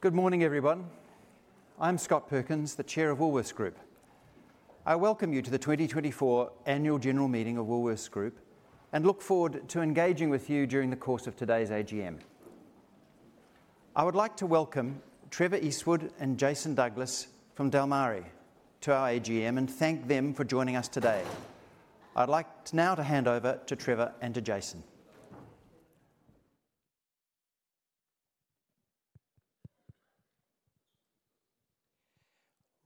Good morning, everyone. I'm Scott Perkins, the Chair of Woolworths Group. I welcome you to the 2024 Annual General Meeting of Woolworths Group and look forward to engaging with you during the course of today's AGM. I would like to welcome Trevor Eastwood and Jason Douglas from Dalmarri to our AGM and thank them for joining us today. I'd like now to hand over to Trevor and to Jason.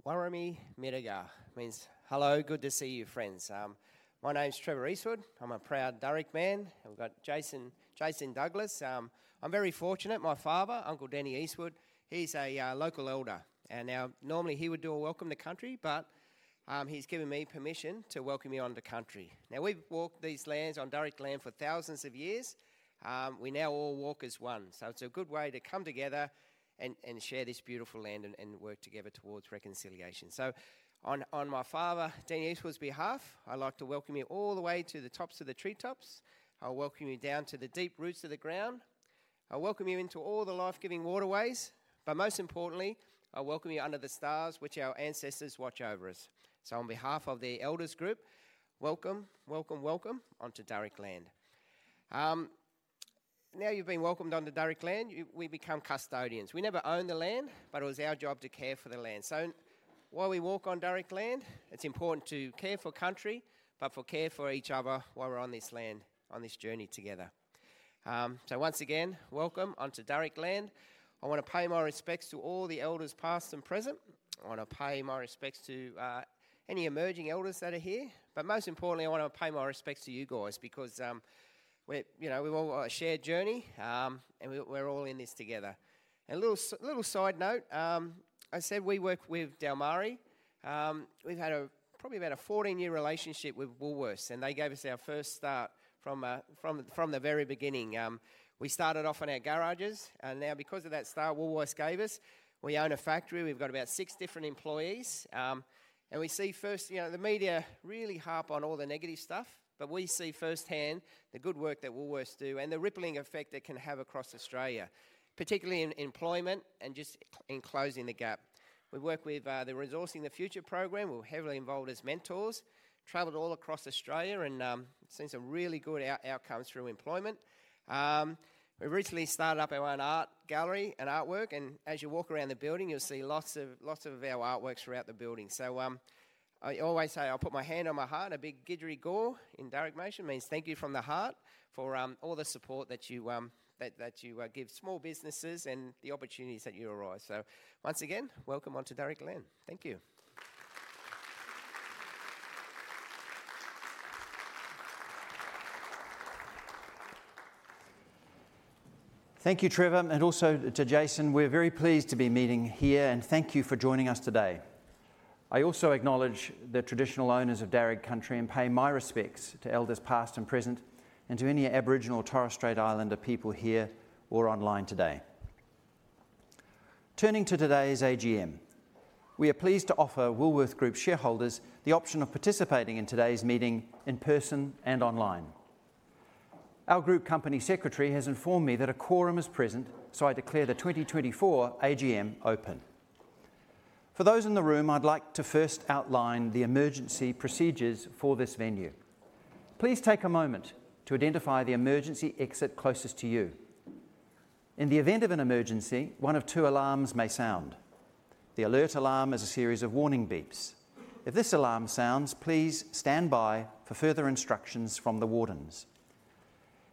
Warami Mittigar means hello, good to see you, friends. My name's. I'm a proud Darug man. We've got Jason Douglas. I'm very fortunate. My father, Uncle Danny Eastwood, he's a local elder. And now normally he would do a welcome to country, but he's given me permission to welcome you onto country. Now we've walked these lands on Darug land for thousands of years. We now all walk as one. So it's a good way to come together and share this beautiful land and work together towards reconciliation. So on my father, Dan Eastwood's behalf, I'd like to welcome you all the way to the tops of the treetops. I'll welcome you down to the deep roots of the ground. I'll welcome you into all the life-giving waterways. But most importantly, I'll welcome you under the stars, which our ancestors watch over us. So on behalf of the elders group, welcome, welcome, welcome onto Darug Country. Now you've been welcomed onto Darug Country. We become custodians. We never own the land, but it was our job to care for the land. So while we walk on Darug Country, it's important to care for country, but for care for each other while we're on this land, on this journey together. So once again, welcome onto Darug Country. I want to pay my respects to all the elders past and present. I want to pay my respects to any emerging elders that are here. But most importantly, I want to pay my respects to you guys because we've all got a shared journey and we're all in this together. And a little side note, I said we work with Dalmarri. We've had probably about a 14-year relationship with Woolworths, and they gave us our first start from the very beginning. We started off in our garages, and now because of that start Woolworths gave us, we own a factory. We've got about six different employees, and we see firsthand, you know, the media really harp on all the negative stuff, but we see firsthand the good work that Woolworths do and the rippling effect it can have across Australia, particularly in employment and just in closing the gap. We work with the Resourcing the Future program. We're heavily involved as mentors, traveled all across Australia and seen some really good outcomes through employment. We recently started up our own art gallery and artwork, and as you walk around the building, you'll see lots of our artworks throughout the building, so I always say I'll put my hand on my heart. A big Didjurigura in Darug Nation means thank you from the heart for all the support that you give small businesses and the opportunities that you arise. So once again, welcome onto Darug land. Thank you. Thank you, Trevor, and also to Jason. We're very pleased to be meeting here, and thank you for joining us today. I also acknowledge the traditional owners of Darug Country and pay my respects to elders past and present and to any Aboriginal, Torres Strait Islander people here or online today. Turning to today's AGM, we are pleased to offer Woolworths Group shareholders the option of participating in today's meeting in person and online. Our group company secretary has informed me that a quorum is present, so I declare the 2024 AGM open. For those in the room, I'd like to first outline the emergency procedures for this venue. Please take a moment to identify the emergency exit closest to you. In the event of an emergency, one of two alarms may sound. The alert alarm is a series of warning beeps. If this alarm sounds, please stand by for further instructions from the wardens.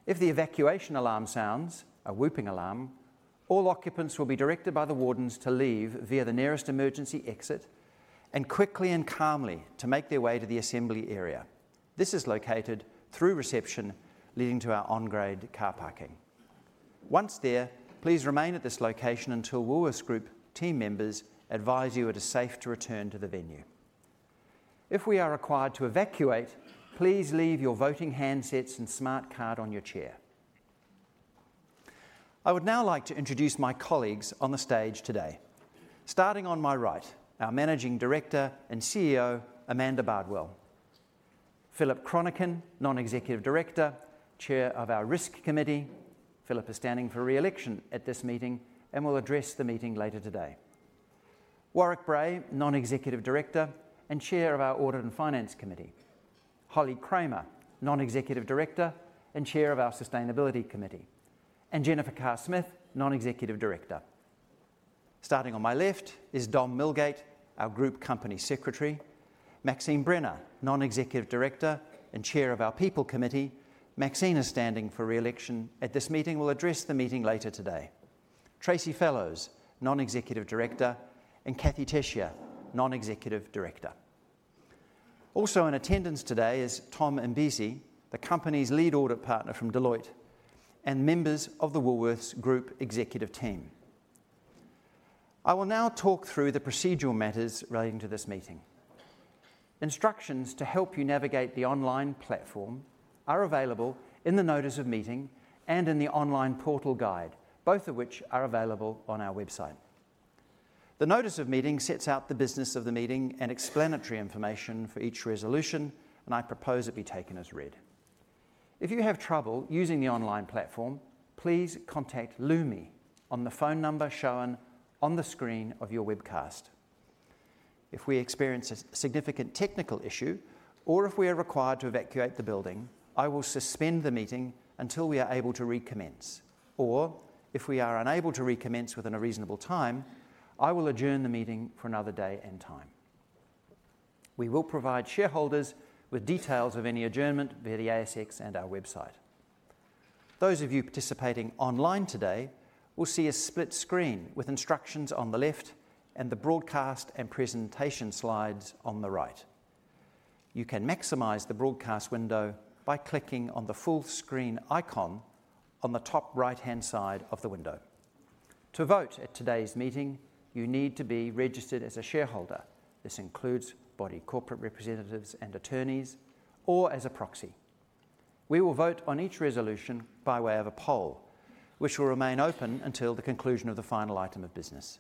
If the evacuation alarm sounds, a whooping alarm, all occupants will be directed by the wardens to leave via the nearest emergency exit and quickly and calmly to make their way to the assembly area. This is located through reception leading to our on-grade car parking. Once there, please remain at this location until Woolworths Group team members advise you it is safe to return to the venue. If we are required to evacuate, please leave your voting handsets and smart card on your chair. I would now like to introduce my colleagues on the stage today. Starting on my right, our Managing Director and CEO, Amanda Bardwell, Philip Chronican, Non-Executive Director, Chair of our Risk Committee. Philip is standing for re-election at this meeting and will address the meeting later today. Warwick Bray, Non-Executive Director and Chair of our Audit and Finance Committee. Holly Kramer, Non-Executive Director and Chair of our Sustainability Committee, and Jennifer Carr-Smith, Non-Executive Director. Starting on my left is Dom Milgate, our Group Company Secretary. Maxine Brenner, Non-Executive Director and Chair of our People Committee. Maxine is standing for re-election at this meeting. We'll address the meeting later today. Tracey Fellows, Non-Executive Director, and Kathee Tesija, Non-Executive Director. Also in attendance today is Tom Imbesi, the company's lead audit partner from Deloitte, and members of the Woolworths Group executive team. I will now talk through the procedural matters relating to this meeting. Instructions to help you navigate the online platform are available in the Notice of Meeting and in the online portal guide, both of which are available on our website. The Notice of Meeting sets out the business of the meeting and explanatory information for each resolution, and I propose it be taken as read. If you have trouble using the online platform, please contact Lumi on the phone number shown on the screen of your webcast. If we experience a significant technical issue or if we are required to evacuate the building, I will suspend the meeting until we are able to recommence. Or if we are unable to recommence within a reasonable time, I will adjourn the meeting for another day and time. We will provide shareholders with details of any adjournment via the ASX and our website. Those of you participating online today will see a split screen with instructions on the left and the broadcast and presentation slides on the right. You can maximize the broadcast window by clicking on the full screen icon on the top right-hand side of the window. To vote at today's meeting, you need to be registered as a shareholder. This includes body corporate representatives and attorneys or as a proxy. We will vote on each resolution by way of a poll, which will remain open until the conclusion of the final item of business.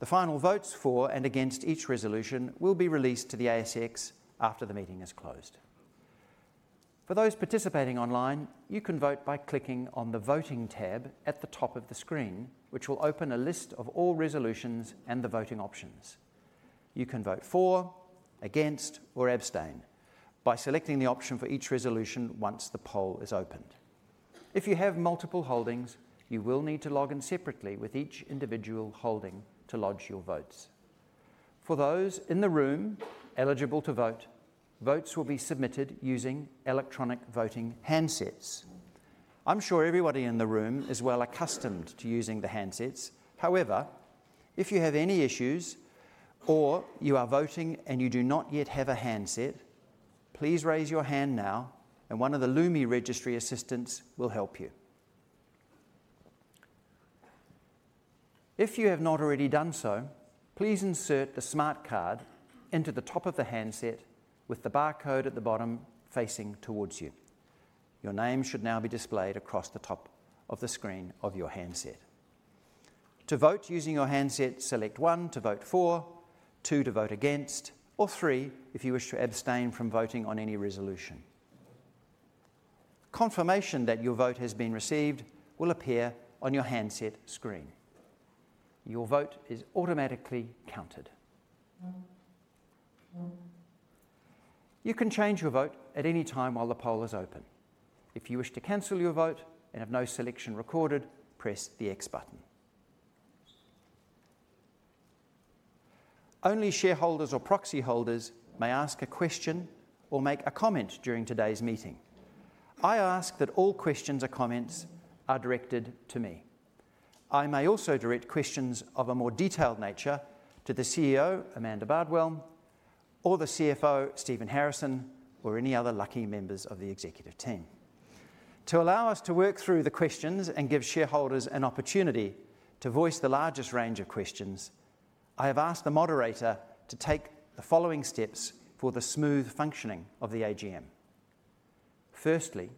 The final votes for and against each resolution will be released to the ASX after the meeting is closed. For those participating online, you can vote by clicking on the voting tab at the top of the screen, which will open a list of all resolutions and the voting options. You can vote for, against, or abstain by selecting the option for each resolution once the poll is opened. If you have multiple holdings, you will need to log in separately with each individual holding to lodge your votes. For those in the room eligible to vote, votes will be submitted using electronic voting handsets. I'm sure everybody in the room is well accustomed to using the handsets. However, if you have any issues or you are voting and you do not yet have a handset, please raise your hand now and one of the Lumi registry assistants will help you. If you have not already done so, please insert the smart card into the top of the handset with the barcode at the bottom facing towards you. Your name should now be displayed across the top of the screen of your handset. To vote using your handset, select one to vote for, two to vote against, or three if you wish to abstain from voting on any resolution. Confirmation that your vote has been received will appear on your handset screen. Your vote is automatically counted. You can change your vote at any time while the poll is open. If you wish to cancel your vote and have no selection recorded, press the X button. Only shareholders or proxy holders may ask a question or make a comment during today's meeting. I ask that all questions or comments are directed to me. I may also direct questions of a more detailed nature to the CEO, Amanda Bardwell, or the CFO, Stephen Harrison, or any other lucky members of the executive team. To allow us to work through the questions and give shareholders an opportunity to voice the largest range of questions, I have asked the moderator to take the following steps for the smooth functioning of the AGM. Firstly,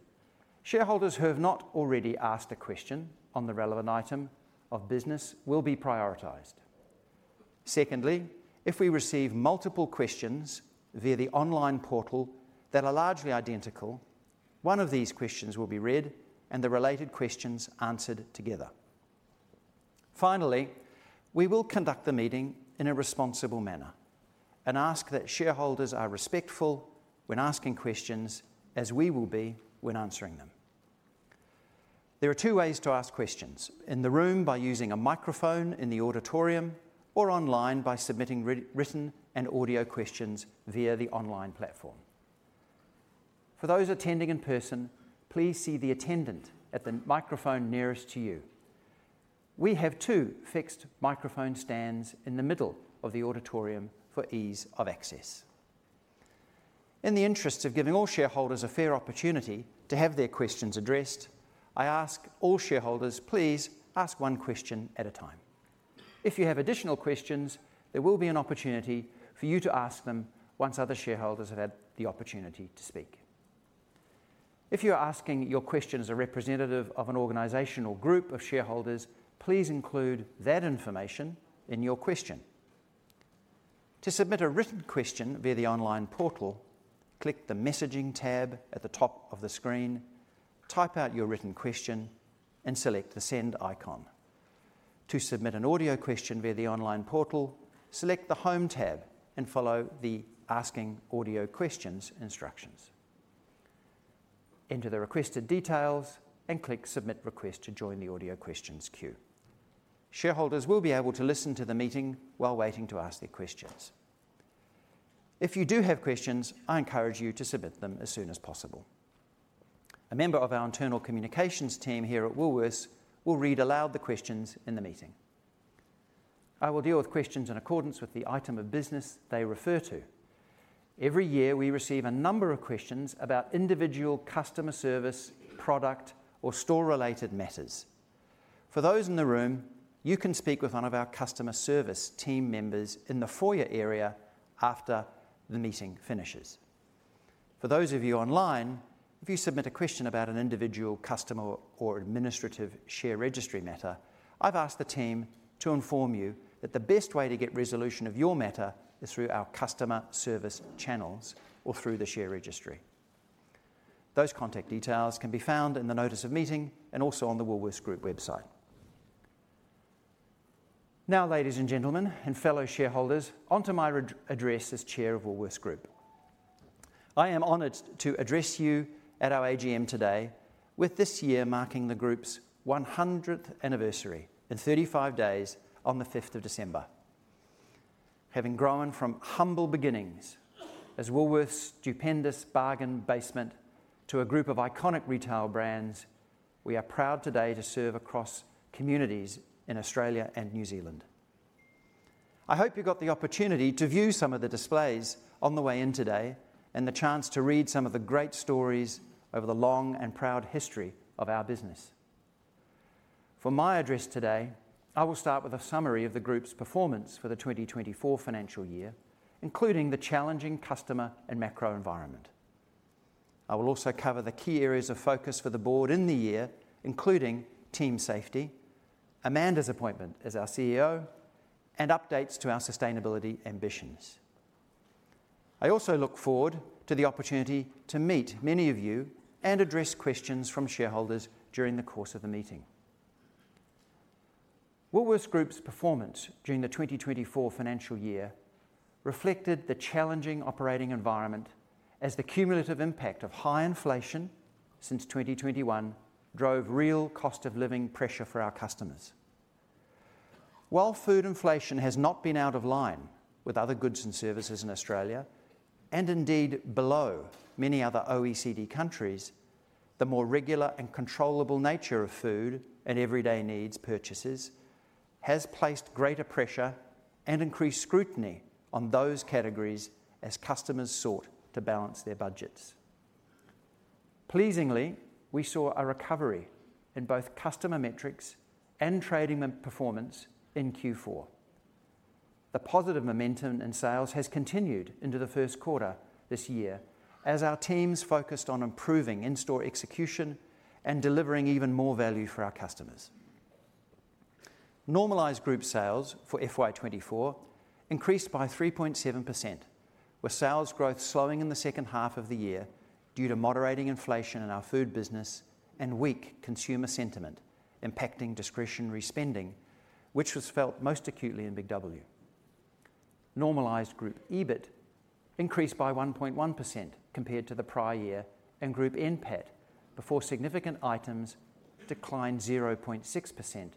shareholders who have not already asked a question on the relevant item of business will be prioritized. Secondly, if we receive multiple questions via the online portal that are largely identical, one of these questions will be read and the related questions answered together. Finally, we will conduct the meeting in a responsible manner and ask that shareholders are respectful when asking questions as we will be when answering them. There are two ways to ask questions: in the room by using a microphone in the auditorium or online by submitting written and audio questions via the online platform. For those attending in person, please see the attendant at the microphone nearest to you. We have two fixed microphone stands in the middle of the auditorium for ease of access. In the interests of giving all shareholders a fair opportunity to have their questions addressed, I ask all shareholders, please ask one question at a time. If you have additional questions, there will be an opportunity for you to ask them once other shareholders have had the opportunity to speak. If you are asking your question as a representative of an organization or group of shareholders, please include that information in your question. To submit a written question via the online portal, click the messaging tab at the top of the screen, type out your written question, and select the send icon. To submit an audio question via the online portal, select the home tab and follow the asking audio questions instructions. Enter the requested details and click submit request to join the audio questions queue. Shareholders will be able to listen to the meeting while waiting to ask their questions. If you do have questions, I encourage you to submit them as soon as possible. A member of our internal communications team here at Woolworths will read aloud the questions in the meeting. I will deal with questions in accordance with the item of business they refer to. Every year, we receive a number of questions about individual customer service, product, or store-related matters. For those in the room, you can speak with one of our customer service team members in the foyer area after the meeting finishes. For those of you online, if you submit a question about an individual customer or administrative share registry matter, I've asked the team to inform you that the best way to get resolution of your matter is through our customer service channels or through the share registry. Those contact details can be found in the Notice of Meeting and also on the Woolworths Group website. Now, ladies and gentlemen, and fellow shareholders, onto my address as Chair of Woolworths Group. I am honored to address you at our AGM today with this year marking the group's 100th anniversary in 35 days on the 5th of December. Having grown from humble beginnings as Woolworths Stupendous Bargain Basement to a group of iconic retail brands, we are proud today to serve across communities in Australia and New Zealand. I hope you got the opportunity to view some of the displays on the way in today and the chance to read some of the great stories over the long and proud history of our business. For my address today, I will start with a summary of the group's performance for the 2024 financial year, including the challenging customer and macro environment. I will also cover the key areas of focus for the board in the year, including team safety, Amanda's appointment as our CEO, and updates to our sustainability ambitions. I also look forward to the opportunity to meet many of you and address questions from shareholders during the course of the meeting. Woolworths Group's performance during the 2024 financial year reflected the challenging operating environment as the cumulative impact of high inflation since 2021 drove real cost of living pressure for our customers. While food inflation has not been out of line with other goods and services in Australia and indeed below many other OECD countries, the more regular and controllable nature of food and everyday needs purchases has placed greater pressure and increased scrutiny on those categories as customers sought to balance their budgets. Pleasingly, we saw a recovery in both customer metrics and trading performance in Q4. The positive momentum in sales has continued into the first quarter this year as our teams focused on improving in-store execution and delivering even more value for our customers. Normalized group sales for FY 2024 increased by 3.7%, with sales growth slowing in the second half of the year due to moderating inflation in our food business and weak consumer sentiment impacting discretionary spending, which was felt most acutely in Big W. Normalized group EBIT increased by 1.1% compared to the prior year and group NPAT before significant items declined 0.6%,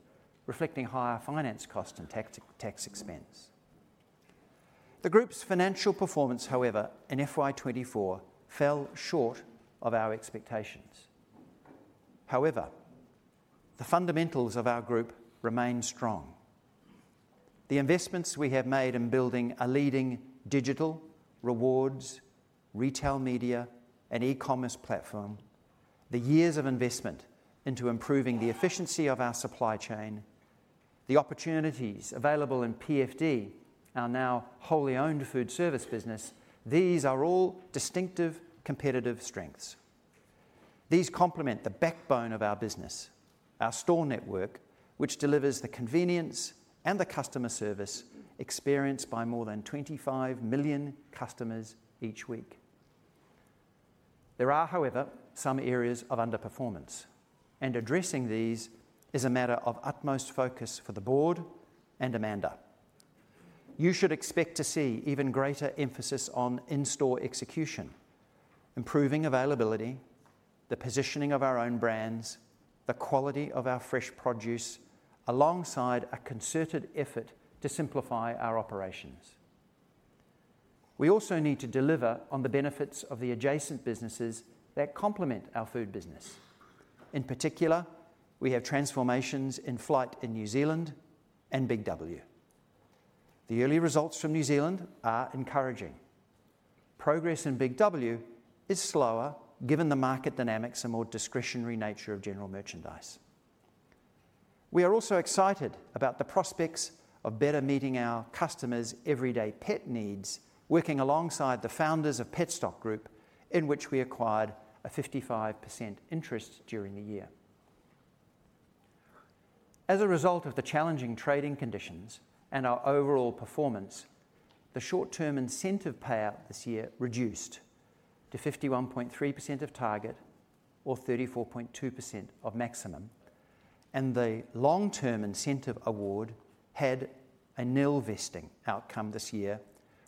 reflecting higher finance costs and tax expense. The group's financial performance, however, in FY 2024 fell short of our expectations. However, the fundamentals of our group remain strong. The investments we have made in building a leading digital, rewards, retail media, and e-commerce platform, the years of investment into improving the efficiency of our supply chain, the opportunities available in PFD, our now wholly owned food service business, these are all distinctive competitive strengths. These complement the backbone of our business, our store network, which delivers the convenience and the customer service experienced by more than 25 million customers each week. There are, however, some areas of underperformance, and addressing these is a matter of utmost focus for the board and Amanda. You should expect to see even greater emphasis on in-store execution, improving availability, the positioning of our own brands, the quality of our fresh produce, alongside a concerted effort to simplify our operations. We also need to deliver on the benefits of the adjacent businesses that complement our food business. In particular, we have transformations in flight in New Zealand and Big W. The early results from New Zealand are encouraging. Progress in Big W is slower given the market dynamics and more discretionary nature of general merchandise. We are also excited about the prospects of better meeting our customers' everyday pet needs, working alongside the founders of Petstock Group, in which we acquired a 55% interest during the year. As a result of the challenging trading conditions and our overall performance, the short-term incentive payout this year reduced to 51.3% of target or 34.2% of maximum, and the long-term incentive award had a nil vesting outcome this year,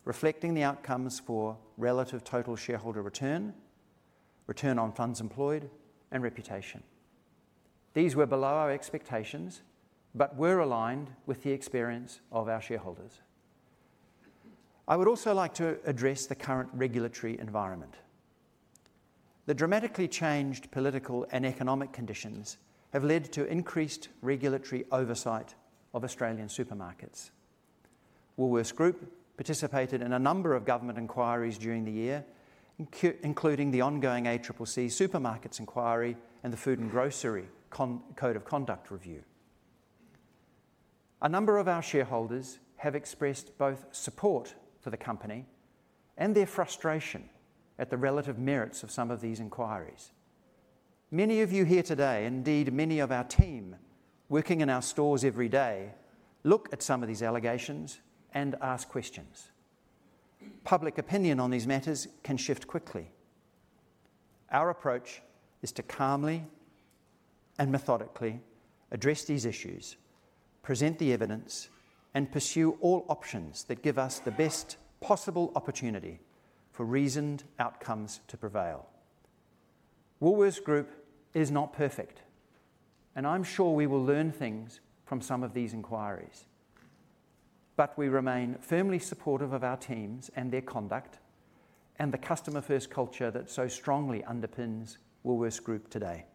reflecting the outcomes for relative total shareholder return, return on funds employed, and reputation. These were below our expectations, but were aligned with the experience of our shareholders. I would also like to address the current regulatory environment. The dramatically changed political and economic conditions have led to increased regulatory oversight of Australian supermarkets. Woolworths Group participated in a number of government inquiries during the year, including the ongoing ACCC supermarkets inquiry and the Food and Grocery Code of Conduct review. A number of our shareholders have expressed both support for the company and their frustration at the relative merits of some of these inquiries. Many of you here today, indeed many of our team working in our stores every day, look at some of these allegations and ask questions. Public opinion on these matters can shift quickly. Our approach is to calmly and methodically address these issues, present the evidence, and pursue all options that give us the best possible opportunity for reasoned outcomes to prevail. Woolworths Group is not perfect, and I'm sure we will learn things from some of these inquiries, but we remain firmly supportive of our teams and their conduct and the customer-first culture that so strongly underpins Woolworths Group today.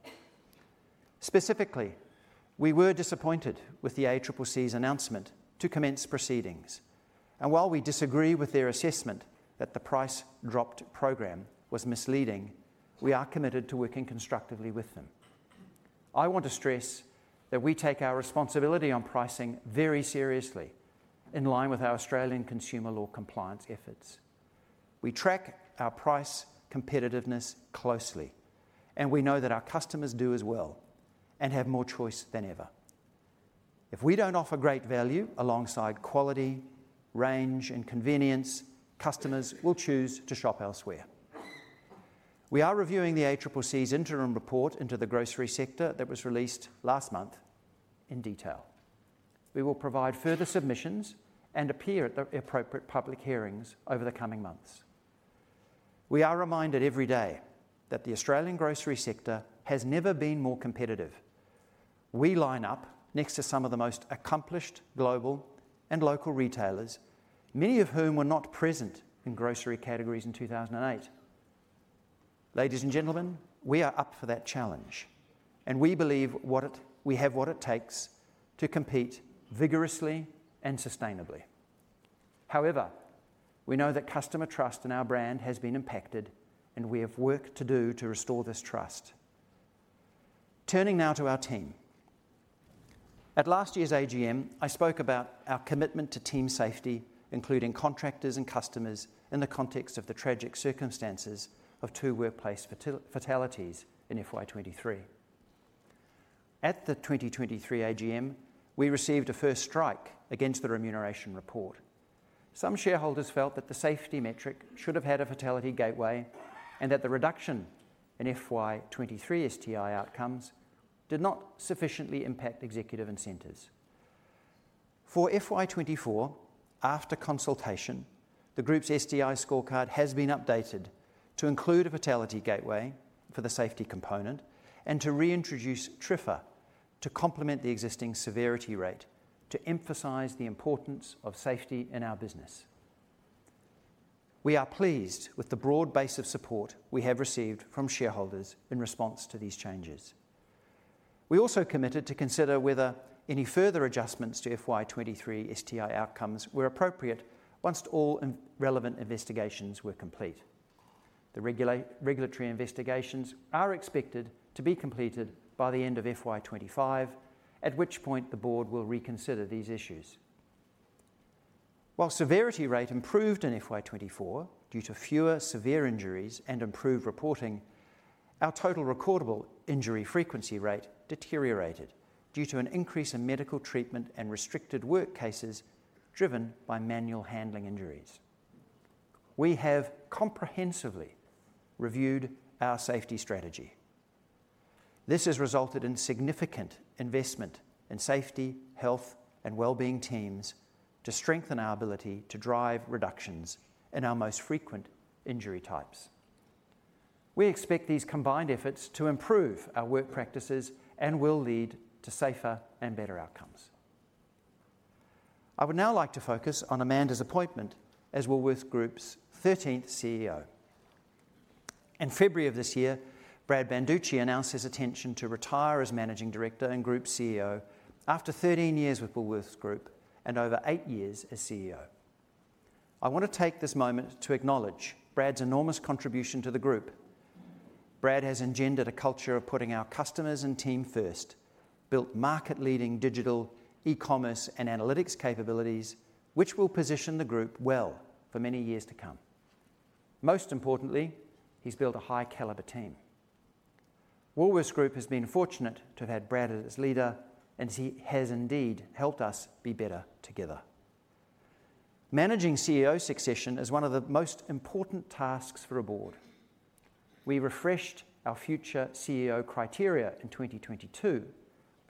Specifically, we were disappointed with the ACCC's announcement to commence proceedings, and while we disagree with their assessment that the Prices Dropped program was misleading, we are committed to working constructively with them. I want to stress that we take our responsibility on pricing very seriously in line with our Australian Consumer Law compliance efforts. We track our price competitiveness closely, and we know that our customers do as well and have more choice than ever. If we don't offer great value alongside quality, range, and convenience, customers will choose to shop elsewhere. We are reviewing the ACCC's interim report into the grocery sector that was released last month in detail. We will provide further submissions and appear at the appropriate public hearings over the coming months. We are reminded every day that the Australian grocery sector has never been more competitive. We line up next to some of the most accomplished global and local retailers, many of whom were not present in grocery categories in 2008. Ladies and gentlemen, we are up for that challenge, and we believe we have what it takes to compete vigorously and sustainably. However, we know that customer trust in our brand has been impacted, and we have work to do to restore this trust. Turning now to our team. At last year's AGM, I spoke about our commitment to team safety, including contractors and customers in the context of the tragic circumstances of two workplace fatalities in FY 2023. At the 2023 AGM, we received a first strike against the remuneration report. Some shareholders felt that the safety metric should have had a fatality gateway and that the reduction in FY 2023 STI outcomes did not sufficiently impact executive incentives. For FY 2024, after consultation, the group's STI scorecard has been updated to include a fatality gateway for the safety component and to reintroduce TRIFR to complement the existing severity rate to emphasize the importance of safety in our business. We are pleased with the broad base of support we have received from shareholders in response to these changes. We also committed to consider whether any further adjustments to FY 2023 STI outcomes were appropriate once all relevant investigations were complete. The regulatory investigations are expected to be completed by the end of FY25, at which point the board will reconsider these issues. While severity rate improved in FY 2024 due to fewer severe injuries and improved reporting, our total recordable injury frequency rate deteriorated due to an increase in medical treatment and restricted work cases driven by manual handling injuries. We have comprehensively reviewed our safety strategy. This has resulted in significant investment in safety, health, and well-being teams to strengthen our ability to drive reductions in our most frequent injury types. We expect these combined efforts to improve our work practices and will lead to safer and better outcomes. I would now like to focus on Amanda's appointment as Woolworths Group's 13th CEO. In February of this year, Brad Banducci announced his intention to retire as managing director and group CEO after 13 years with Woolworths Group and over eight years as CEO. I want to take this moment to acknowledge Brad's enormous contribution to the group. Brad has engendered a culture of putting our customers and team first, built market-leading digital, e-commerce, and analytics capabilities, which will position the group well for many years to come. Most importantly, he's built a high-caliber team. Woolworths Group has been fortunate to have had Brad as leader, and he has indeed helped us be better together. Managing CEO succession is one of the most important tasks for a board. We refreshed our future CEO criteria in 2022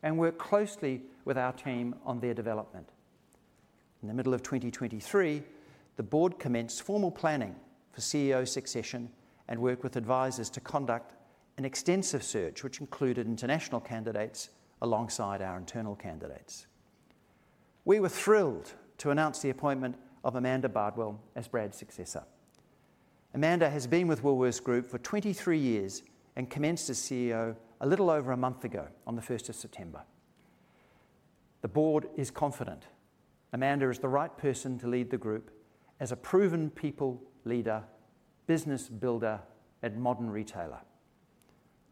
and worked closely with our team on their development. In the middle of 2023, the board commenced formal planning for CEO succession and worked with advisors to conduct an extensive search, which included international candidates alongside our internal candidates. We were thrilled to announce the appointment of Amanda Bardwell as Brad's successor. Amanda has been with Woolworths Group for 23 years and commenced as CEO a little over a month ago on the 1st of September. The board is confident Amanda is the right person to lead the group as a proven people leader, business builder, and modern retailer.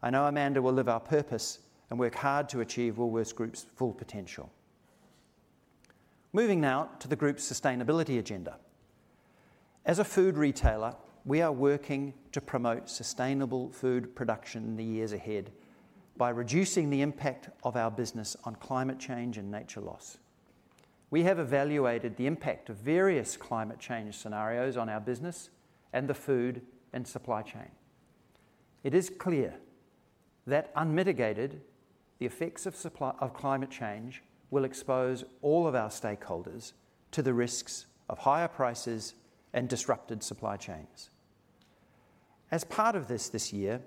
I know Amanda will live our purpose and work hard to achieve Woolworths Group's full potential. Moving now to the group's sustainability agenda. As a food retailer, we are working to promote sustainable food production in the years ahead by reducing the impact of our business on climate change and nature loss. We have evaluated the impact of various climate change scenarios on our business and the food and supply chain. It is clear that unmitigated, the effects of climate change will expose all of our stakeholders to the risks of higher prices and disrupted supply chains. As part of this year,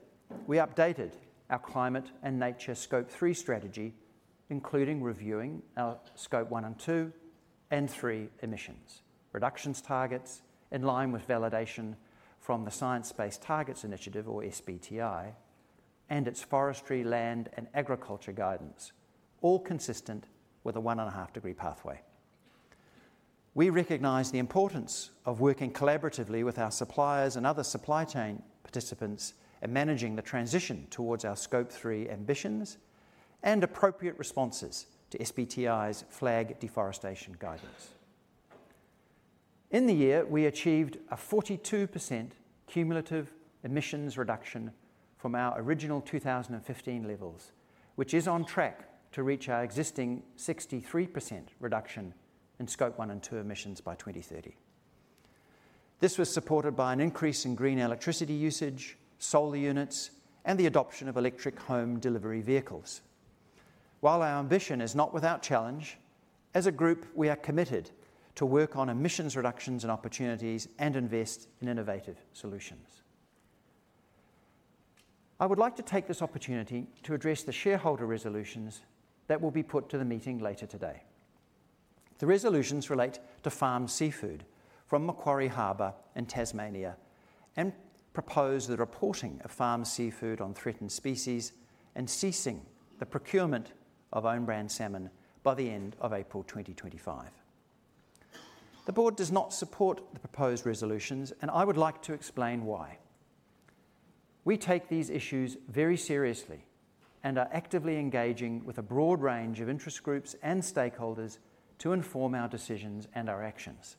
we updated our climate and nature Scope 3 strategy, including reviewing our Scope 1 and 2 and 3 emissions reductions targets in line with validation from the Science-Based Targets Initiative, or SBTi, and its forestry, land, and agriculture guidance, all consistent with a one-and-a-half-degree pathway. We recognize the importance of working collaboratively with our suppliers and other supply chain participants in managing the transition towards our Scope 3 ambitions and appropriate responses to SBTi’s FLAG deforestation guidance. In the year, we achieved a 42% cumulative emissions reduction from our original 2015 levels, which is on track to reach our existing 63% reduction in Scope 1 and 2 emissions by 2030. This was supported by an increase in green electricity usage, solar units, and the adoption of electric home delivery vehicles. While our ambition is not without challenge, as a group, we are committed to work on emissions reductions and opportunities and invest in innovative solutions. I would like to take this opportunity to address the shareholder resolutions that will be put to the meeting later today. The resolutions relate to farmed seafood from Macquarie Harbour in Tasmania and propose the reporting of farmed seafood on threatened species and ceasing the procurement of own-brand salmon by the end of April 2025. The board does not support the proposed resolutions, and I would like to explain why. We take these issues very seriously and are actively engaging with a broad range of interest groups and stakeholders to inform our decisions and our actions.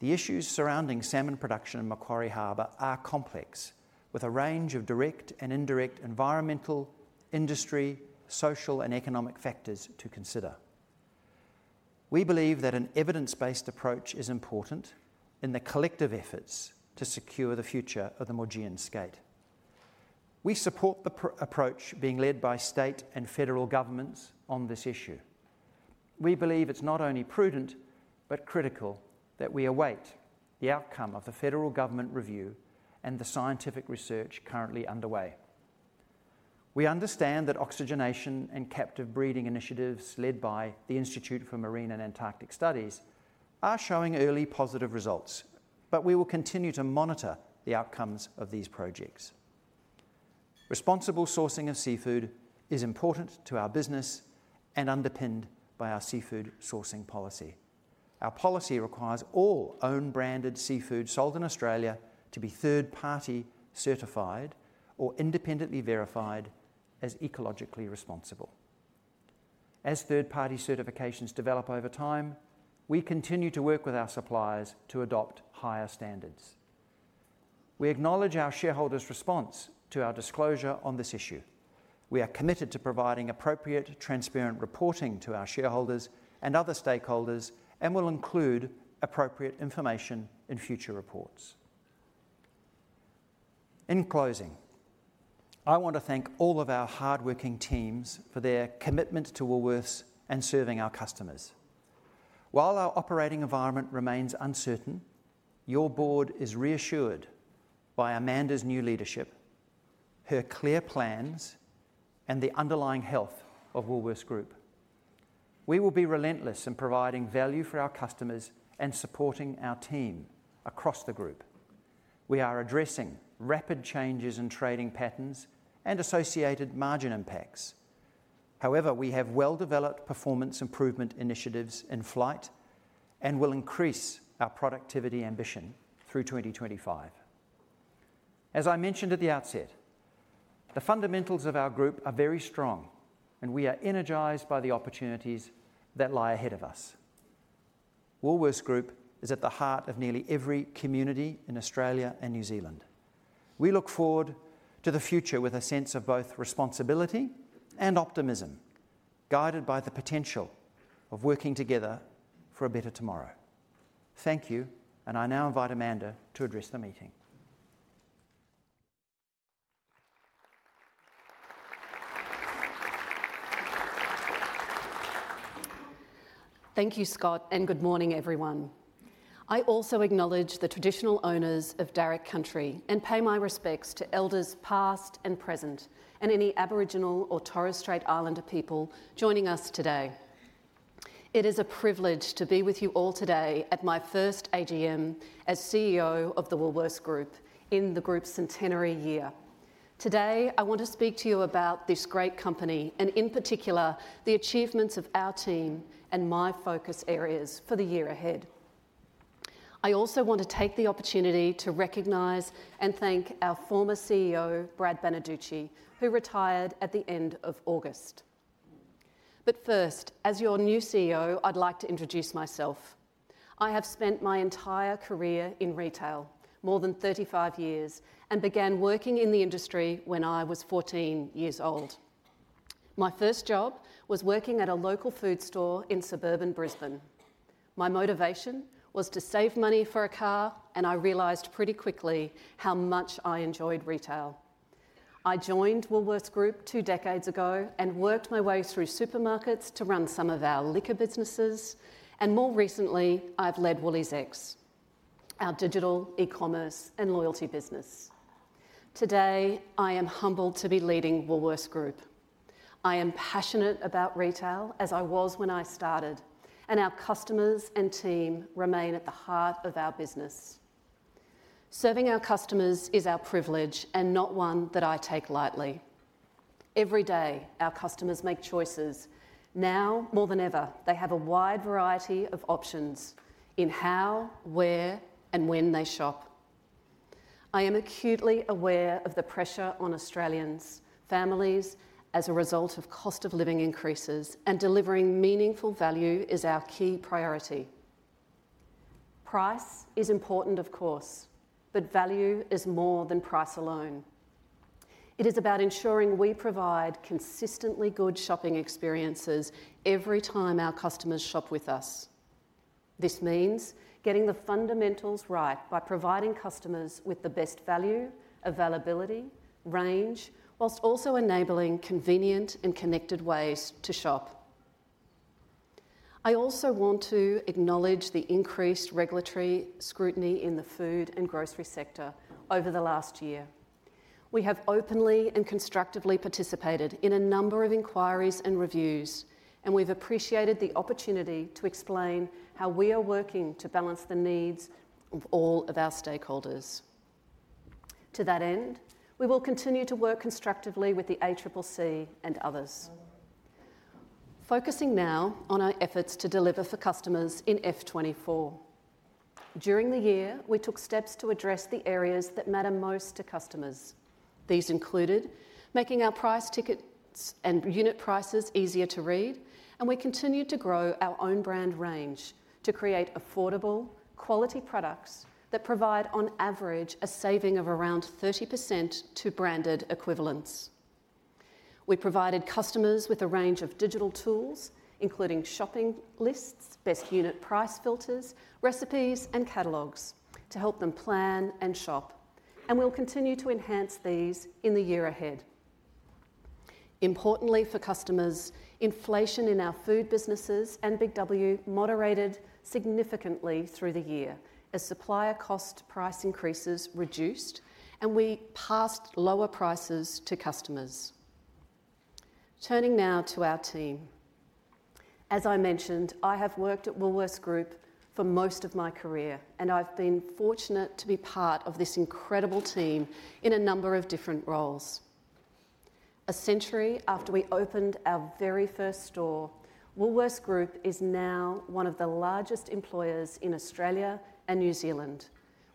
The issues surrounding salmon production in Macquarie Harbour are complex, with a range of direct and indirect environmental, industry, social, and economic factors to consider. We believe that an evidence-based approach is important in the collective efforts to secure the future of the Maugean Skate. We support the approach being led by state and federal governments on this issue. We believe it's not only prudent but critical that we await the outcome of the federal government review and the scientific research currently underway. We understand that oxygenation and captive breeding initiatives led by the Institute for Marine and Antarctic Studies are showing early positive results, but we will continue to monitor the outcomes of these projects. Responsible sourcing of seafood is important to our business and underpinned by our seafood sourcing policy. Our policy requires all own-branded seafood sold in Australia to be third-party certified or independently verified as ecologically responsible. As third-party certifications develop over time, we continue to work with our suppliers to adopt higher standards. We acknowledge our shareholders' response to our disclosure on this issue. We are committed to providing appropriate, transparent reporting to our shareholders and other stakeholders and will include appropriate information in future reports. In closing, I want to thank all of our hardworking teams for their commitment to Woolworths and serving our customers. While our operating environment remains uncertain, your board is reassured by Amanda's new leadership, her clear plans, and the underlying health of Woolworths Group. We will be relentless in providing value for our customers and supporting our team across the group. We are addressing rapid changes in trading patterns and associated margin impacts. However, we have well-developed performance improvement initiatives in flight and will increase our productivity ambition through 2025. As I mentioned at the outset, the fundamentals of our group are very strong, and we are energized by the opportunities that lie ahead of us. Woolworths Group is at the heart of nearly every community in Australia and New Zealand. We look forward to the future with a sense of both responsibility and optimism, guided by the potential of working together for a better tomorrow. Thank you, and I now invite Amanda to address the meeting. Thank you, Scott, and good morning, everyone. I also acknowledge the traditional owners of Darug Country and pay my respects to elders past and present and any Aboriginal or Torres Strait Islander people joining us today. It is a privilege to be with you all today at my first AGM as CEO of Woolworths Group in the group's centenary year. Today, I want to speak to you about this great company and, in particular, the achievements of our team and my focus areas for the year ahead. I also want to take the opportunity to recognize and thank our former CEO, Brad Banducci, who retired at the end of August. But first, as your new CEO, I'd like to introduce myself. I have spent my entire career in retail, more than 35 years, and began working in the industry when I was 14 years old. My first job was working at a local food store in suburban Brisbane. My motivation was to save money for a car, and I realized pretty quickly how much I enjoyed retail. I joined Woolworths Group two decades ago and worked my way through supermarkets to run some of our liquor businesses, and more recently, I've led Woolies X, our digital e-commerce and loyalty business. Today, I am humbled to be leading Woolworths Group. I am passionate about retail as I was when I started, and our customers and team remain at the heart of our business. Serving our customers is our privilege and not one that I take lightly. Every day, our customers make choices. Now, more than ever, they have a wide variety of options in how, where, and when they shop. I am acutely aware of the pressure on Australian families as a result of cost of living increases, and delivering meaningful value is our key priority. Price is important, of course, but value is more than price alone. It is about ensuring we provide consistently good shopping experiences every time our customers shop with us. This means getting the fundamentals right by providing customers with the best value, availability, range, while also enabling convenient and connected ways to shop. I also want to acknowledge the increased regulatory scrutiny in the food and grocery sector over the last year. We have openly and constructively participated in a number of inquiries and reviews, and we've appreciated the opportunity to explain how we are working to balance the needs of all of our stakeholders. To that end, we will continue to work constructively with the ACCC and others, focusing now on our efforts to deliver for customers in F24. During the year, we took steps to address the areas that matter most to customers. These included making our price tickets and unit prices easier to read, and we continued to grow our own brand range to create affordable, quality products that provide, on average, a saving of around 30% to branded equivalents. We provided customers with a range of digital tools, including shopping lists, best unit price filters, recipes, and catalogs to help them plan and shop, and we'll continue to enhance these in the year ahead. Importantly for customers, inflation in our food businesses and Big W moderated significantly through the year as supplier cost price increases reduced, and we passed lower prices to customers. Turning now to our team. As I mentioned, I have worked at Woolworths Group for most of my career, and I've been fortunate to be part of this incredible team in a number of different roles. A century after we opened our very first store, Woolworths Group is now one of the largest employers in Australia and New Zealand,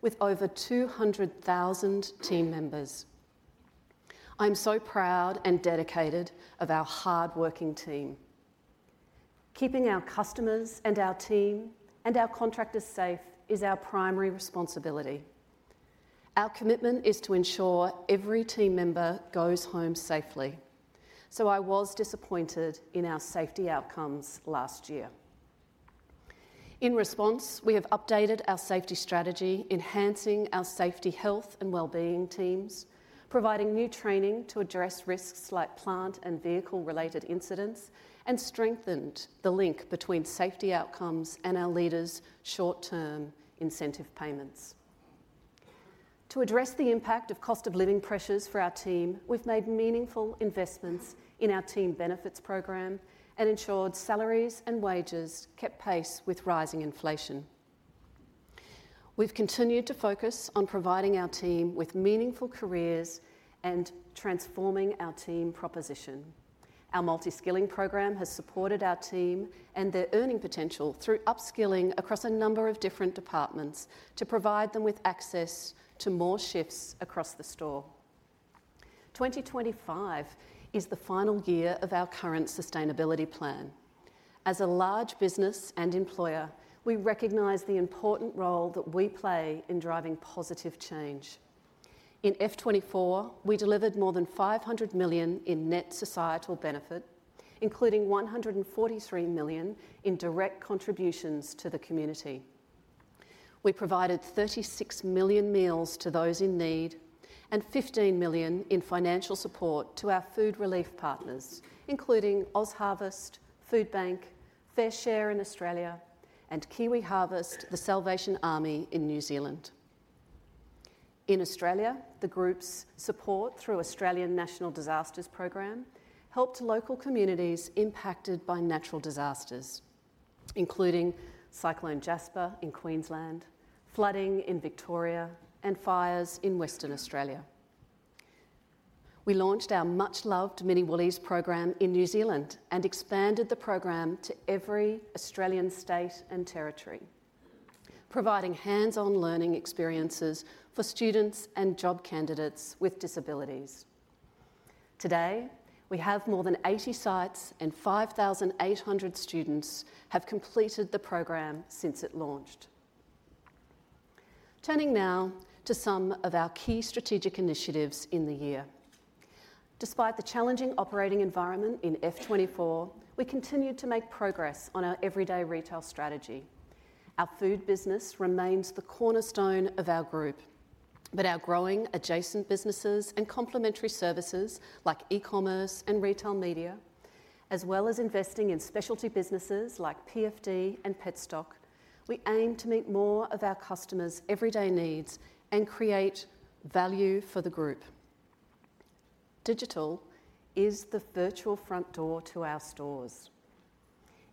with over 200,000 team members. I'm so proud and dedicated to our hardworking team. Keeping our customers and our team and our contractors safe is our primary responsibility. Our commitment is to ensure every team member goes home safely, so I was disappointed in our safety outcomes last year. In response, we have updated our safety strategy, enhancing our safety, health, and well-being teams, providing new training to address risks like plant and vehicle-related incidents, and strengthened the link between safety outcomes and our leaders' short-term incentive payments. To address the impact of cost of living pressures for our team, we've made meaningful investments in our team benefits program and ensured salaries and wages kept pace with rising inflation. We've continued to focus on providing our team with meaningful careers and transforming our team proposition. Our multi-skilling program has supported our team and their earning potential through upskilling across a number of different departments to provide them with access to more shifts across the store. 2025 is the final year of our current sustainability plan. As a large business and employer, we recognize the important role that we play in driving positive change. In F24, we delivered more than 500 million in net societal benefit, including 143 million in direct contributions to the community. We provided 36 million meals to those in need and 15 million in financial support to our food relief partners, including OzHarvest, Foodbank, FareShare in Australia, and KiwiHarvest, the Salvation Army in New Zealand. In Australia, the group's support through the Australian National Disasters Program helped local communities impacted by natural disasters, including Cyclone Jasper in Queensland, flooding in Victoria, and fires in Western Australia. We launched our much-loved Mini Woolies program in New Zealand and expanded the program to every Australian state and territory, providing hands-on learning experiences for students and job candidates with disabilities. Today, we have more than 80 sites, and 5,800 students have completed the program since it launched. Turning now to some of our key strategic initiatives in the year. Despite the challenging operating environment in F24, we continued to make progress on our everyday retail strategy. Our food business remains the cornerstone of our group, but our growing adjacent businesses and complementary services like e-commerce and retail media, as well as investing in specialty businesses like PFD and Petstock. We aim to meet more of our customers' everyday needs and create value for the group. Digital is the virtual front door to our stores.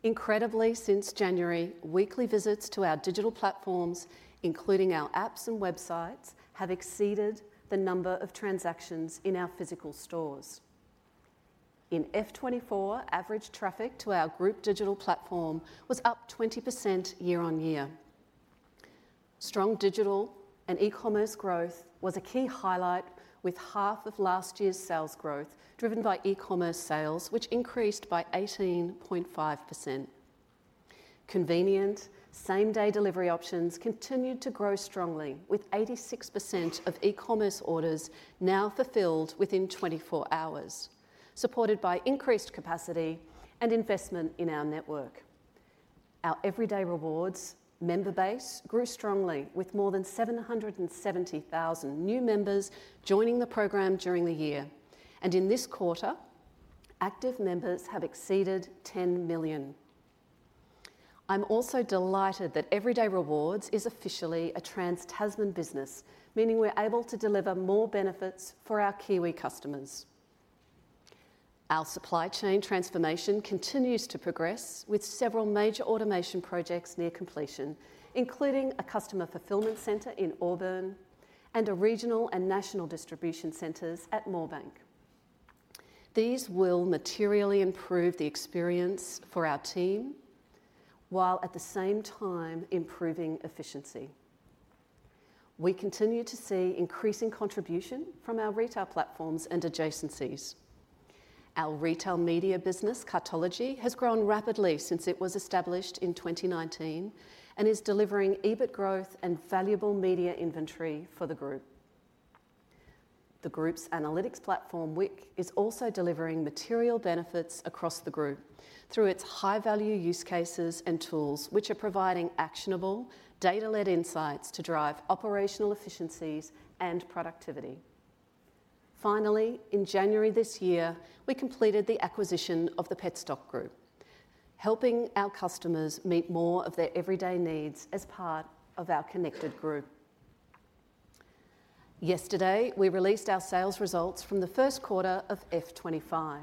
Incredibly, since January, weekly visits to our digital platforms, including our apps and websites, have exceeded the number of transactions in our physical stores. In F24, average traffic to our group digital platform was up 20% year-on-year. Strong digital and e-commerce growth was a key highlight, with half of last year's sales growth driven by e-commerce sales, which increased by 18.5%. Convenient same-day delivery options continued to grow strongly, with 86% of e-commerce orders now fulfilled within 24 hours, supported by increased capacity and investment in our network. Our Everyday Rewards member base grew strongly, with more than 770,000 new members joining the program during the year, and in this quarter, active members have exceeded 10 million. I'm also delighted that Everyday Rewards is officially a Trans-Tasman business, meaning we're able to deliver more benefits for our Kiwi customers. Our supply chain transformation continues to progress, with several major automation projects near completion, including a customer fulfillment center in Auburn and regional and national distribution centers at Moorebank. These will materially improve the experience for our team while at the same time improving efficiency. We continue to see increasing contribution from our retail platforms and adjacencies. Our retail media business, Cartology, has grown rapidly since it was established in 2019 and is delivering EBIT growth and valuable media inventory for the group. The group's analytics platform, WiQ, is also delivering material benefits across the group through its high-value use cases and tools, which are providing actionable data-led insights to drive operational efficiencies and productivity. Finally, in January this year, we completed the acquisition of the Petstock Group, helping our customers meet more of their everyday needs as part of our connected group. Yesterday, we released our sales results from the first quarter of F25.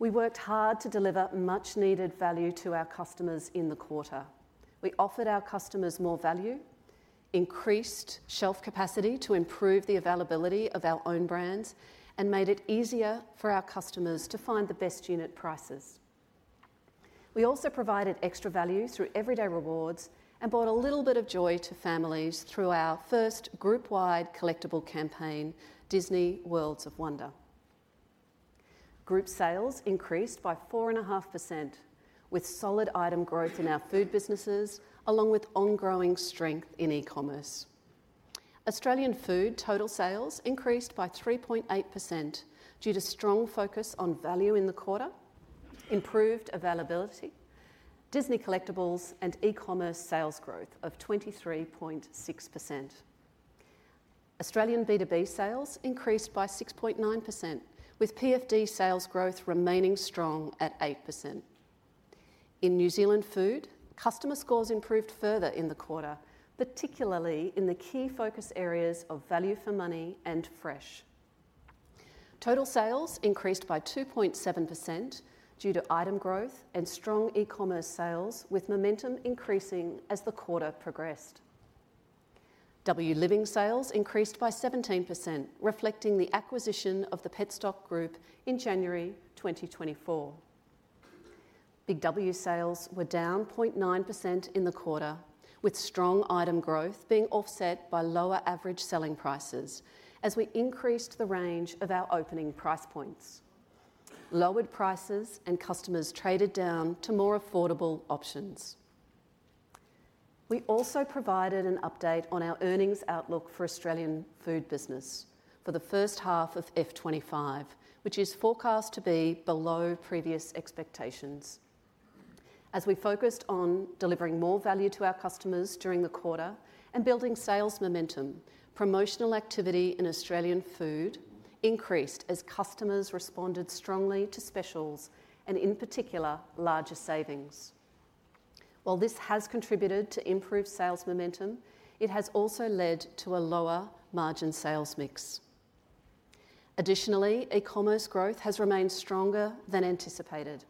We worked hard to deliver much-needed value to our customers in the quarter. We offered our customers more value, increased shelf capacity to improve the availability of our own brands, and made it easier for our customers to find the best unit prices. We also provided extra value through Everyday Rewards and brought a little bit of joy to families through our first group-wide collectible campaign, Disney Worlds of Wonder. Group sales increased by 4.5%, with solid item growth in our food businesses, along with ongoing strength in e-commerce. Australian food total sales increased by 3.8% due to strong focus on value in the quarter, improved availability, Disney collectibles, and e-commerce sales growth of 23.6%. Australian B2B sales increased by 6.9%, with PFD sales growth remaining strong at 8%. In New Zealand food, customer scores improved further in the quarter, particularly in the key focus areas of Value for Money and Fresh. Total sales increased by 2.7% due to item growth and strong e-commerce sales, with momentum increasing as the quarter progressed. Petstock sales increased by 17%, reflecting the acquisition of the Petstock Group in January 2024. Big W sales were down 0.9% in the quarter, with strong item growth being offset by lower average selling prices as we increased the range of our opening price points. Lowered prices and customers traded down to more affordable options. We also provided an update on our earnings outlook for Australian food business for the first half of F25, which is forecast to be below previous expectations. As we focused on delivering more value to our customers during the quarter and building sales momentum, promotional activity in Australian food increased as customers responded strongly to specials and, in particular, larger savings. While this has contributed to improved sales momentum, it has also led to a lower margin sales mix. Additionally, e-commerce growth has remained stronger than anticipated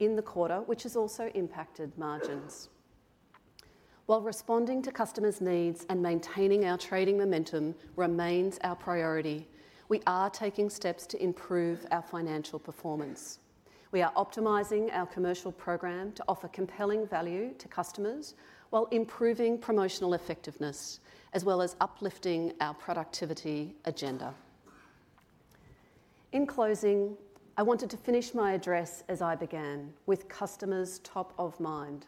in the quarter, which has also impacted margins. While responding to customers' needs and maintaining our trading momentum remains our priority, we are taking steps to improve our financial performance. We are optimizing our commercial program to offer compelling value to customers while improving promotional effectiveness, as well as uplifting our productivity agenda. In closing, I wanted to finish my address as I began, with customers top of mind.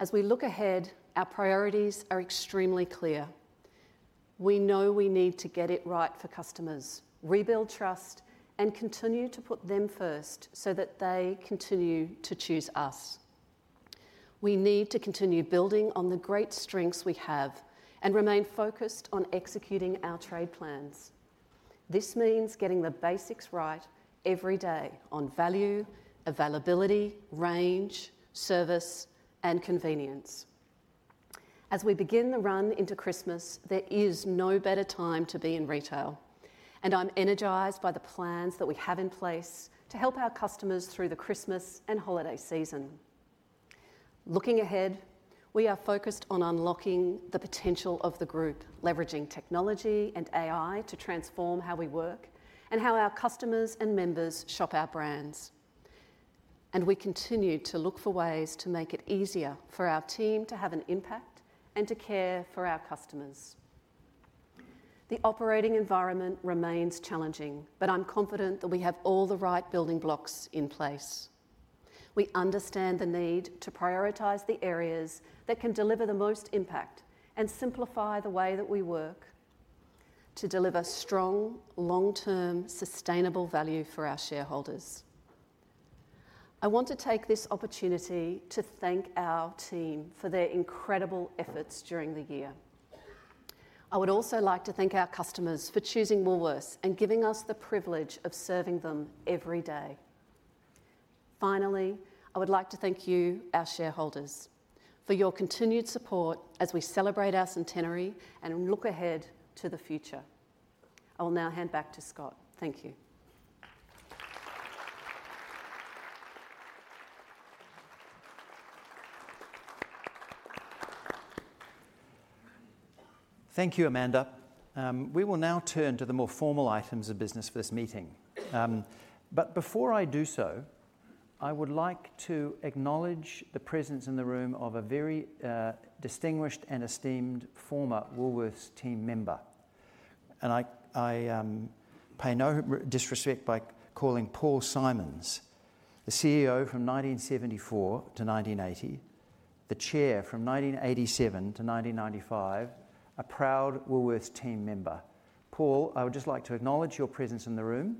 As we look ahead, our priorities are extremely clear. We know we need to get it right for customers, rebuild trust, and continue to put them first so that they continue to choose us. We need to continue building on the great strengths we have and remain focused on executing our trade plans. This means getting the basics right every day on value, availability, range, service, and convenience. As we begin the run into Christmas, there is no better time to be in retail, and I'm energized by the plans that we have in place to help our customers through the Christmas and holiday season. Looking ahead, we are focused on unlocking the potential of the group, leveraging technology and AI to transform how we work and how our customers and members shop our brands, and we continue to look for ways to make it easier for our team to have an impact and to care for our customers. The operating environment remains challenging, but I'm confident that we have all the right building blocks in place. We understand the need to prioritize the areas that can deliver the most impact and simplify the way that we work to deliver strong, long-term, sustainable value for our shareholders. I want to take this opportunity to thank our team for their incredible efforts during the year. I would also like to thank our customers for choosing Woolworths and giving us the privilege of serving them every day. Finally, I would like to thank you, our shareholders, for your continued support as we celebrate our centenary and look ahead to the future. I will now hand back to Scott. Thank you. Thank you, Amanda. We will now turn to the more formal items of business for this meeting. But before I do so, I would like to acknowledge the presence in the room of a very distinguished and esteemed former Woolworths team member. And I pay no disrespect by calling Paul Simons, the CEO from 1974 to 1980, the Chair from 1987 to 1995, a proud Woolworths team member. Paul, I would just like to acknowledge your presence in the room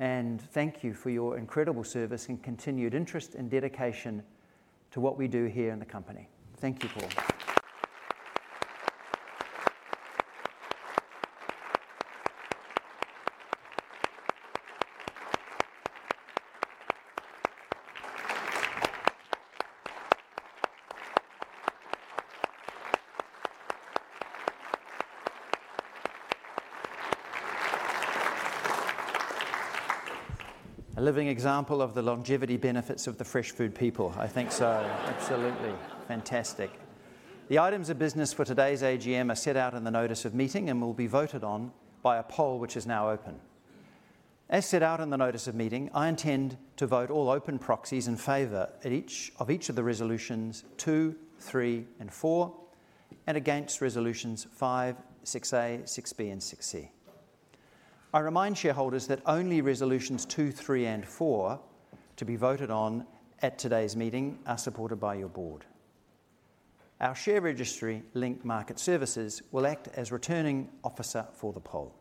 and thank you for your incredible service and continued interest and dedication to what we do here in the company. Thank you, Paul. A living example of the longevity benefits of the fresh food people. I think so. Absolutely. Fantastic. The items of business for today's AGM are set out in the notice of meeting and will be voted on by a poll which is now open. As set out in the notice of meeting, I intend to vote all open proxies in favor of each of the resolutions two, three, and four, and against resolutions five, six A, six B, and six C. I remind shareholders that only resolutions two, three, and four to be voted on at today's meeting are supported by your board. Our share registry, Link Market Services, will act as returning officer for the poll.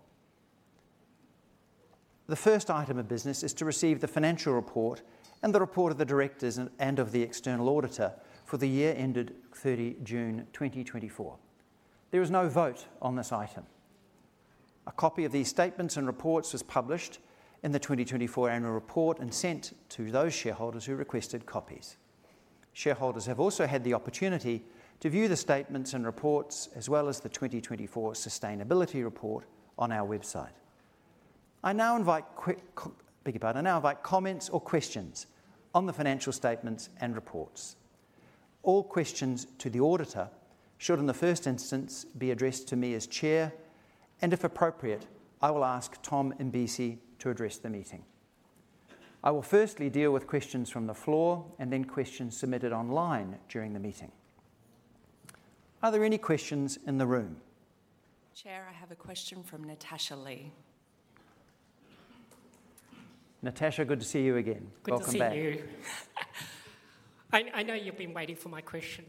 The first item of business is to receive the financial report and the report of the directors and of the external auditor for the year ended 30 June 2024. There is no vote on this item. A copy of these statements and reports was published in the 2024 annual report and sent to those shareholders who requested copies. Shareholders have also had the opportunity to view the statements and reports, as well as the 2024 sustainability report, on our website. I now invite comments or questions on the financial statements and reports. All questions to the auditor should, in the first instance, be addressed to me as Chair, and if appropriate, I will ask Tom Imbesi to address the meeting. I will firstly deal with questions from the floor and then questions submitted online during the meeting. Are there any questions in the room? Chair, I have a question from Natasha Lee. Natasha, good to see you again. Good to see you. I know you've been waiting for my question.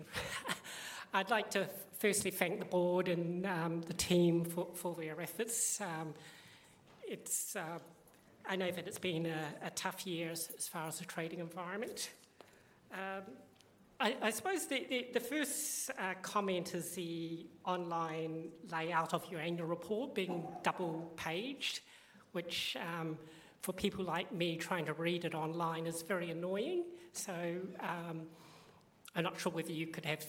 I'd like to firstly thank the board and the team for their efforts. I know that it's been a tough year as far as the trading environment. I suppose the first comment is the online layout of your annual report being double-paged, which for people like me trying to read it online is very annoying. So I'm not sure whether you could have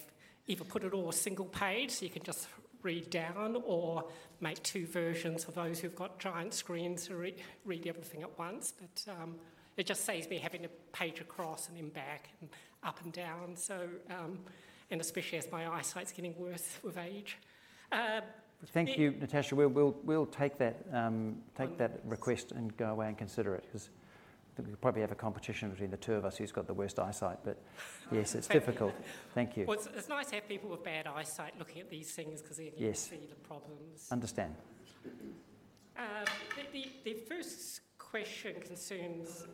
either put it all single-page so you can just read down or make two versions for those who've got giant screens to read everything at once. But it just saves me having to page across and then back and up and down, and especially as my eyesight's getting worse with age. Thank you, Natasha. We'll take that request and go away and consider it because we probably have a competition between the two of us who's got the worst eyesight. But yes, it's difficult. Thank you. It's nice to have people with bad eyesight looking at these things because they can see the problems. Yes. Understand. The first question concerns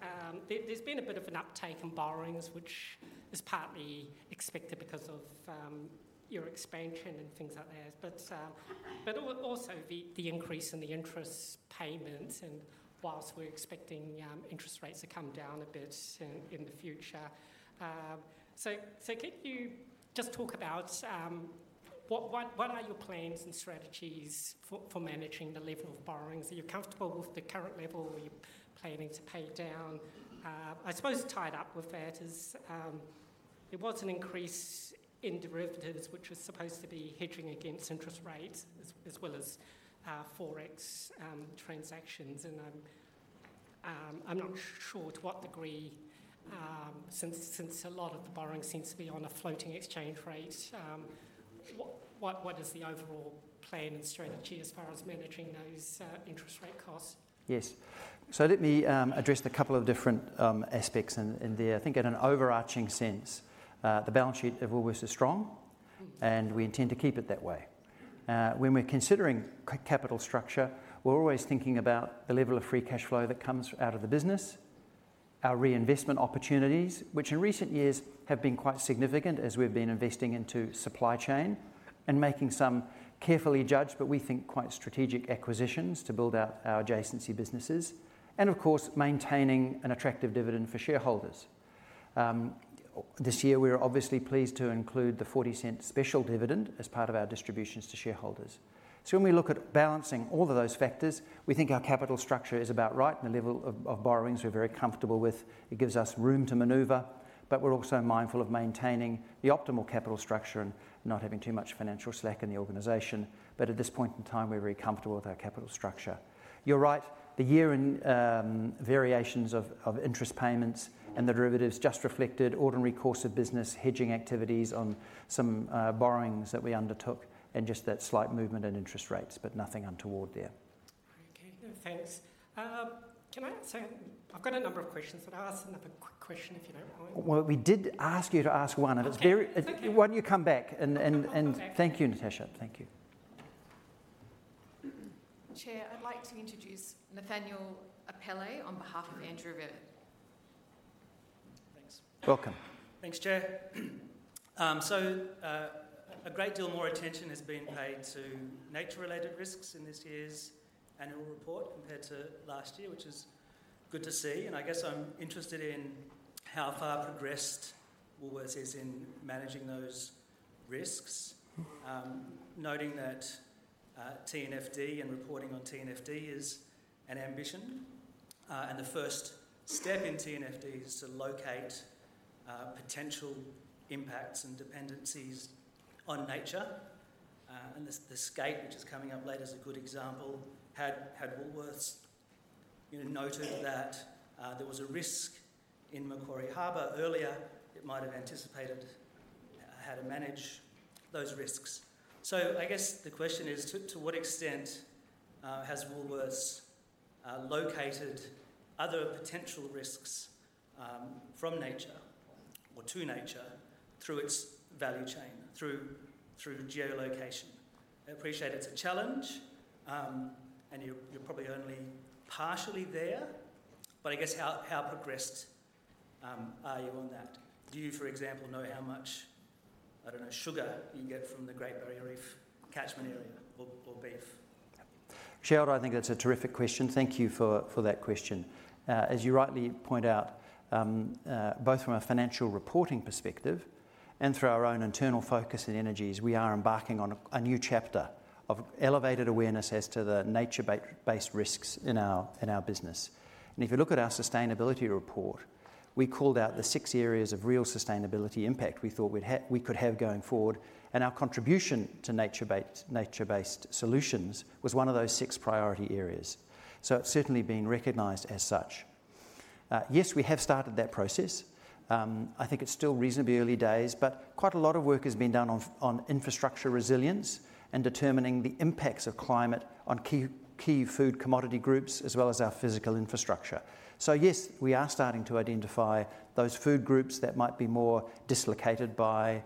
there's been a bit of an uptake in borrowings, which is partly expected because of your expansion and things like that, but also the increase in the interest payments whilst we're expecting interest rates to come down a bit in the future. So can you just talk about what are your plans and strategies for managing the level of borrowings? Are you comfortable with the current level you're planning to pay down? I suppose tied up with that is there was an increase in derivatives, which was supposed to be hedging against interest rates as well as Forex transactions. And I'm not sure to what degree, since a lot of the borrowing seems to be on a floating exchange rate, what is the overall plan and strategy as far as managing those interest rate costs? Yes. So let me address the couple of different aspects in there. I think in an overarching sense, the balance sheet of Woolworths is strong, and we intend to keep it that way. When we're considering capital structure, we're always thinking about the level of free cash flow that comes out of the business, our reinvestment opportunities, which in recent years have been quite significant as we've been investing into supply chain and making some carefully judged, but we think quite strategic acquisitions to build out our adjacency businesses, and of course, maintaining an attractive dividend for shareholders. This year, we're obviously pleased to include the 0.40 special dividend as part of our distributions to shareholders. So when we look at balancing all of those factors, we think our capital structure is about right and the level of borrowings we're very comfortable with. It gives us room to maneuver, but we're also mindful of maintaining the optimal capital structure and not having too much financial slack in the organization. But at this point in time, we're very comfortable with our capital structure. You're right. The year in variations of interest payments and the derivatives just reflected ordinary course of business, hedging activities on some borrowings that we undertook, and just that slight movement in interest rates, but nothing untoward there. Okay. Thanks. Can I answer? I've got a number of questions, but I'll ask another quick question if you don't mind. We did ask you to ask one. That's okay. Why don't you come back? And thank you, Natasha. Thank you. Chair, I'd like to introduce Nathaniel Pelle on behalf of Andrew Reimer. Thanks. Welcome. Thanks, Chair. So a great deal more attention has been paid to nature-related risks in this year's annual report compared to last year, which is good to see. And I guess I'm interested in how far progressed Woolworths is in managing those risks, noting that TNFD and reporting on TNFD is an ambition. And the first step in TNFD is to locate potential impacts and dependencies on nature. And the skate, which is coming up later, is a good example. Had Woolworths noted that there was a risk in Macquarie Harbour earlier, it might have anticipated how to manage those risks. So I guess the question is, to what extent has Woolworths located other potential risks from nature or to nature through its value chain, through geolocation? I appreciate it's a challenge, and you're probably only partially there, but I guess how progressed are you on that? Do you, for example, know how much, I don't know, sugar you get from the Great Barrier Reef catchment area or beef? Chair, I think that's a terrific question. Thank you for that question. As you rightly point out, both from a financial reporting perspective and through our own internal focus and energies, we are embarking on a new chapter of elevated awareness as to the nature-based risks in our business, and if you look at our sustainability report, we called out the six areas of real sustainability impact we thought we could have going forward, and our contribution to nature-based solutions was one of those six priority areas, so it's certainly being recognized as such. Yes, we have started that process. I think it's still reasonably early days, but quite a lot of work has been done on infrastructure resilience and determining the impacts of climate on key food commodity groups as well as our physical infrastructure. Yes, we are starting to identify those food groups that might be more dislocated by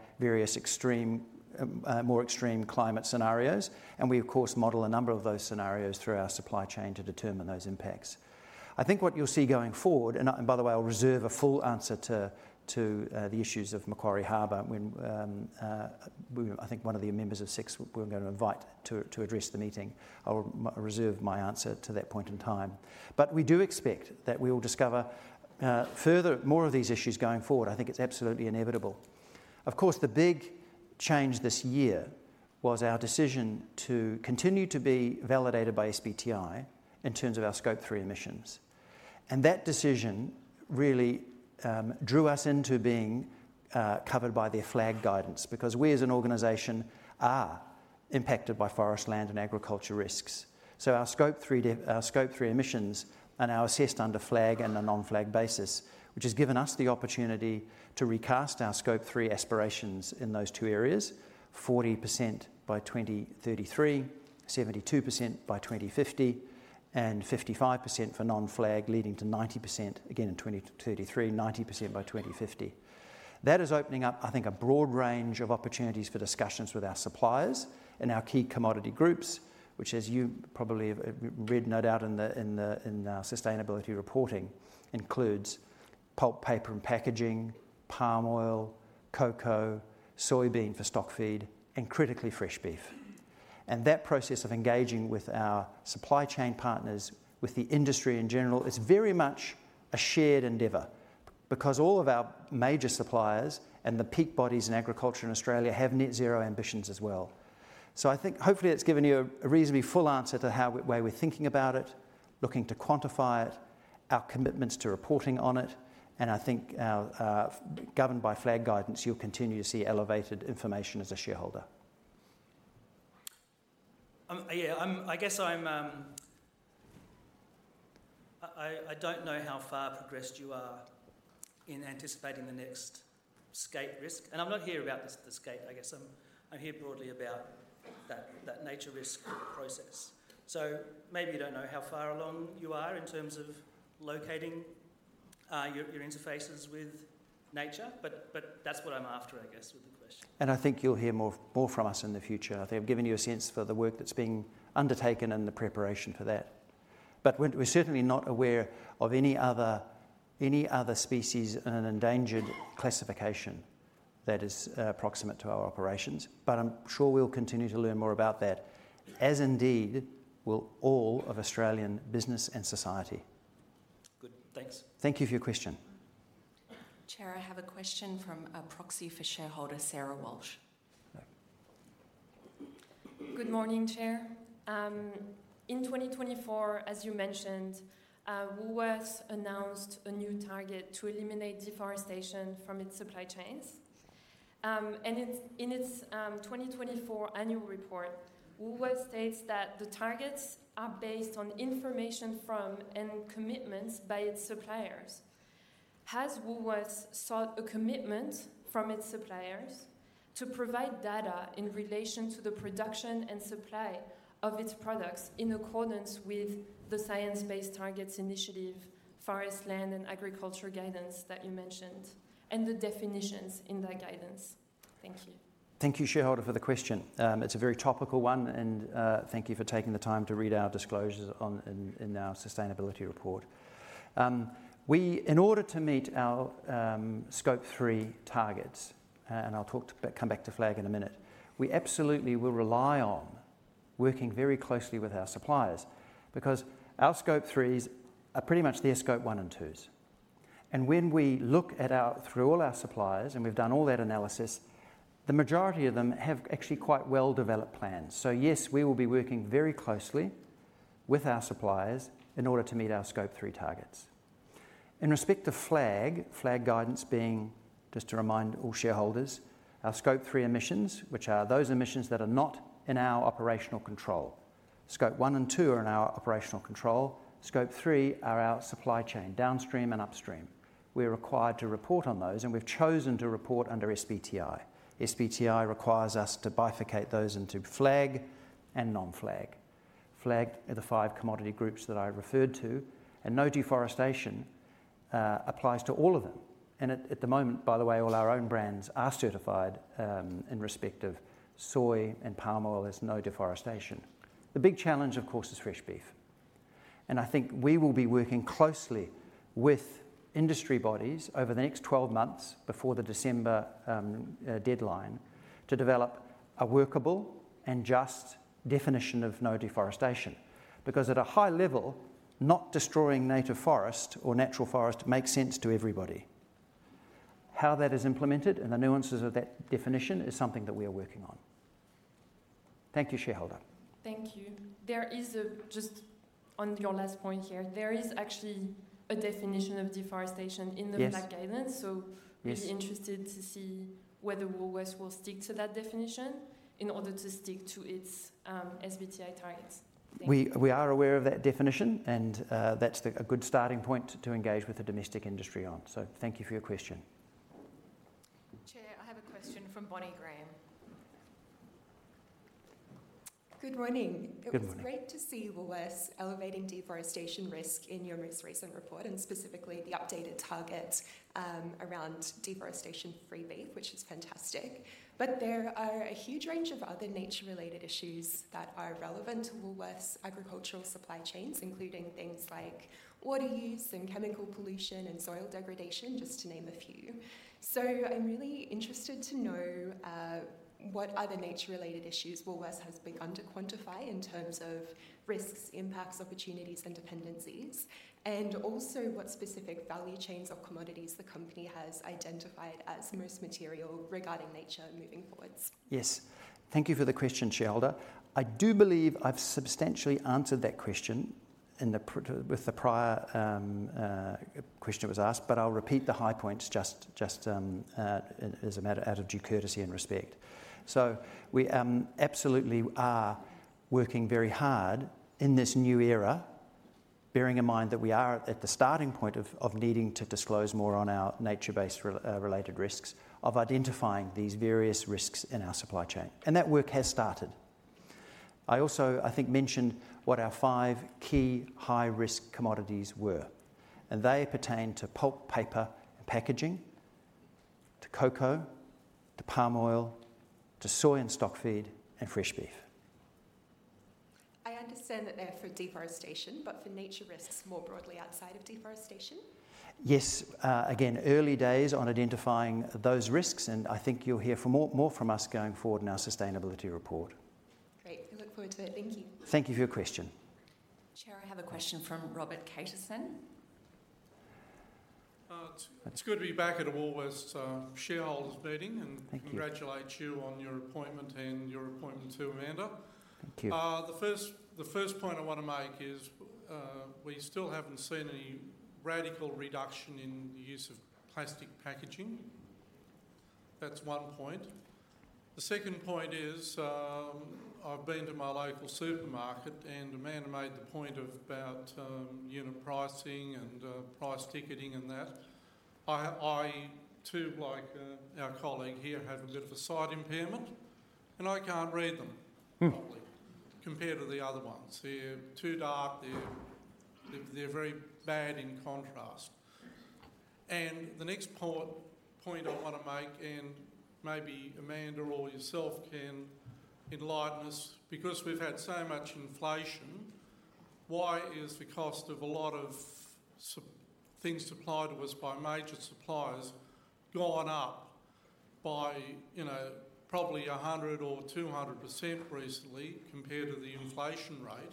more extreme climate scenarios. We, of course, model a number of those scenarios through our supply chain to determine those impacts. I think what you'll see going forward, and by the way, I'll reserve a full answer to the issues of Macquarie Harbour when I think one of the members of Six we're going to invite to address the meeting. I'll reserve my answer to that point in time. We do expect that we will discover more of these issues going forward. I think it's absolutely inevitable. Of course, the big change this year was our decision to continue to be validated by SBTi in terms of our Scope 3 emissions. That decision really drew us into being covered by their FLAG guidance because we, as an organization, are impacted by forest land and agriculture risks. Our Scope 3 emissions are now assessed under FLAG and a non-FLAG basis, which has given us the opportunity to recast our Scope 3 aspirations in those two areas: 40% by 2033, 72% by 2050, and 55% for non-FLAG, leading to 90% again in 2033, 90% by 2050. That is opening up, I think, a broad range of opportunities for discussions with our suppliers and our key commodity groups, which, as you probably have read no doubt in our sustainability reporting, includes pulp, paper, and packaging, palm oil, cocoa, soybean for stock feed, and critically fresh beef. That process of engaging with our supply chain partners, with the industry in general, is very much a shared endeavor because all of our major suppliers and the peak bodies in agriculture in Australia have net zero ambitions as well. So I think hopefully it's given you a reasonably full answer to how we're thinking about it, looking to quantify it, our commitments to reporting on it, and I think governed by FLAG guidance, you'll continue to see elevated information as a shareholder. Yeah, I guess I don't know how far progressed you are in anticipating the next Scope risk. And I'm not here about the Scope, I guess. I'm here broadly about that nature risk process. So maybe you don't know how far along you are in terms of locating your interfaces with nature, but that's what I'm after, I guess, with the question. And I think you'll hear more from us in the future. I think I've given you a sense for the work that's being undertaken and the preparation for that. But we're certainly not aware of any other species in an endangered classification that is proximate to our operations. But I'm sure we'll continue to learn more about that, as indeed will all of Australian business and society. Good. Thanks. Thank you for your question. Chair, I have a question from a proxy for shareholder Sarah Walsh. Good morning, Chair. In 2024, as you mentioned, Woolworths announced a new target to eliminate deforestation from its supply chains. And in its 2024 annual report, Woolworths states that the targets are based on information from and commitments by its suppliers. Has Woolworths sought a commitment from its suppliers to provide data in relation to the production and supply of its products in accordance with the Science-Based Targets Initiative, Forest, Land, and Agriculture guidance that you mentioned, and the definitions in that guidance? Thank you. Thank you, shareholder, for the question. It's a very topical one, and thank you for taking the time to read our disclosures in our sustainability report. In order to meet our Scope 3 targets, and I'll come back to FLAG in a minute, we absolutely will rely on working very closely with our suppliers because our Scope 3s are pretty much their Scope 1 and 2s. And when we look through all our suppliers, and we've done all that analysis, the majority of them have actually quite well-developed plans. So yes, we will be working very closely with our suppliers in order to meet our Scope 3 targets. In respect to FLAG, FLAG guidance being, just to remind all shareholders, our Scope 3 emissions, which are those emissions that are not in our operational control. Scope 1 and 2 are in our operational control. Scope 3 are our supply chain, downstream and upstream. We're required to report on those, and we've chosen to report under SBTi. SBTi requires us to bifurcate those into FLAG and non-FLAG. FLAG are the five commodity groups that I referred to, and no deforestation applies to all of them. And at the moment, by the way, all our own brands are certified in respect of soy and palm oil as no deforestation. The big challenge, of course, is fresh beef. And I think we will be working closely with industry bodies over the next 12 months before the December deadline to develop a workable and just definition of no deforestation because at a high level, not destroying native forest or natural forest makes sense to everybody. How that is implemented and the nuances of that definition is something that we are working on. Thank you, shareholder. Thank you. Just on your last point here, there is actually a definition of deforestation in the FLAG guidance. So we're interested to see whether Woolworths will stick to that definition in order to stick to its SBTi targets. We are aware of that definition, and that's a good starting point to engage with the domestic industry on. So thank you for your question. Chair, I have a question from Bonnie Graham. Good morning. Good morning. It was great to see Woolworths elevating deforestation risk in your most recent report, and specifically the updated target around deforestation-free beef, which is fantastic. But there are a huge range of other nature-related issues that are relevant to Woolworths agricultural supply chains, including things like water use and chemical pollution and soil degradation, just to name a few. So I'm really interested to know what other nature-related issues Woolworths has begun to quantify in terms of risks, impacts, opportunities, and dependencies, and also what specific value chains or commodities the company has identified as most material regarding nature moving forwards. Yes. Thank you for the question, shareholder. I do believe I've substantially answered that question with the prior question that was asked, but I'll repeat the high points just as a matter of due courtesy and respect. So we absolutely are working very hard in this new era, bearing in mind that we are at the starting point of needing to disclose more on our nature-related risks of identifying these various risks in our supply chain. And that work has started. I also, I think, mentioned what our five key high-risk commodities were, and they pertain to pulp, paper, and packaging, to cocoa, to palm oil, to soy and stock feed, and fresh beef. I understand that they're for deforestation, but for nature risks more broadly outside of deforestation? Yes. Again, early days on identifying those risks, and I think you'll hear more from us going forward in our sustainability report. Great. I look forward to it. Thank you. Thank you for your question. Chair, I have a question from Robert Caterson. It's good to be back at a Woolworths shareholders' meeting and congratulate you on your appointment and your appointment of Amanda. Thank you. The first point I want to make is we still haven't seen any radical reduction in the use of plastic packaging. That's one point. The second point is I've been to my local supermarket, and Amanda made the point of about unit pricing and price ticketing and that. I, too, like our colleague here, have a bit of a sight impairment, and I can't read them properly compared to the other ones. They're too dark. They're very bad in contrast, and the next point I want to make, and maybe Amanda or yourself can enlighten us, because we've had so much inflation, why is the cost of a lot of things supplied to us by major suppliers gone up by probably 100% or 200% recently compared to the inflation rate?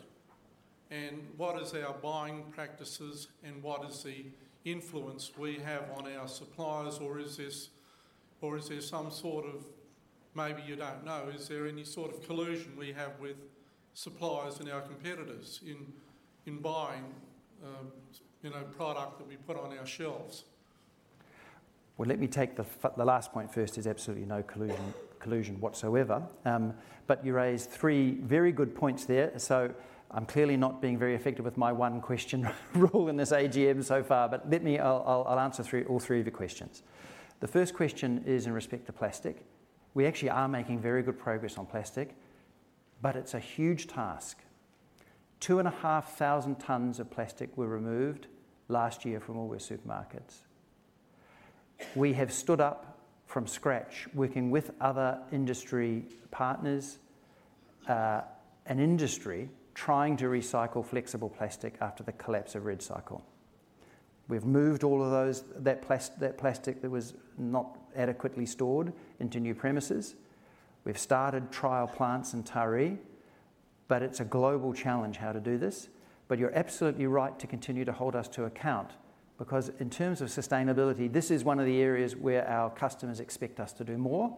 And what is our buying practices, and what is the influence we have on our suppliers? Or is there some sort of, maybe you don't know, is there any sort of collusion we have with suppliers and our competitors in buying product that we put on our shelves? Let me take the last point first. There's absolutely no collusion whatsoever. But you raised three very good points there. So I'm clearly not being very effective with my one question rule in this AGM so far, but let me answer all three of your questions. The first question is in respect to plastic. We actually are making very good progress on plastic, but it's a huge task. Two and a half thousand tons of plastic were removed last year from all of our supermarkets. We have stood up from scratch, working with other industry partners and industry trying to recycle flexible plastic after the collapse of REDcycle. We've moved all of that plastic that was not adequately stored into new premises. We've started trial plants in Taree, but it's a global challenge how to do this. But you're absolutely right to continue to hold us to account because in terms of sustainability, this is one of the areas where our customers expect us to do more,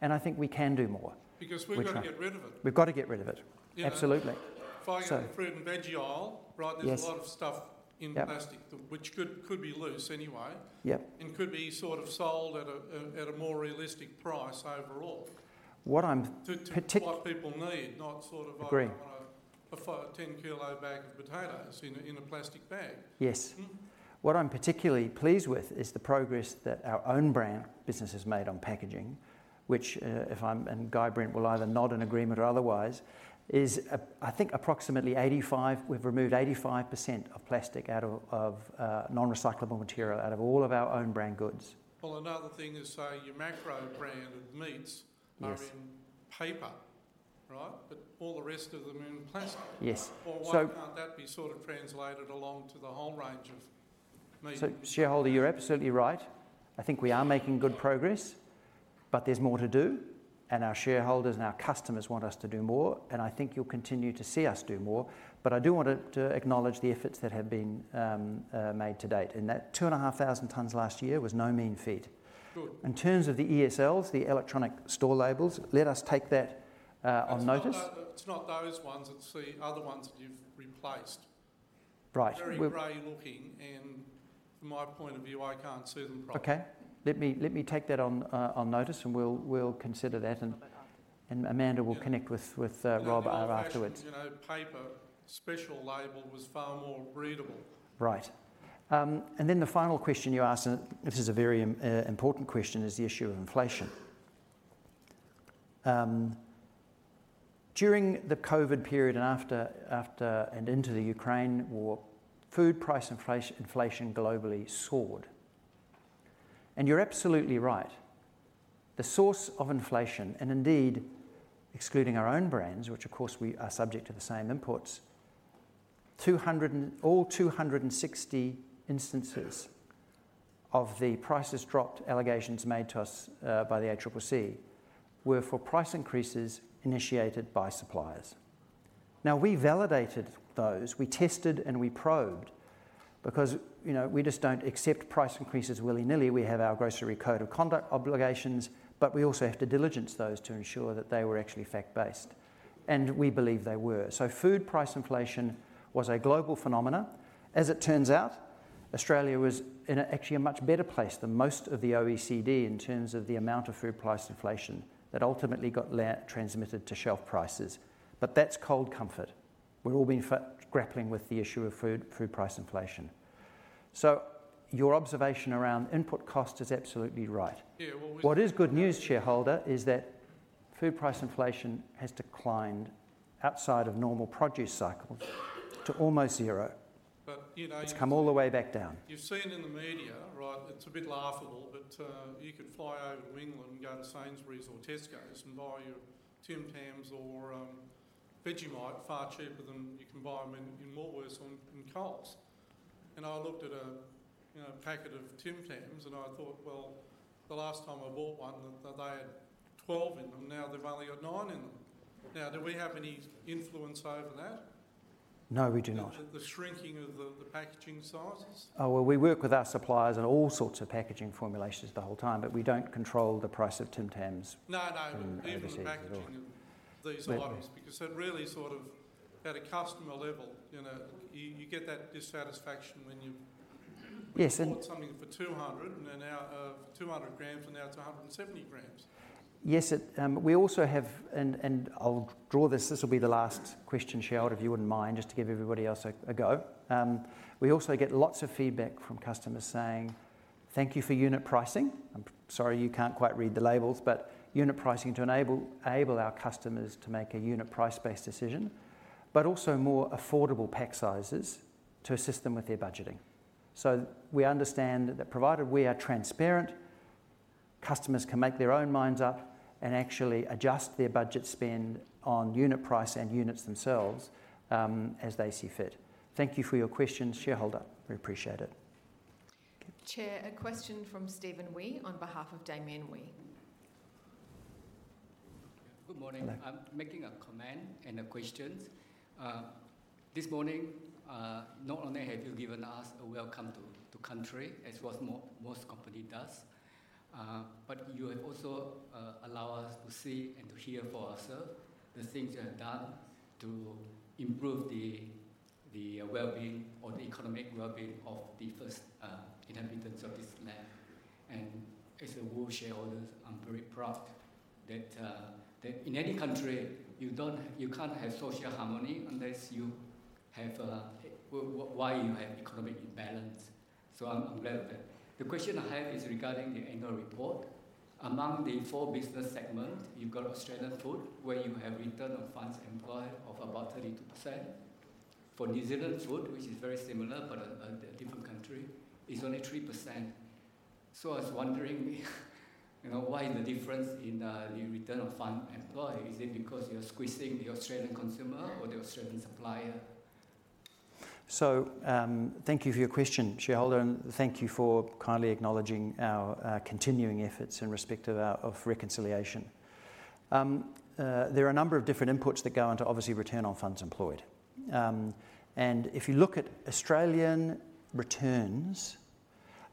and I think we can do more. Because we've got to get rid of it. We've got to get rid of it. Absolutely. Fresh fruit and veggie aisle, right? There's a lot of stuff in plastic which could be loose anyway and could be sort of sold at a more realistic price overall. What I'm. What people need, not sort of a 10-kilo bag of potatoes in a plastic bag. Yes. What I'm particularly pleased with is the progress that our own brand business has made on packaging, which, if I'm and Guy Brent will either nod in agreement or otherwise, is, I think, approximately 85%. We've removed 85% of plastic out of non-recyclable material out of all of our own brand goods. Another thing is your Macro brand of meats are in paper, right? But all the rest of them are in plastic. Yes. Or why can't that be sort of translated along to the whole range of meat? So, shareholder, you're absolutely right. I think we are making good progress, but there's more to do, and our shareholders and our customers want us to do more, and I think you'll continue to see us do more. But I do want to acknowledge the efforts that have been made to date, and that two and a half thousand tons last year was no mean feat. In terms of the ESLs, the electronic shelf labels, let us take that on notice. It's not those ones. It's the other ones that you've replaced. Right. Very gray looking, and from my point of view, I can't see them properly. Okay. Let me take that on notice, and we'll consider that, and Amanda will connect with Rob afterwards. Paper special label was far more readable. Right. And then the final question you asked, and this is a very important question, is the issue of inflation. During the COVID period and into the Ukraine war, food price inflation globally soared, and you're absolutely right. The source of inflation, and indeed excluding our own brands, which of course we are subject to the same inputs, all 260 instances of the Prices Dropped allegations made to us by the ACCC were for price increases initiated by suppliers. Now, we validated those. We tested and we probed because we just don't accept price increases willy-nilly. We have our Grocery Code of Conduct obligations, but we also have to diligence those to ensure that they were actually fact-based, and we believe they were, so food price inflation was a global phenomenon. As it turns out, Australia was in actually a much better place than most of the OECD in terms of the amount of food price inflation that ultimately got transmitted to shelf prices. But that's cold comfort. We're all been grappling with the issue of food price inflation. So your observation around input cost is absolutely right. Yeah. Well. What is good news, shareholder, is that food price inflation has declined outside of normal produce cycles to almost zero. But you know. It's come all the way back down. You've seen in the media, right? It's a bit laughable, but you could fly over to England and go to Sainsbury's or Tesco's and buy your Tim Tams or Vegemite far cheaper than you can buy them in Woolworths or in Coles, and I looked at a packet of Tim Tams, and I thought, well, the last time I bought one, they had 12 in them. Now they've only got nine in them. Now, do we have any influence over that? No, we do not. The shrinking of the packaging sizes? Oh, well, we work with our suppliers on all sorts of packaging formulations the whole time, but we don't control the price of Tim Tams. No, no. Even the packaging of these items, because it really sort of at a customer level, you get that dissatisfaction when you've bought something for 200, and now 200 g, and now it's 170 g. Yes. We also have, and I'll draw this, this will be the last question, shareholder, if you wouldn't mind, just to give everybody else a go. We also get lots of feedback from customers saying, "Thank you for unit pricing." I'm sorry, you can't quite read the labels, but unit pricing to enable our customers to make a unit price-based decision, but also more affordable pack sizes to assist them with their budgeting. So we understand that provided we are transparent, customers can make their own minds up and actually adjust their budget spend on unit price and units themselves as they see fit. Thank you for your questions, shareholder. We appreciate it. Chair, a question from Stephen Wee on behalf of Damien Wee. Good morning. I'm making a comment and a question. This morning, not only have you given us a welcome to country, as most companies do, but you have also allowed us to see and to hear for ourselves the things you have done to improve the well-being or the economic well-being of the first inhabitants of this land. And as a Woolworths shareholder, I'm very proud that in any country, you can't have social harmony unless you have a wide economic imbalance. So I'm glad of that. The question I have is regarding the annual report. Among the four business segments, you've got Australian food, where you have return on funds employed of about 32%. For New Zealand food, which is very similar, but a different country, it's only 3%. So I was wondering why is the difference in the return on funds employed? Is it because you're squeezing the Australian consumer or the Australian supplier? Thank you for your question, shareholder, and thank you for kindly acknowledging our continuing efforts in respect of reconciliation. There are a number of different inputs that go into, obviously, return on funds employed. If you look at Australian returns,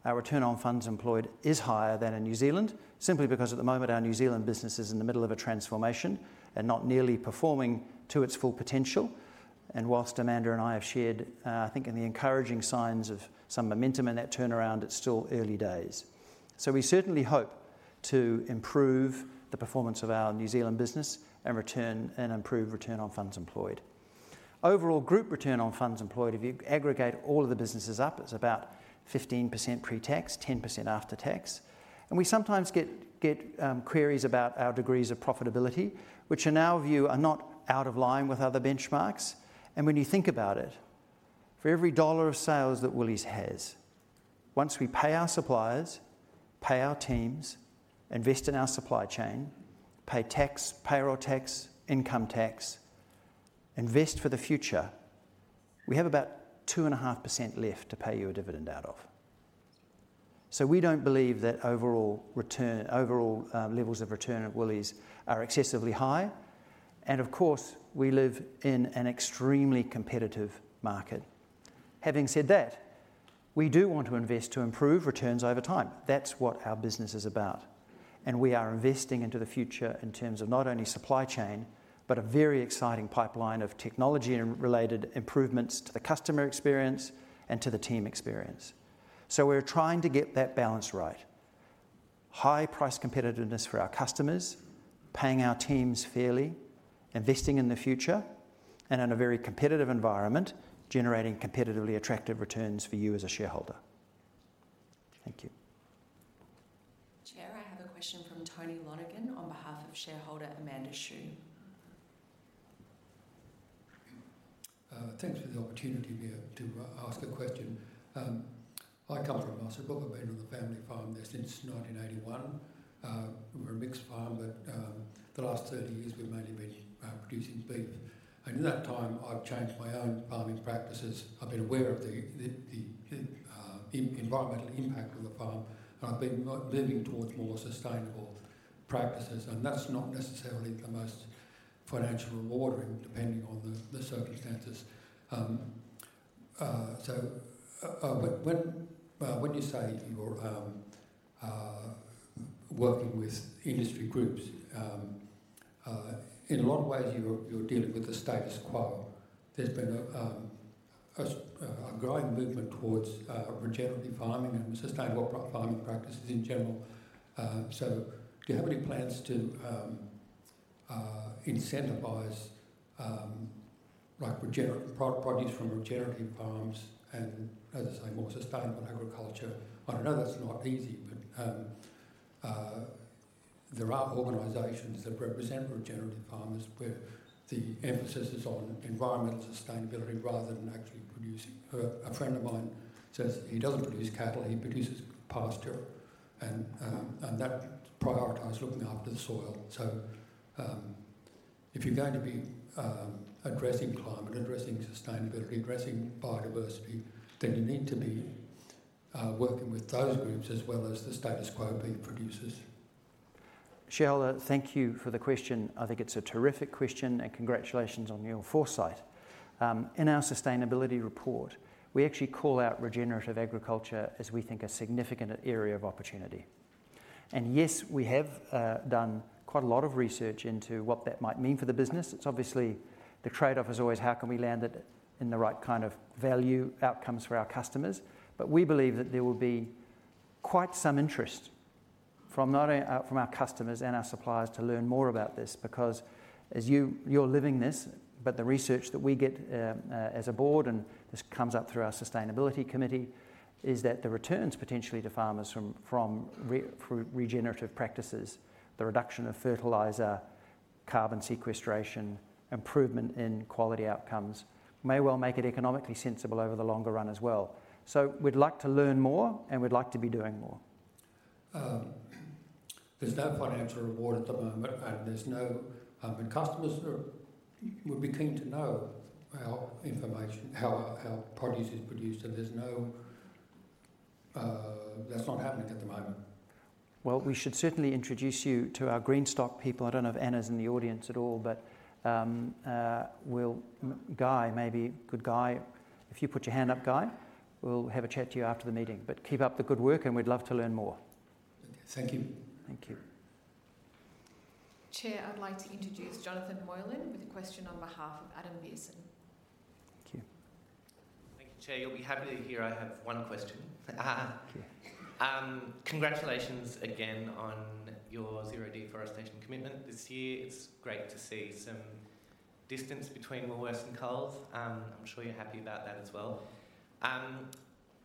our return on funds employed is higher than in New Zealand, simply because at the moment, our New Zealand business is in the middle of a transformation and not nearly performing to its full potential. While Amanda and I have shared, I think, in the encouraging signs of some momentum in that turnaround, it's still early days. We certainly hope to improve the performance of our New Zealand business and improve return on funds employed. Overall, group return on funds employed, if you aggregate all of the businesses up, it's about 15% pre-tax, 10% after-tax. We sometimes get queries about our degrees of profitability, which in our view are not out of line with other benchmarks. When you think about it, for every dollar of sales that Woolies has, once we pay our suppliers, pay our teams, invest in our supply chain, pay tax, payroll tax, income tax, invest for the future, we have about 2.5% left to pay you a dividend out of. We don't believe that overall levels of return at Woolies are excessively high. Of course, we live in an extremely competitive market. Having said that, we do want to invest to improve returns over time. That's what our business is about. We are investing into the future in terms of not only supply chain, but a very exciting pipeline of technology and related improvements to the customer experience and to the team experience. So we're trying to get that balance right: high price competitiveness for our customers, paying our teams fairly, investing in the future, and in a very competitive environment, generating competitively attractive returns for you as a shareholder. Thank you. Chair, I have a question from Tony Lonergan on behalf of shareholder Amanda Shu. Thanks for the opportunity to ask a question. I come from Mudgee. I've been on the family farm there since 1981. We're a mixed farm, but the last 30 years, we've mainly been producing beef, and in that time, I've changed my own farming practices. I've been aware of the environmental impact of the farm, and I've been moving towards more sustainable practices, and that's not necessarily the most financial reward, depending on the circumstances, so when you say you're working with industry groups, in a lot of ways, you're dealing with the status quo. There's been a growing movement towards regenerative farming and sustainable farming practices in general. So do you have any plans to incentivize products from regenerative farms and, as I say, more sustainable agriculture? I know that's not easy, but there are organizations that represent regenerative farmers where the emphasis is on environmental sustainability rather than actually producing. A friend of mine says he doesn't produce cattle; he produces pasture, and that prioritizes looking after the soil. So if you're going to be addressing climate, addressing sustainability, addressing biodiversity, then you need to be working with those groups as well as the status quo beef producers. Shareholder, thank you for the question. I think it's a terrific question, and congratulations on your foresight. In our sustainability report, we actually call out regenerative agriculture as we think a significant area of opportunity. And yes, we have done quite a lot of research into what that might mean for the business. It's obviously the trade-off is always how can we land it in the right kind of value outcomes for our customers. But we believe that there will be quite some interest from our customers and our suppliers to learn more about this because, as you're living this, but the research that we get as a board, and this comes up through our sustainability committee, is that the returns potentially to farmers from regenerative practices, the reduction of fertilizer, carbon sequestration, improvement in quality outcomes may well make it economically sensible over the longer run as well. So we'd like to learn more, and we'd like to be doing more. There's no financial reward at the moment, and there's no customers would be keen to know our information, how produce is produced, and that's not happening at the moment. We should certainly introduce you to our Greenstock people. I don't know if Anna's in the audience at all, but Guy, maybe good Guy, if you put your hand up, Guy, we'll have a chat to you after the meeting. But keep up the good work, and we'd love to learn more. Thank you. Thank you. Chair, I'd like to introduce Jonathan Moylan with a question on behalf of Adam Pearson. Thank you. Thank you, Chair. You'll be happy to hear I have one question. Congratulations again on your zero deforestation commitment this year. It's great to see some distance between Woolworths and Coles. I'm sure you're happy about that as well.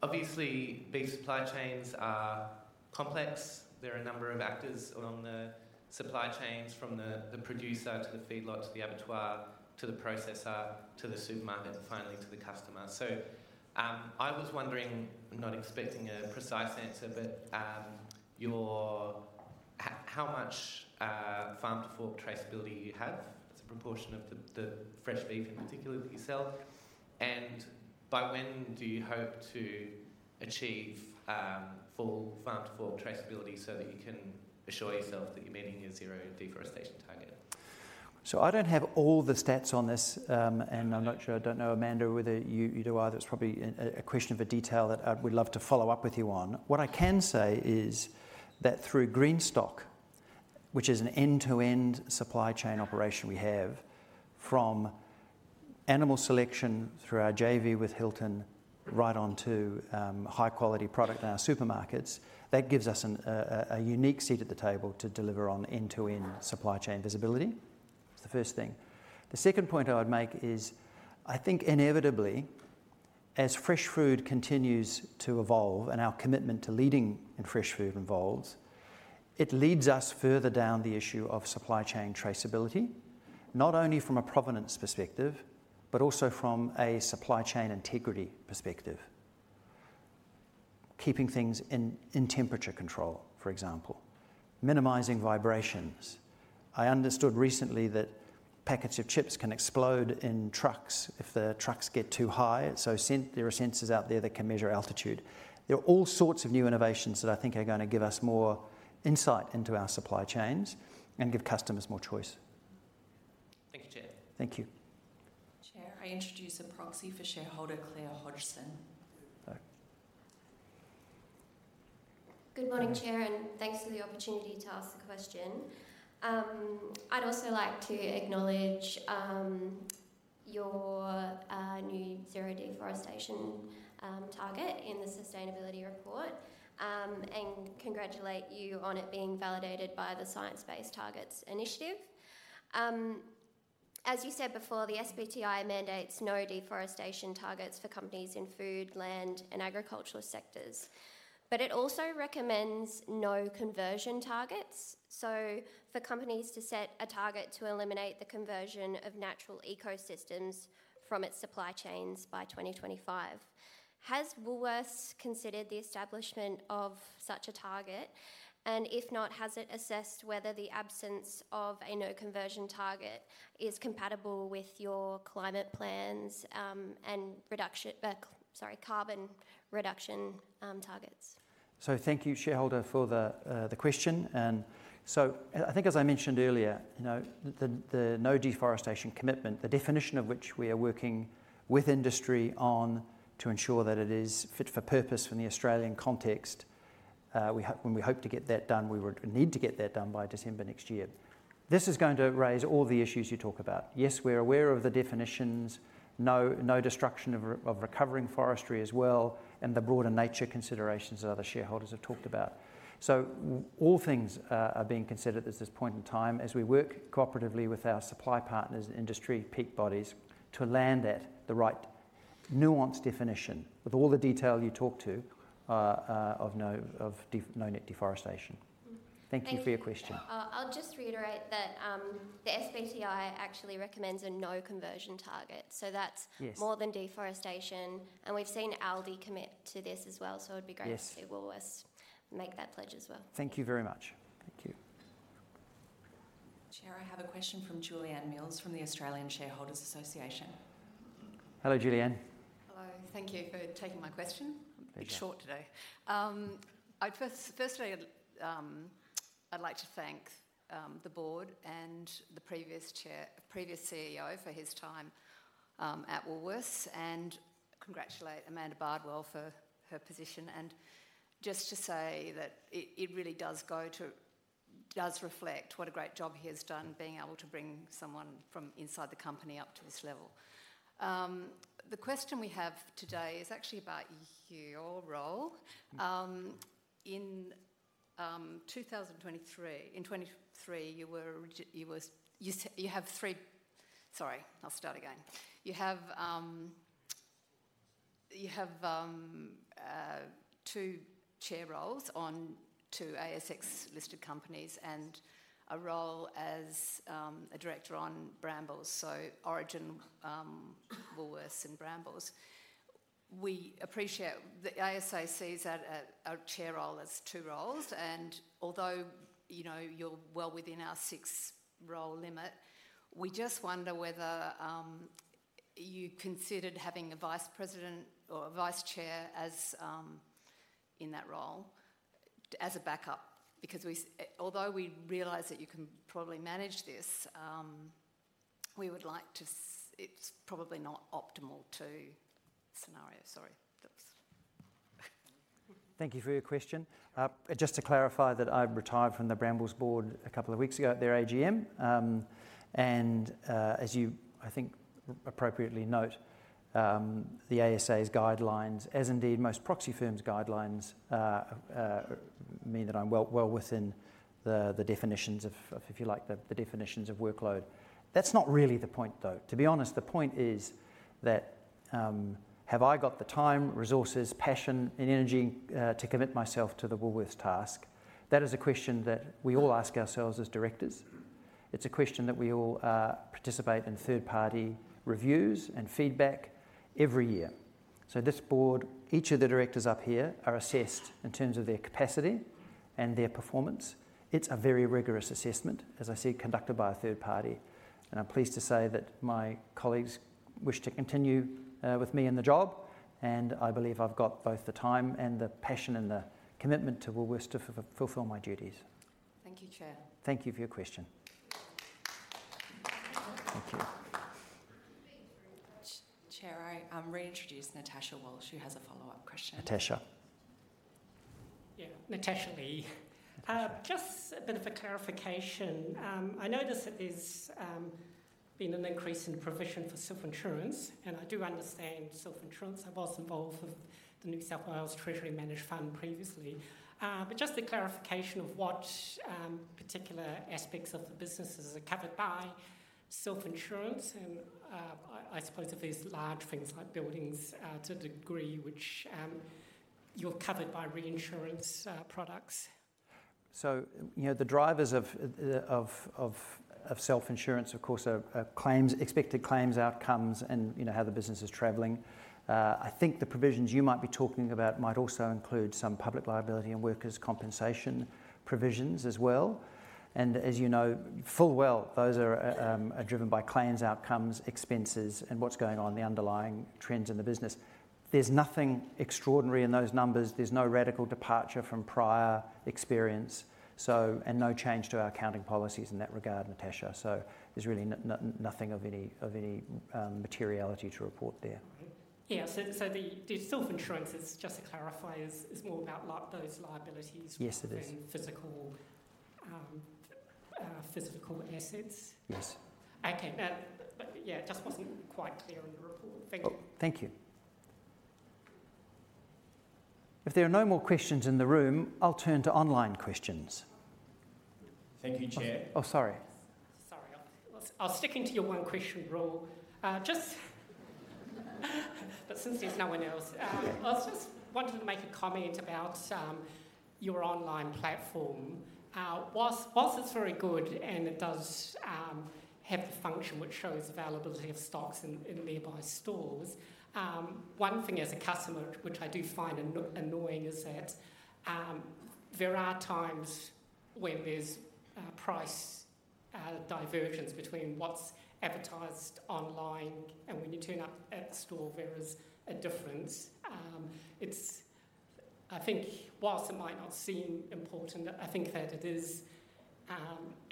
Obviously, beef supply chains are complex. There are a number of actors along the supply chains from the producer to the feedlot to the abattoir to the processor to the supermarket and finally to the customer. So I was wondering, not expecting a precise answer, but how much farm-to-fork traceability you have as a proportion of the fresh beef in particular that you sell. And by when do you hope to achieve full farm-to-fork traceability so that you can assure yourself that you're meeting your zero deforestation target? So I don't have all the stats on this, and I'm not sure. I don't know, Amanda, whether you do either. It's probably a question of a detail that I would love to follow up with you on. What I can say is that through Greenstock, which is an end-to-end supply chain operation we have from animal selection through our JV with Hilton right onto high-quality product in our supermarkets, that gives us a unique seat at the table to deliver on end-to-end supply chain visibility. That's the first thing. The second point I would make is I think inevitably, as fresh food continues to evolve and our commitment to leading in fresh food evolves, it leads us further down the issue of supply chain traceability, not only from a provenance perspective, but also from a supply chain integrity perspective. Keeping things in temperature control, for example, minimizing vibrations. I understood recently that packets of chips can explode in trucks if the trucks get too high. So there are sensors out there that can measure altitude. There are all sorts of new innovations that I think are going to give us more insight into our supply chains and give customers more choice. Thank you, Chair. Thank you. Chair, I introduce a proxy for shareholder Claire Hodgson. Good morning, Chair, and thanks for the opportunity to ask the question. I'd also like to acknowledge your new zero deforestation target in the sustainability report and congratulate you on it being validated by the Science-Based Targets Initiative. As you said before, the SBTi mandates no deforestation targets for companies in food, land, and agricultural sectors, but it also recommends no conversion targets, so for companies to set a target to eliminate the conversion of natural ecosystems from its supply chains by 2025. Has Woolworths considered the establishment of such a target? And if not, has it assessed whether the absence of a no conversion target is compatible with your climate plans and carbon reduction targets? Thank you, shareholder, for the question. I think, as I mentioned earlier, the no deforestation commitment, the definition of which we are working with industry on to ensure that it is fit for purpose from the Australian context, when we hope to get that done, we would need to get that done by December next year. This is going to raise all the issues you talk about. Yes, we're aware of the definitions, no destruction of recovering forestry as well, and the broader nature considerations that other shareholders have talked about. All things are being considered at this point in time as we work cooperatively with our supply partners and industry peak bodies to land at the right nuanced definition with all the detail you talk to of no net deforestation. Thank you for your question. Thank you. I'll just reiterate that the SBTi actually recommends a no conversion target. So that's more than deforestation. And we've seen Aldi commit to this as well. So it would be great to see Woolworths make that pledge as well. Thank you very much. Thank you. Chair, I have a question from Julieanne Mills from the Australian Shareholders' Association. Hello, Julieanne. Hello. Thank you for taking my question. I'm a bit short today. Firstly, I'd like to thank the board and the previous CEO for his time at Woolworths and congratulate Amanda Bardwell for her position. And just to say that it really does reflect what a great job he has done being able to bring someone from inside the company up to this level. The question we have today is actually about your role. In 2023, you have three—sorry, I'll start again. You have two chair roles on two ASX-listed companies and a role as a director on Brambles, so Origin, Woolworths, and Brambles. The ASA sees a chair role as two roles. And although you're well within our six-role limit, we just wonder whether you considered having a vice president or a vice chair in that role as a backup. Because although we realize that you can probably manage this, we would like to. It's probably not optimal to scenario. Sorry. Thank you for your question. Just to clarify that I retired from the Brambles board a couple of weeks ago at their AGM. And as you, I think, appropriately note, the ASA's guidelines, as indeed most proxy firms' guidelines, mean that I'm well within the definitions of, if you like, the definitions of workload. That's not really the point, though. To be honest, the point is that have I got the time, resources, passion, and energy to commit myself to the Woolworths task? That is a question that we all ask ourselves as directors. It's a question that we all participate in third-party reviews and feedback every year. So this board, each of the directors up here are assessed in terms of their capacity and their performance. It's a very rigorous assessment, as I say, conducted by a third party. I'm pleased to say that my colleagues wish to continue with me in the job. I believe I've got both the time and the passion and the commitment to Woolworths to fulfill my duties. Thank you, Chair. Thank you for your question. Thank you. Chair, I'm reintroducing Natasha Walsh. She has a follow-up question. Natasha. Yeah, Natasha Lee. Just a bit of a clarification. I notice that there's been an increase in provision for self-insurance. And I do understand self-insurance. I was involved with the New South Wales Treasury Managed Fund previously. But just the clarification of what particular aspects of the businesses are covered by self-insurance. And I suppose if there's large things like buildings to a degree, which you're covered by reinsurance products. So the drivers of self-insurance, of course, are expected claims outcomes and how the business is traveling. I think the provisions you might be talking about might also include some public liability and workers' compensation provisions as well. And as you know full well, those are driven by claims outcomes, expenses, and what's going on, the underlying trends in the business. There's nothing extraordinary in those numbers. There's no radical departure from prior experience and no change to our accounting policies in that regard, Natasha. So there's really nothing of any materiality to report there. Yeah. So the self-insurance, just to clarify, is more about those liabilities and physical assets? Yes. Okay. Yeah. It just wasn't quite clear in the report. Thank you. Thank you. If there are no more questions in the room, I'll turn to online questions. Thank you, Chair. Oh, sorry. Sorry. I'll stick to your one-question rule, but since there's no one else, I just wanted to make a comment about your online platform. Whilst it's very good and it does have the function which shows the availability of stocks in nearby stores, one thing as a customer, which I do find annoying, is that there are times when there's price divergence between what's advertised online and when you turn up at the store. There is a difference. I think whilst it might not seem important, I think that it is an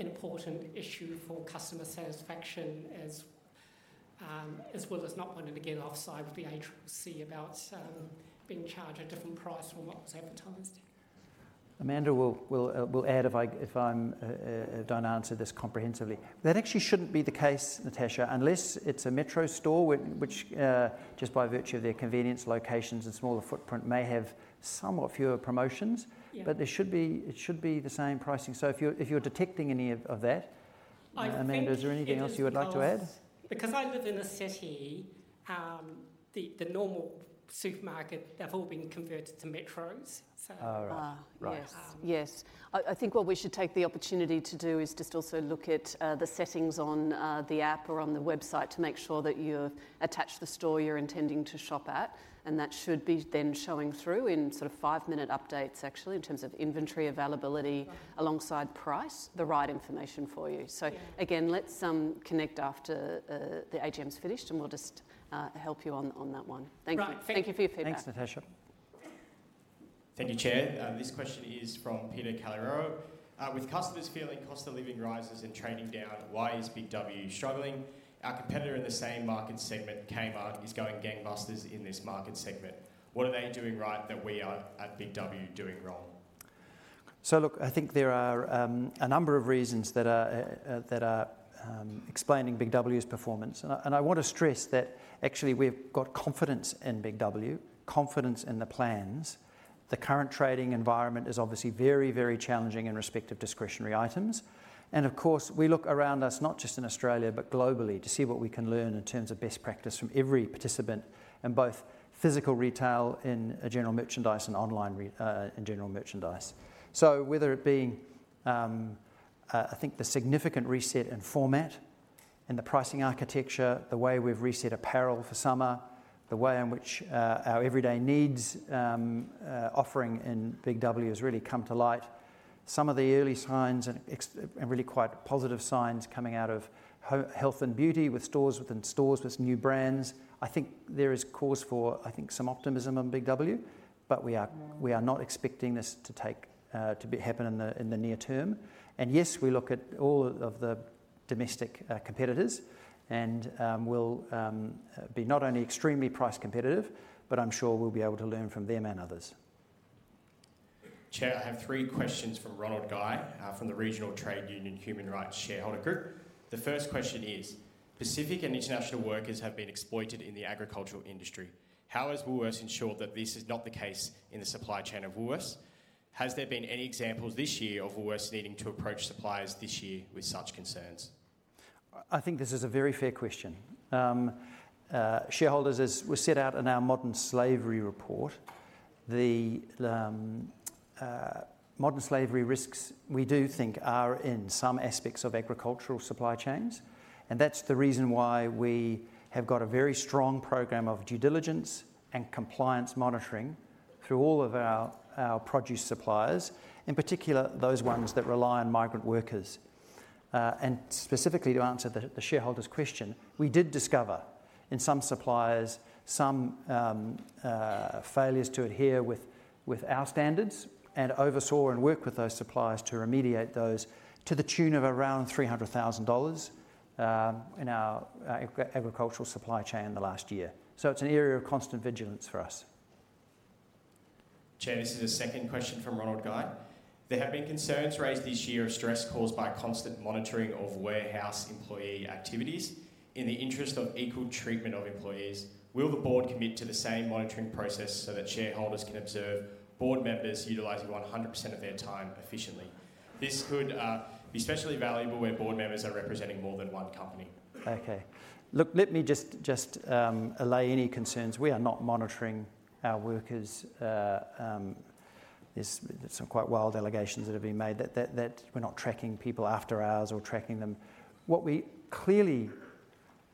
important issue for customer satisfaction as well as not wanting to get offside with the ACCC about being charged a different price from what was advertised. Amanda will add if I don't answer this comprehensively. That actually shouldn't be the case, Natasha, unless it's a metro store, which just by virtue of their convenience, locations, and smaller footprint may have somewhat fewer promotions. But it should be the same pricing. So if you're detecting any of that, Amanda, is there anything else you would like to add? Because I live in a city, the normal supermarket, they've all been converted to metros. Oh, right. Yes. I think what we should take the opportunity to do is just also look at the settings on the app or on the website to make sure that you've attached the store you're intending to shop at. And that should be then showing through in sort of five-minute updates, actually, in terms of inventory availability alongside price, the right information for you. So again, let's connect after the AGM's finished, and we'll just help you on that one. Thank you. Thank you for your feedback. Thanks, Natasha. Thank you, Chair. This question is from Peter Calirero. With customers feeling cost of living rises and trading down, why is Big W struggling? Our competitor in the same market segment, Kmart, is going gangbusters in this market segment. What are they doing right that we are at Big W doing wrong? Look, I think there are a number of reasons that are explaining Big W's performance. I want to stress that actually we've got confidence in Big W, confidence in the plans. The current trading environment is obviously very, very challenging in respect of discretionary items. Of course, we look around us, not just in Australia, but globally, to see what we can learn in terms of best practice from every participant in both physical retail and general merchandise and online in general merchandise. So whether it being, I think, the significant reset in format and the pricing architecture, the way we've reset apparel for summer, the way in which our everyday needs offering in Big W has really come to light, some of the early signs and really quite positive signs coming out of health and beauty with stores within stores with new brands, I think there is cause for, I think, some optimism on Big W. But we are not expecting this to happen in the near term. And yes, we look at all of the domestic competitors, and we'll be not only extremely price competitive, but I'm sure we'll be able to learn from them and others. Chair, I have three questions from Ronald Guy from the Regional Trade Union Human Rights Shareholder Group. The first question is, Pacific and international workers have been exploited in the agricultural industry. How has Woolworths ensured that this is not the case in the supply chain of Woolworths? Has there been any examples this year of Woolworths needing to approach suppliers this year with such concerns? I think this is a very fair question. Shareholders, as was set out in our modern slavery report, the modern slavery risks we do think are in some aspects of agricultural supply chains. And that's the reason why we have got a very strong program of due diligence and compliance monitoring through all of our produce suppliers, in particular those ones that rely on migrant workers. And specifically to answer the shareholder's question, we did discover in some suppliers some failures to adhere with our standards and oversaw and worked with those suppliers to remediate those to the tune of around 300,000 dollars in our agricultural supply chain in the last year. So it's an area of constant vigilance for us. Chair, this is a second question from Ronald Guy. There have been concerns raised this year of stress caused by constant monitoring of warehouse employee activities. In the interest of equal treatment of employees, will the board commit to the same monitoring process so that shareholders can observe board members utilizing 100% of their time efficiently? This could be especially valuable where board members are representing more than one company. Okay. Look, let me just allay any concerns. We are not monitoring our workers. There's some quite wild allegations that have been made that we're not tracking people after hours or tracking them.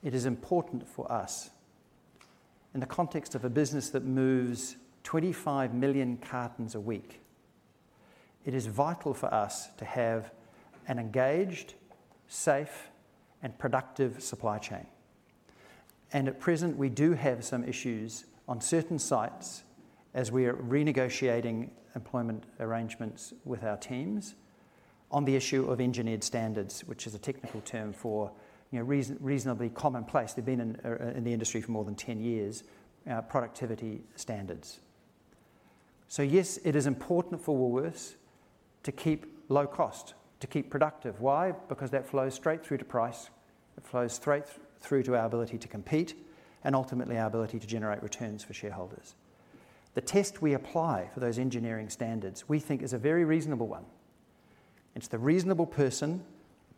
It is important for us, in the context of a business that moves 25 million cartons a week. It is vital for us to have an engaged, safe, and productive supply chain, and at present, we do have some issues on certain sites as we are renegotiating employment arrangements with our teams on the issue of engineered standards, which is a technical term for reasonably commonplace. They've been in the industry for more than 10 years, productivity standards, so yes, it is important for Woolworths to keep low cost, to keep productive. Why? Because that flows straight through to price. It flows straight through to our ability to compete and ultimately our ability to generate returns for shareholders. The test we apply for those engineering standards, we think, is a very reasonable one. It's the reasonable person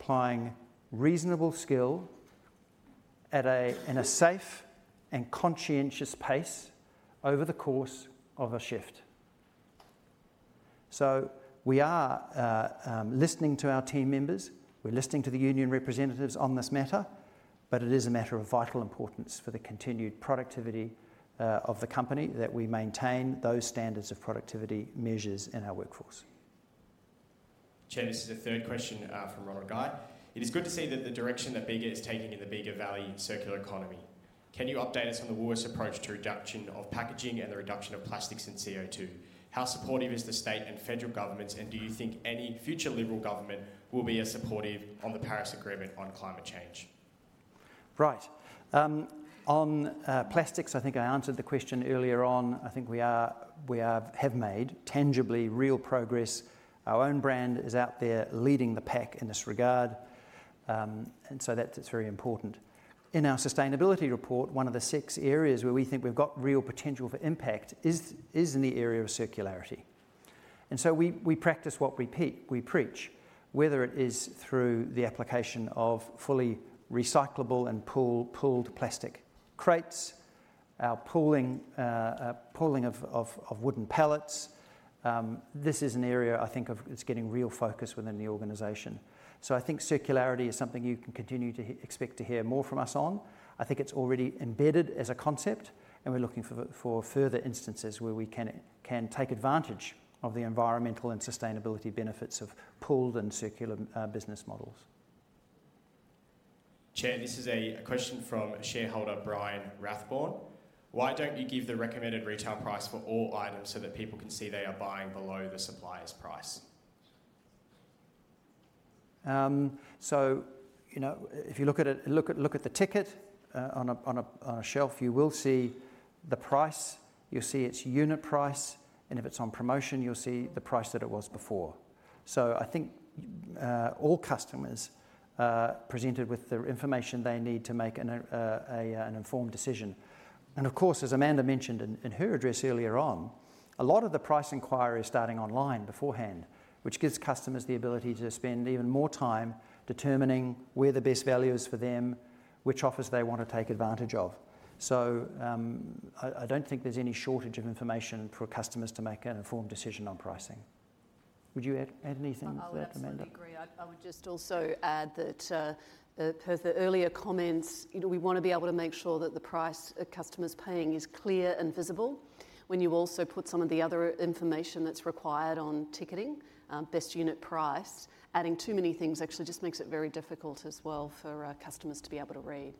applying reasonable skill at a safe and conscientious pace over the course of a shift. So we are listening to our team members. We're listening to the union representatives on this matter. But it is a matter of vital importance for the continued productivity of the company that we maintain those standards of productivity measures in our workforce. Chair, this is a third question from Ronald Guy. It is good to see that the direction that Bega is taking in the Bega Valley Circular Economy. Can you update us on the Woolworths' approach to reduction of packaging and the reduction of plastics and CO2? How supportive is the state and federal governments, and do you think any future Liberal government will be as supportive on the Paris Agreement on climate change? Right. On plastics, I think I answered the question earlier on. I think we have made tangibly real progress. Our own brand is out there leading the pack in this regard. And so that's very important. In our sustainability report, one of the six areas where we think we've got real potential for impact is in the area of circularity. And so we practice what we preach, whether it is through the application of fully recyclable and pooled plastic crates, our pooling of wooden pallets. This is an area I think it's getting real focus within the organization. So I think circularity is something you can continue to expect to hear more from us on. I think it's already embedded as a concept, and we're looking for further instances where we can take advantage of the environmental and sustainability benefits of pooled and circular business models. Chair, this is a question from shareholder Brian Rathborne. Why don't you give the recommended retail price for all items so that people can see they are buying below the supplier's price? So if you look at the ticket on a shelf, you will see the price. You'll see its unit price. And if it's on promotion, you'll see the price that it was before. So I think all customers are presented with the information they need to make an informed decision. And of course, as Amanda mentioned in her address earlier on, a lot of the price inquiry is starting online beforehand, which gives customers the ability to spend even more time determining where the best value is for them, which offers they want to take advantage of. So I don't think there's any shortage of information for customers to make an informed decision on pricing. Would you add anything to that, Amanda? I would just also add that per the earlier comments, we want to be able to make sure that the price a customer's paying is clear and visible when you also put some of the other information that's required on ticketing, best unit price. Adding too many things actually just makes it very difficult as well for customers to be able to read.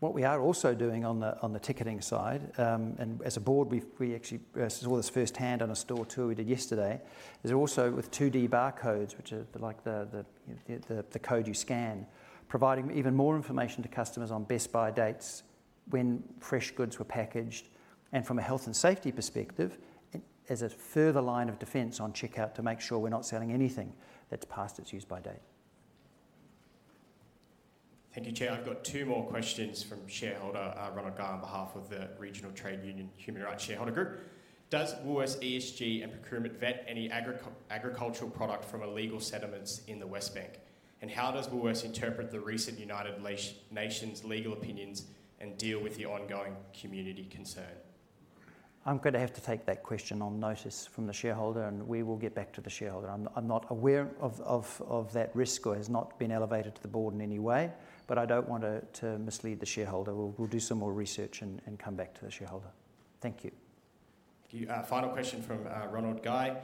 What we are also doing on the ticketing side, and as a board, we actually saw this firsthand on a store tour we did yesterday, is also with 2D barcodes, which are like the code you scan, providing even more information to customers on Best By dates, when fresh goods were packaged. And from a health and safety perspective, as a further line of defense on checkout to make sure we're not selling anything that's past its use-by date. Thank you, Chair. I've got two more questions from shareholder Ronald Guy on behalf of the Regional Trade Union Human Rights Shareholder Group. Does Woolworths, ESG, and procurement vet any agricultural product from illegal settlements in the West Bank? And how does Woolworths interpret the recent United Nations legal opinions and deal with the ongoing community concern? I'm going to have to take that question on notice from the shareholder, and we will get back to the shareholder. I'm not aware of that risk or has not been elevated to the board in any way. But I don't want to mislead the shareholder. We'll do some more research and come back to the shareholder. Thank you. Final question from Ronald Guy.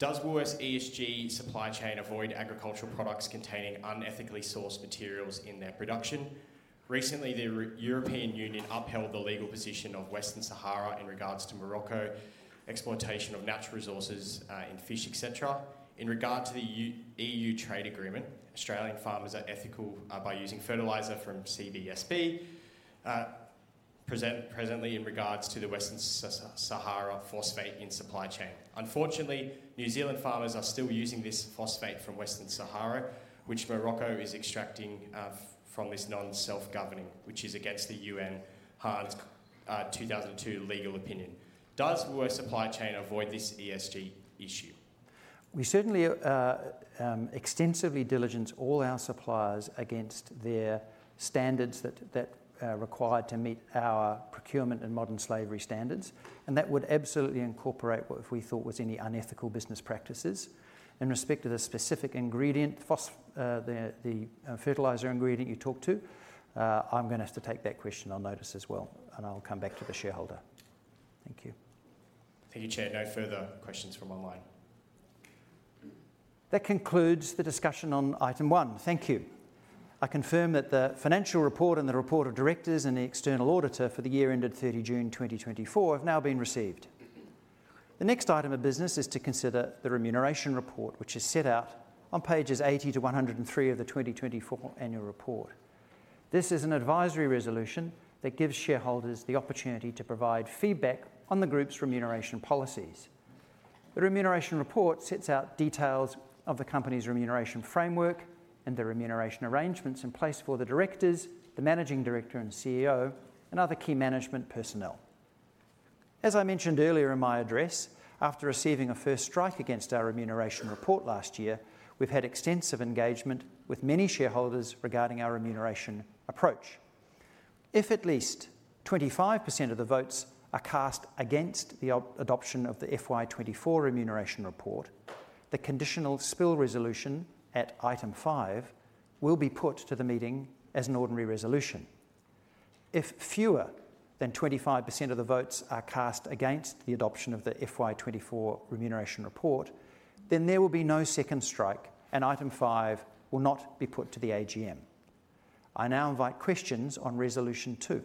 Does Woolworths' ESG supply chain avoid agricultural products containing unethically sourced materials in their production? Recently, the European Union upheld the legal position of Western Sahara in regard to Morocco's exploitation of natural resources in fish, etc. In regard to the EU trade agreement, Australian farmers are ethical by using fertilizer from CSBP presently in regard to the Western Sahara phosphate in supply chain. Unfortunately, New Zealand farmers are still using this phosphate from Western Sahara, which Morocco is extracting from this non-self-governing, which is against the UN Hans Corell 2002 legal opinion. Does Woolworths' supply chain avoid this ESG issue? We certainly extensively diligence all our suppliers against their standards that are required to meet our procurement and modern slavery standards. And that would absolutely incorporate what we thought was any unethical business practices. In respect to the specific ingredient, the fertilizer ingredient you talked to, I'm going to have to take that question on notice as well. And I'll come back to the shareholder. Thank you. Thank you, Chair. No further questions from online. That concludes the discussion on item one. Thank you. I confirm that the financial report and the report of directors and the external auditor for the year ended 30 June 2024 have now been received. The next item of business is to consider the remuneration report, which is set out on pages 80 to 103 of the 2024 annual report. This is an advisory resolution that gives shareholders the opportunity to provide feedback on the group's remuneration policies. The remuneration report sets out details of the company's remuneration framework and the remuneration arrangements in place for the directors, the Managing Director and CEO, and other key management personnel. As I mentioned earlier in my address, after receiving a first strike against our remuneration report last year, we've had extensive engagement with many shareholders regarding our remuneration approach. If at least 25% of the votes are cast against the adoption of the FY 2024 remuneration report, the conditional spill resolution at item five will be put to the meeting as an ordinary resolution. If fewer than 25% of the votes are cast against the adoption of the FY 2024 remuneration report, then there will be no second strike and item five will not be put to the AGM. I now invite questions on resolution two.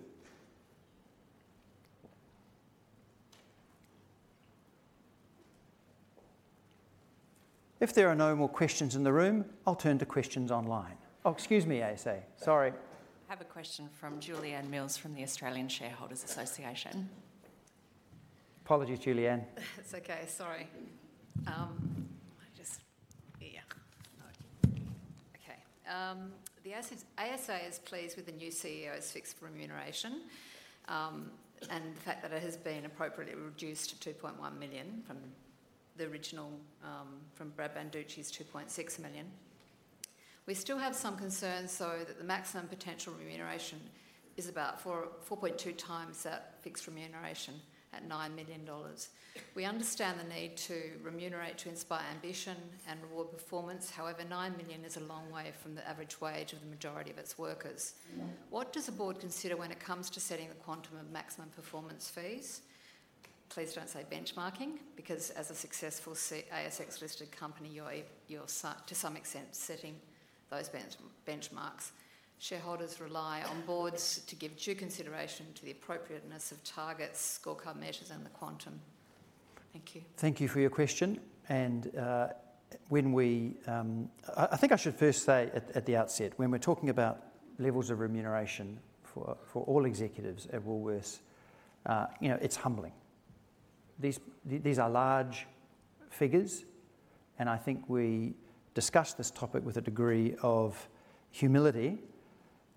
If there are no more questions in the room, I'll turn to questions online. Oh, excuse me, ASA. Sorry. I have a question from Julieanne Mills from the Australian Shareholders' Association. Apologies, Julieanne. The ASA is pleased with the new CEO's fixed remuneration and the fact that it has been appropriately reduced to 2.1 million from the original from Brad Banducci's 2.6 million. We still have some concerns, though, that the maximum potential remuneration is about 4.2 times that fixed remuneration at 9 million dollars. We understand the need to remunerate to inspire ambition and reward performance. However, 9 million is a long way from the average wage of the majority of its workers. What does the board consider when it comes to setting the quantum of maximum performance fees? Please don't say benchmarking, because as a successful ASX-listed company, you're to some extent setting those benchmarks. Shareholders rely on boards to give due consideration to the appropriateness of targets, scorecard measures, and the quantum. Thank you. Thank you for your question, and I think I should first say at the outset, when we're talking about levels of remuneration for all executives at Woolworths, it's humbling. These are large figures, and I think we discuss this topic with a degree of humility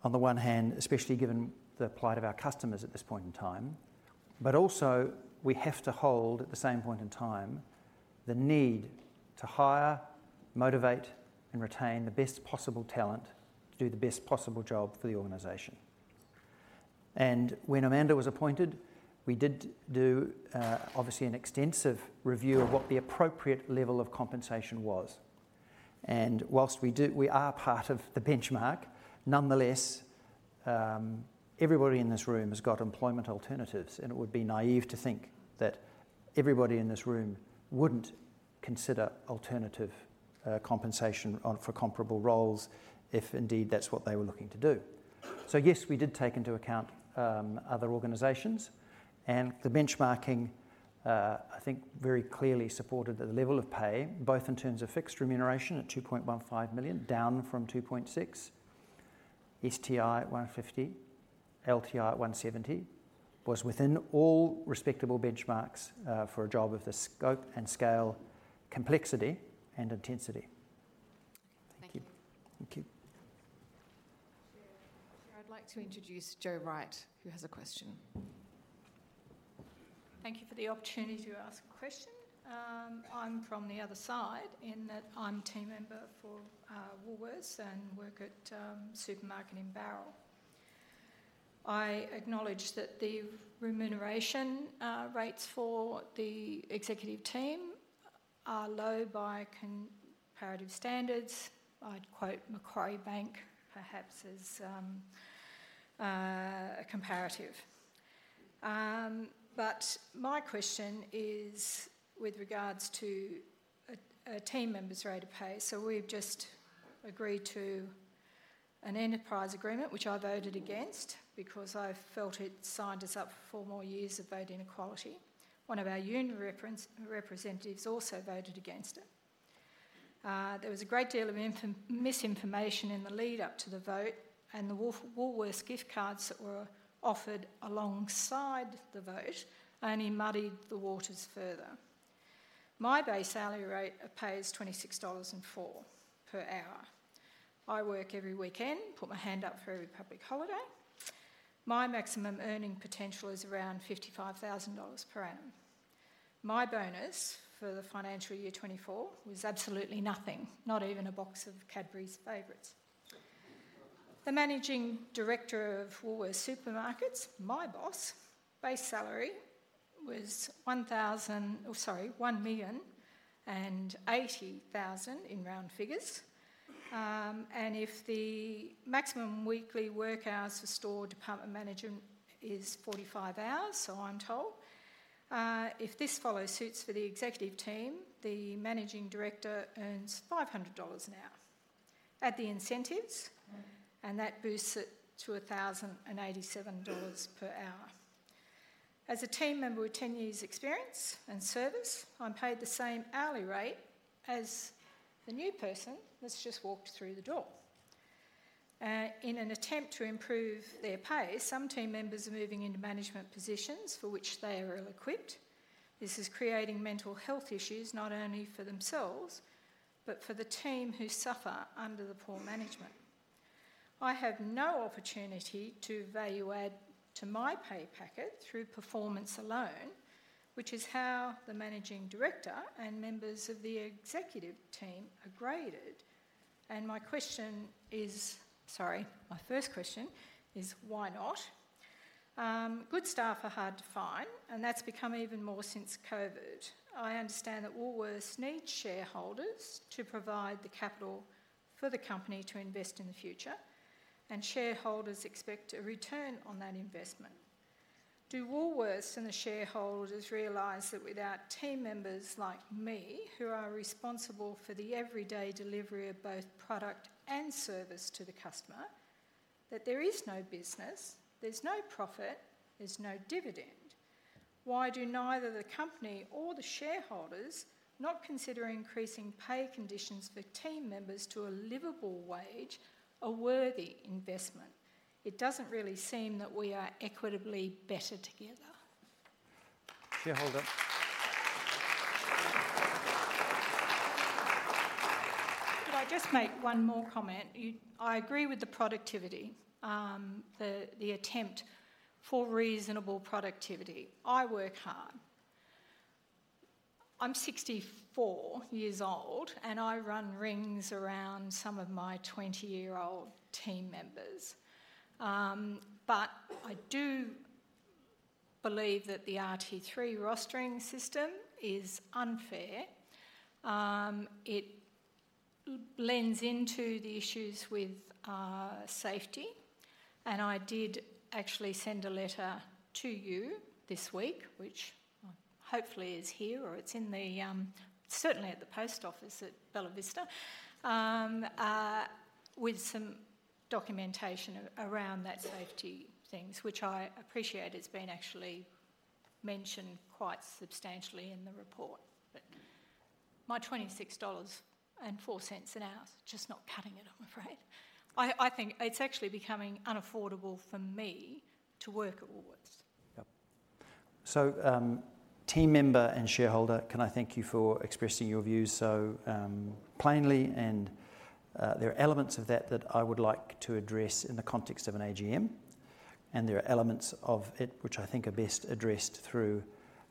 on the one hand, especially given the plight of our customers at this point in time, but also, we have to hold at the same point in time the need to hire, motivate, and retain the best possible talent to do the best possible job for the organization, and when Amanda was appointed, we did do, obviously, an extensive review of what the appropriate level of compensation was, and while we are part of the benchmark, nonetheless, everybody in this room has got employment alternatives. It would be naive to think that everybody in this room wouldn't consider alternative compensation for comparable roles if indeed that's what they were looking to do. So yes, we did take into account other organizations. And the benchmarking, I think, very clearly supported the level of pay, both in terms of fixed remuneration at $2.15 million, down from $2.6 million, STI at $150, LTI at $170, was within all respectable benchmarks for a job of the scope and scale, complexity, and intensity. Thank you. Thank you. Chair, I'd like to introduce Jo Wright, who has a question. Thank you for the opportunity to ask a question. I'm from the other side in that I'm a team member for Woolworths and work at Supermarket in Bowral. I acknowledge that the remuneration rates for the executive team are low by comparative standards. I'd quote Macquarie Bank, perhaps, as a comparative. But my question is with regards to a team member's rate of pay. So we've just agreed to an enterprise agreement, which I voted against because I felt it signed us up for four more years of voting equality. One of our union representatives also voted against it. There was a great deal of misinformation in the lead-up to the vote. And the Woolworths gift cards that were offered alongside the vote only muddied the waters further. My base hourly rate pays 26.04 dollars per hour. I work every weekend, put my hand up for every public holiday. My maximum earning potential is around 55,000 dollars per annum. My bonus for the financial year 2024 was absolutely nothing, not even a box of Cadbury Favourites. The managing director of Woolworths Supermarkets, my boss, base salary was 1,000 sorry, 1,080,000 in round figures. And if the maximum weekly work hours for store department management is 45 hours, so I'm told, if this follow suits for the executive team, the managing director earns 500 dollars an hour at the incentives, and that boosts it to 1,087 dollars per hour. As a team member with 10 years' experience and service, I'm paid the same hourly rate as the new person that's just walked through the door. In an attempt to improve their pay, some team members are moving into management positions for which they are ill-equipped. This is creating mental health issues not only for themselves, but for the team who suffer under the poor management. I have no opportunity to value add to my pay packet through performance alone, which is how the Managing Director and members of the Executive Team are graded. And my question is, sorry, my first question is, why not? Good staff are hard to find, and that's become even more since COVID. I understand that Woolworths needs shareholders to provide the capital for the company to invest in the future, and shareholders expect a return on that investment. Do Woolworths and the shareholders realize that without team members like me, who are responsible for the everyday delivery of both product and service to the customer, that there is no business, there's no profit, there's no dividend? Why do neither the company or the shareholders not consider increasing pay conditions for team members to a livable wage a worthy investment? It doesn't really seem that we are equitably better together. Shareholder. Could I just make one more comment? I agree with the productivity, the attempt for reasonable productivity. I work hard. I'm 64 years old, and I run rings around some of my 20-year-old team members. But I do believe that the RT3 rostering system is unfair. It blends into the issues with safety. And I did actually send a letter to you this week, which hopefully is here or it's certainly at the post office at Bella Vista, with some documentation around that safety things, which I appreciate has been actually mentioned quite substantially in the report. But my 26.04 dollars an hour is just not cutting it, I'm afraid. I think it's actually becoming unaffordable for me to work at Woolworths. Yep. So team member and shareholder, can I thank you for expressing your views so plainly? And there are elements of that that I would like to address in the context of an AGM. And there are elements of it which I think are best addressed through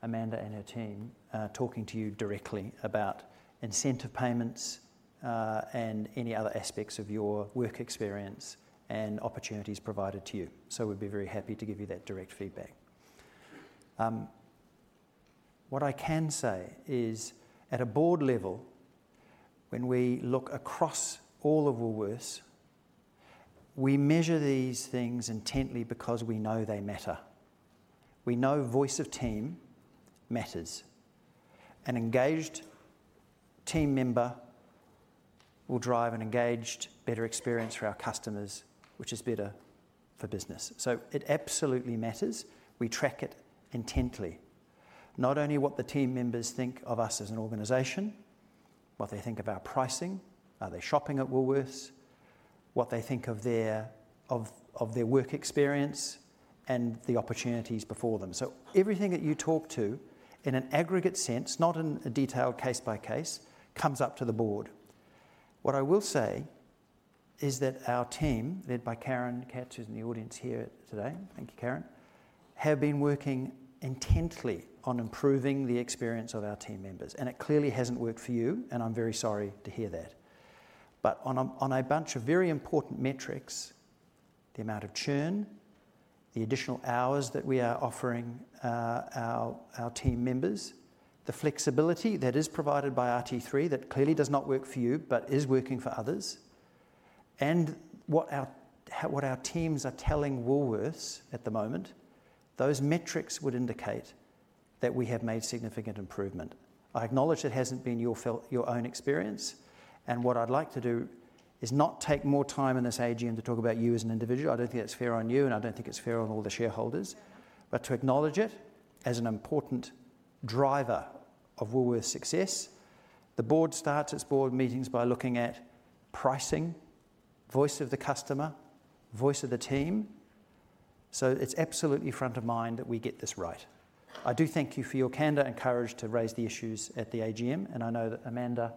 Amanda and her team talking to you directly about incentive payments and any other aspects of your work experience and opportunities provided to you. So we'd be very happy to give you that direct feedback. What I can say is, at a board level, when we look across all of Woolworths, we measure these things intently because we know they matter. We know voice of team matters. An engaged team member will drive an engaged, better experience for our customers, which is better for business. So it absolutely matters. We track it intently, not only what the team members think of us as an organization, what they think of our pricing, are they shopping at Woolworths, what they think of their work experience, and the opportunities before them. So everything that you talk to, in an aggregate sense, not in a detailed case by case, comes up to the board. What I will say is that our team, led by Caryn Katsikogiannis, who's in the audience here today (thank you, Caryn), have been working intently on improving the experience of our team members, and it clearly hasn't worked for you, and I'm very sorry to hear that. But on a bunch of very important metrics, the amount of churn, the additional hours that we are offering our team members, the flexibility that is provided by RT3 that clearly does not work for you but is working for others, and what our teams are telling Woolworths at the moment, those metrics would indicate that we have made significant improvement. I acknowledge it hasn't been your own experience. And what I'd like to do is not take more time in this AGM to talk about you as an individual. I don't think that's fair on you, and I don't think it's fair on all the shareholders. But to acknowledge it as an important driver of Woolworths' success. The board starts its board meetings by looking at pricing, voice of the customer, voice of the team. So it's absolutely front of mind that we get this right. I do thank you for your candor and courage to raise the issues at the AGM, and I know that Amanda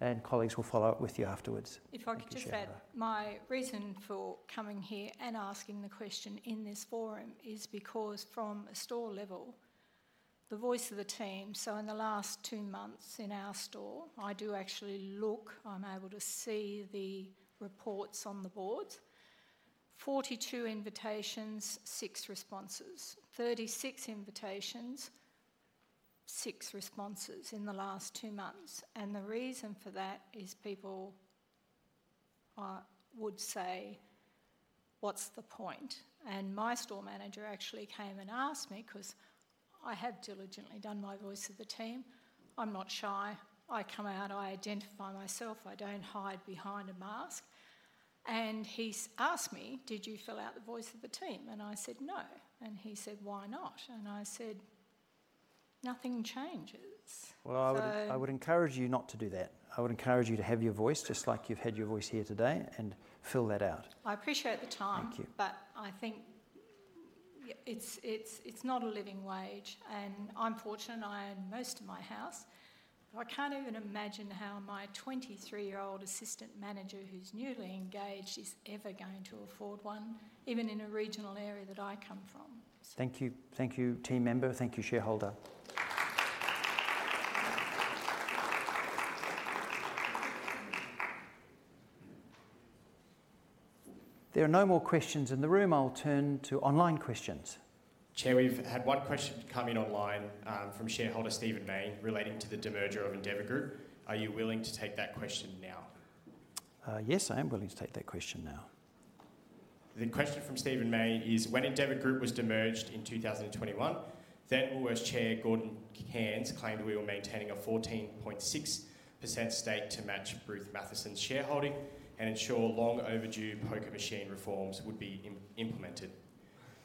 and colleagues will follow up with you afterwards. If I could just add, my reason for coming here and asking the question in this forum is because from a store level, the voice of the team—so in the last two months in our store, I do actually look, I'm able to see the reports on the boards—42 invitations, 6 responses, 36 invitations, 6 responses in the last two months. And the reason for that is people would say, "What's the point?" And my store manager actually came and asked me because I have diligently done my voice of the team. I'm not shy. I come out, I identify myself. I don't hide behind a mask. And he asked me, "Did you fill out the voice of the team?" And I said, "No." And he said, "Why not?" And I said, "Nothing changes. I would encourage you not to do that. I would encourage you to have your voice just like you've had your voice here today and fill that out. I appreciate the time. Thank you. But I think it's not a living wage. And I'm fortunate I own most of my house. I can't even imagine how my 23-year-old assistant manager, who's newly engaged, is ever going to afford one, even in a regional area that I come from. Thank you. Thank you, team member. Thank you, shareholder. There are no more questions in the room. I'll turn to online questions. Chair, we've had one question come in online from shareholder Stephen Mayne relating to the demerger of Endeavour Group. Are you willing to take that question now? Yes, I am willing to take that question now. The question from Stephen Mayne is, "When Endeavour Group was demerged in 2021, then Woolworths Chair Gordon Cairns claimed we were maintaining a 14.6% stake to match Bruce Mathieson's shareholding and ensure long-overdue poker machine reforms would be implemented.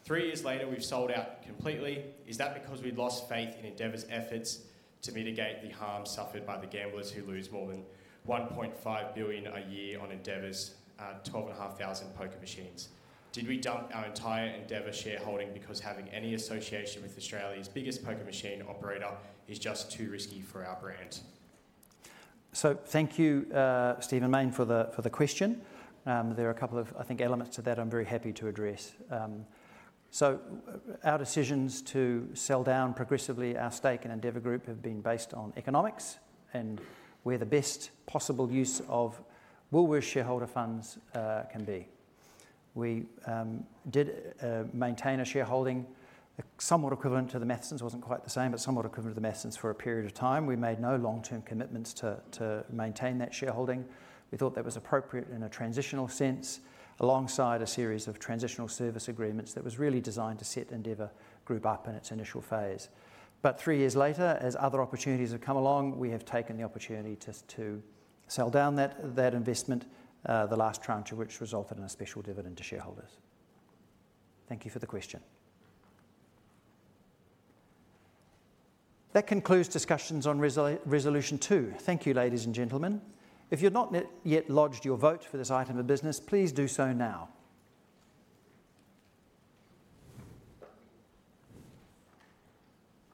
Three years later, we've sold out completely. Is that because we'd lost faith in Endeavour's efforts to mitigate the harm suffered by the gamblers who lose more than 1.5 billion a year on Endeavour's 12,500 poker machines? Did we dump our entire Endeavour shareholding because having any association with Australia's biggest poker machine operator is just too risky for our brand? So thank you, Stephen Mayne, for the question. There are a couple of, I think, elements to that I'm very happy to address. So our decisions to sell down progressively our stake in Endeavour Group have been based on economics and where the best possible use of Woolworths' shareholder funds can be. We did maintain a shareholding somewhat equivalent to the Mathieson's, it wasn't quite the same, but somewhat equivalent to the Mathieson's for a period of time. We made no long-term commitments to maintain that shareholding. We thought that was appropriate in a transitional sense alongside a series of transitional service agreements that was really designed to set Endeavour Group up in its initial phase. But three years later, as other opportunities have come along, we have taken the opportunity to sell down that investment, the last tranche of which resulted in a special dividend to shareholders. Thank you for the question. That concludes discussions on Resolution 2. Thank you, ladies and gentlemen. If you've not yet lodged your vote for this item of business, please do so now.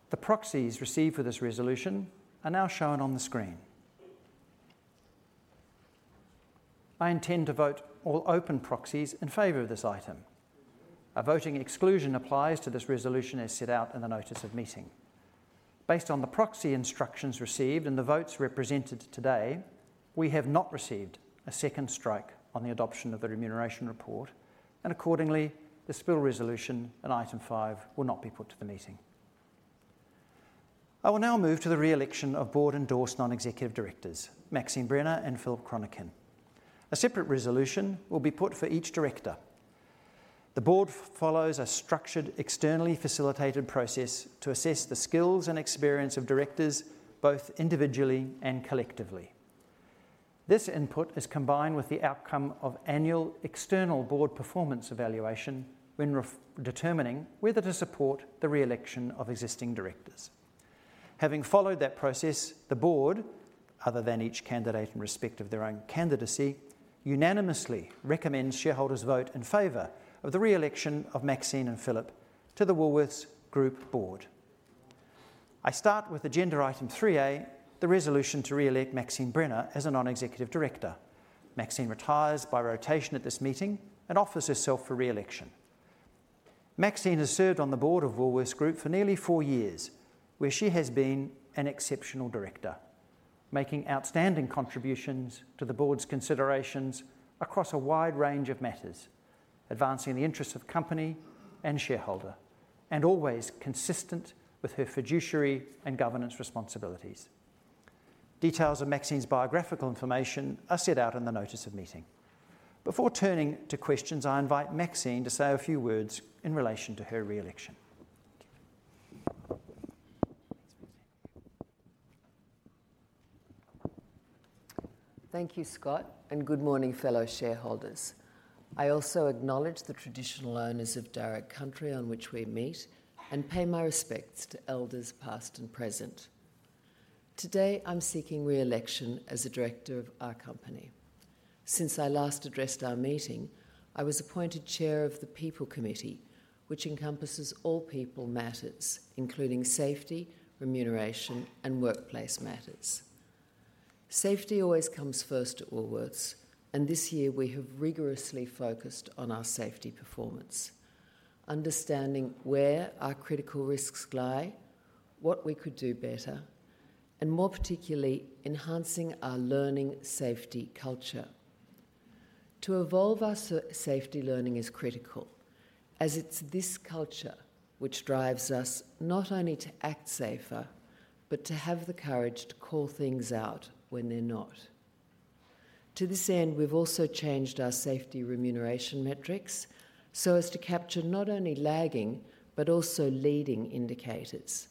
The proxies received for this resolution are now shown on the screen. I intend to vote all open proxies in favor of this item. A voting exclusion applies to this resolution as set out in the notice of meeting. Based on the proxy instructions received and the votes represented today, we have not received a second strike on the adoption of the remuneration report, and accordingly, the spill resolution and item five will not be put to the meeting. I will now move to the re-election of board-endorsed non-executive directors, Maxine Brenner and Philip Chronican. A separate resolution will be put for each director. The board follows a structured, externally facilitated process to assess the skills and experience of directors both individually and collectively. This input is combined with the outcome of annual external board performance evaluation when determining whether to support the re-election of existing directors. Having followed that process, the board, other than each candidate in respect of their own candidacy, unanimously recommends shareholders vote in favor of the re-election of Maxine and Philip to the Woolworths Group board. I start with agenda item 3A, the resolution to re-elect Maxine Brenner as a non-executive director. Maxine retires by rotation at this meeting and offers herself for re-election. Maxine has served on the board of Woolworths Group for nearly four years, where she has been an exceptional director, making outstanding contributions to the board's considerations across a wide range of matters, advancing the interests of company and shareholder, and always consistent with her fiduciary and governance responsibilities. Details of Maxine's biographical information are set out in the notice of meeting. Before turning to questions, I invite Maxine to say a few words in relation to her re-election. Thank you. Thank you, Scott, and good morning, fellow shareholders. I also acknowledge the traditional owners of Darug Country on which we meet and pay my respects to elders past and present. Today, I'm seeking re-election as a director of our company. Since I last addressed our meeting, I was appointed chair of the People Committee, which encompasses all people matters, including safety, remuneration, and workplace matters. Safety always comes first at Woolworths, and this year we have rigorously focused on our safety performance, understanding where our critical risks lie, what we could do better, and more particularly, enhancing our learning safety culture. To evolve our safety learning is critical, as it's this culture which drives us not only to act safer but to have the courage to call things out when they're not. To this end, we've also changed our safety remuneration metrics so as to capture not only lagging but also leading indicators.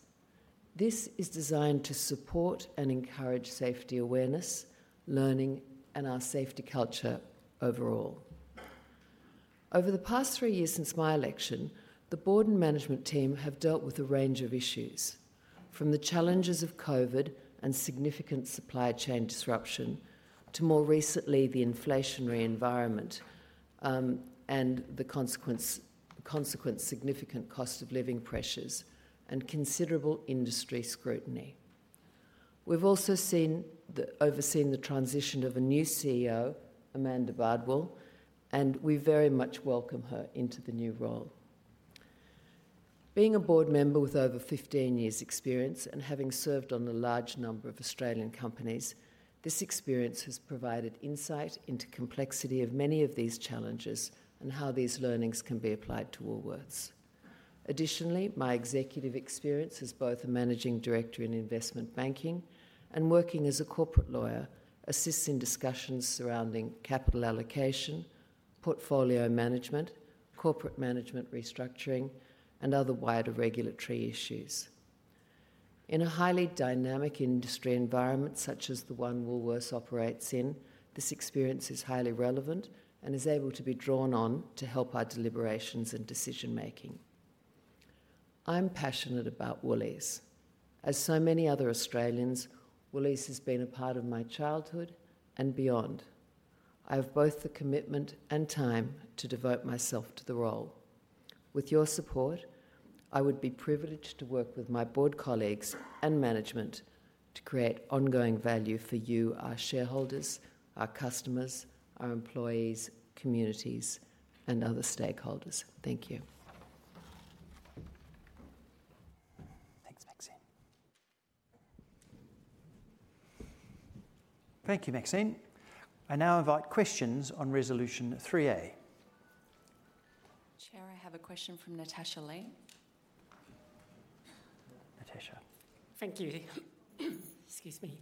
This is designed to support and encourage safety awareness, learning, and our safety culture overall. Over the past three years since my election, the board and management team have dealt with a range of issues, from the challenges of COVID and significant supply chain disruption to more recently, the inflationary environment and the consequent significant cost of living pressures and considerable industry scrutiny. We've also overseen the transition of a new CEO, Amanda Bardwell, and we very much welcome her into the new role. Being a board member with over 15 years' experience and having served on a large number of Australian companies, this experience has provided insight into the complexity of many of these challenges and how these learnings can be applied to Woolworths. Additionally, my executive experience as both a managing director in investment banking and working as a corporate lawyer assists in discussions surrounding capital allocation, portfolio management, corporate management restructuring, and other wider regulatory issues. In a highly dynamic industry environment such as the one Woolworths operates in, this experience is highly relevant and is able to be drawn on to help our deliberations and decision-making. I'm passionate about Woolies. As so many other Australians, Woolies has been a part of my childhood and beyond. I have both the commitment and time to devote myself to the role. With your support, I would be privileged to work with my board colleagues and management to create ongoing value for you, our shareholders, our customers, our employees, communities, and other stakeholders. Thank you. Thanks, Maxine. Thank you, Maxine. I now invite questions on Resolution 3A. Chair, I have a question from Natasha Lee. Natasha. Thank you. Excuse me.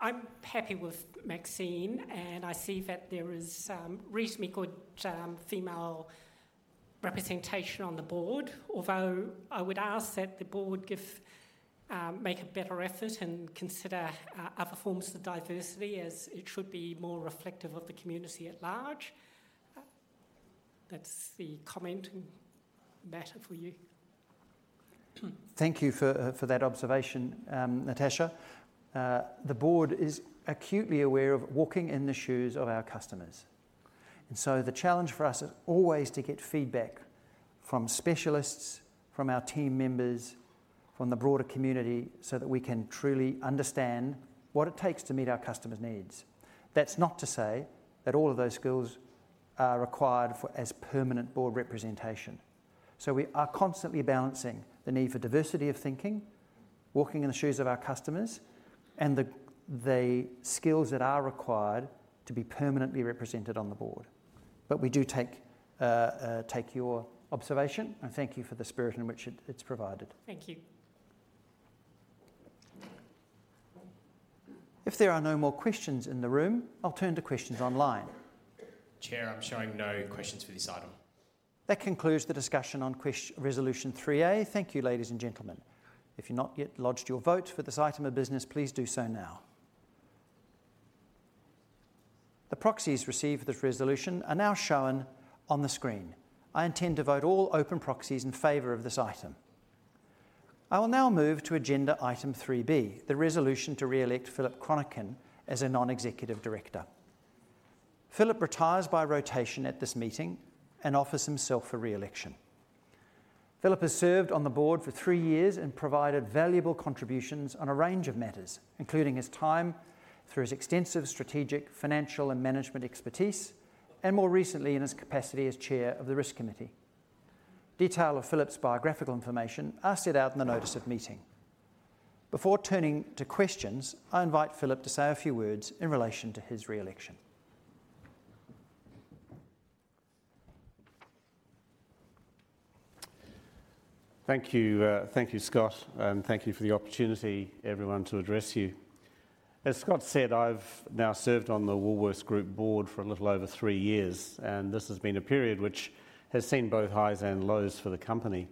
I'm happy with Maxine, and I see that there is reasonably good female representation on the board, although I would ask that the board make a better effort and consider other forms of diversity as it should be more reflective of the community at large. That's the commenting matter for you. Thank you for that observation, Natasha. The board is acutely aware of walking in the shoes of our customers. And so the challenge for us is always to get feedback from specialists, from our team members, from the broader community so that we can truly understand what it takes to meet our customers' needs. That's not to say that all of those skills are required for as permanent board representation. So we are constantly balancing the need for diversity of thinking, walking in the shoes of our customers, and the skills that are required to be permanently represented on the board. But we do take your observation, and thank you for the spirit in which it's provided. Thank you. If there are no more questions in the room, I'll turn to questions online. Chair, I'm showing no questions for this item. That concludes the discussion on Resolution 3A. Thank you, ladies and gentlemen. If you've not yet lodged your vote for this item of business, please do so now. The proxies received for this resolution are now shown on the screen. I intend to vote all open proxies in favor of this item. I will now move to agenda item 3B, the resolution to re-elect Philip Chronican as a non-executive director. Philip retires by rotation at this meeting and offers himself for re-election. Philip has served on the board for three years and provided valuable contributions on a range of matters, including his time through his extensive strategic, financial, and management expertise, and more recently, in his capacity as chair of the risk committee. Detail of Philip's biographical information are set out in the notice of meeting. Before turning to questions, I invite Philip to say a few words in relation to his re-election. Thank you, Scott, and thank you for the opportunity, everyone, to address you. As Scott said, I've now served on the Woolworths Group board for a little over three years, and this has been a period which has seen both highs and lows for the company.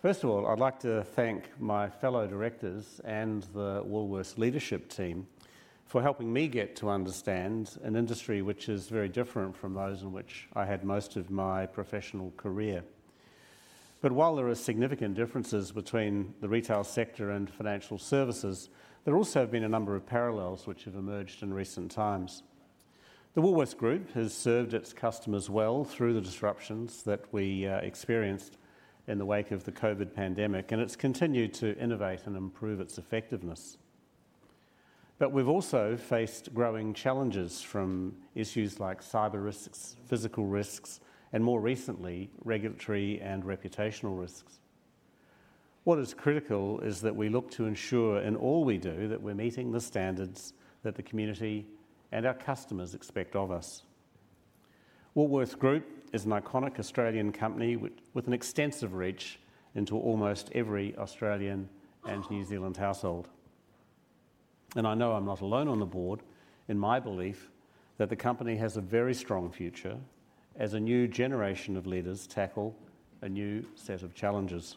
First of all, I'd like to thank my fellow directors and the Woolworths leadership team for helping me get to understand an industry which is very different from those in which I had most of my professional career. But while there are significant differences between the retail sector and financial services, there also have been a number of parallels which have emerged in recent times. The Woolworths Group has served its customers well through the disruptions that we experienced in the wake of the COVID pandemic, and it's continued to innovate and improve its effectiveness. But we've also faced growing challenges from issues like cyber risks, physical risks, and more recently, regulatory and reputational risks. What is critical is that we look to ensure in all we do that we're meeting the standards that the community and our customers expect of us. Woolworths Group is an iconic Australian company with an extensive reach into almost every Australian and New Zealand household. And I know I'm not alone on the board in my belief that the company has a very strong future as a new generation of leaders tackle a new set of challenges.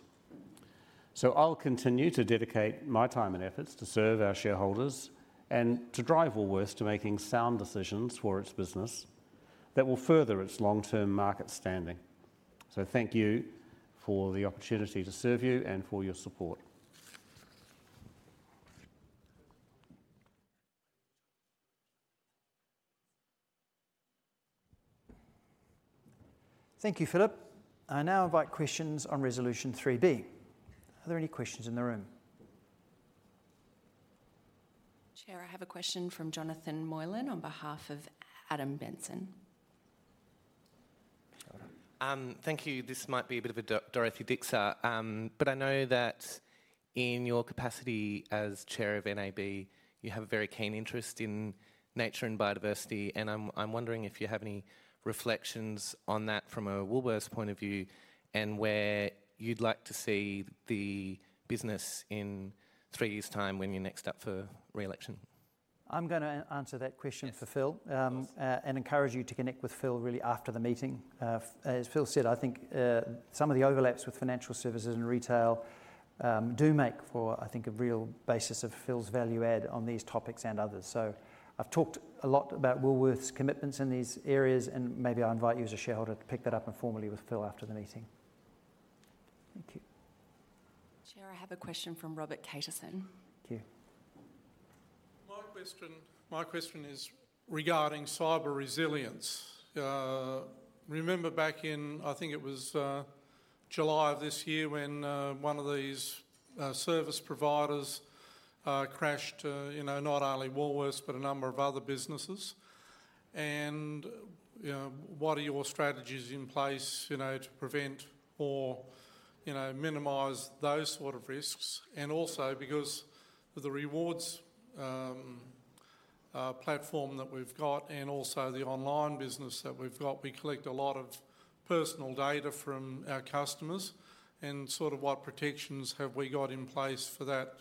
So I'll continue to dedicate my time and efforts to serve our shareholders and to drive Woolworths to making sound decisions for its business that will further its long-term market standing. So thank you for the opportunity to serve you and for your support. Thank you, Philip. I now invite questions on Resolution 3B. Are there any questions in the room? Chair, I have a question from Jonathan Moylan on behalf of Adam Benson. Thank you. This might be a bit of a Dorothy Dixer, but I know that in your capacity as Chair of NAB, you have a very keen interest in nature and biodiversity, and I'm wondering if you have any reflections on that from a Woolworths point of view and where you'd like to see the business in three years' time when you're next up for re-election? I'm going to answer that question for Phil and encourage you to connect with Phil really after the meeting. As Phil said, I think some of the overlaps with financial services and retail do make for, I think, a real basis of Phil's value add on these topics and others. So I've talked a lot about Woolworths' commitments in these areas, and maybe I'll invite you as a shareholder to pick that up informally with Phil after the meeting. Thank you. Chair, I have a question from Robert Caterson. Thank you. My question is regarding cyber resilience. Remember back in, I think it was July of this year when one of these service providers crashed, not only Woolworths but a number of other businesses. And what are your strategies in place to prevent or minimize those sort of risks? And also because of the rewards platform that we've got and also the online business that we've got, we collect a lot of personal data from our customers. And sort of what protections have we got in place for that?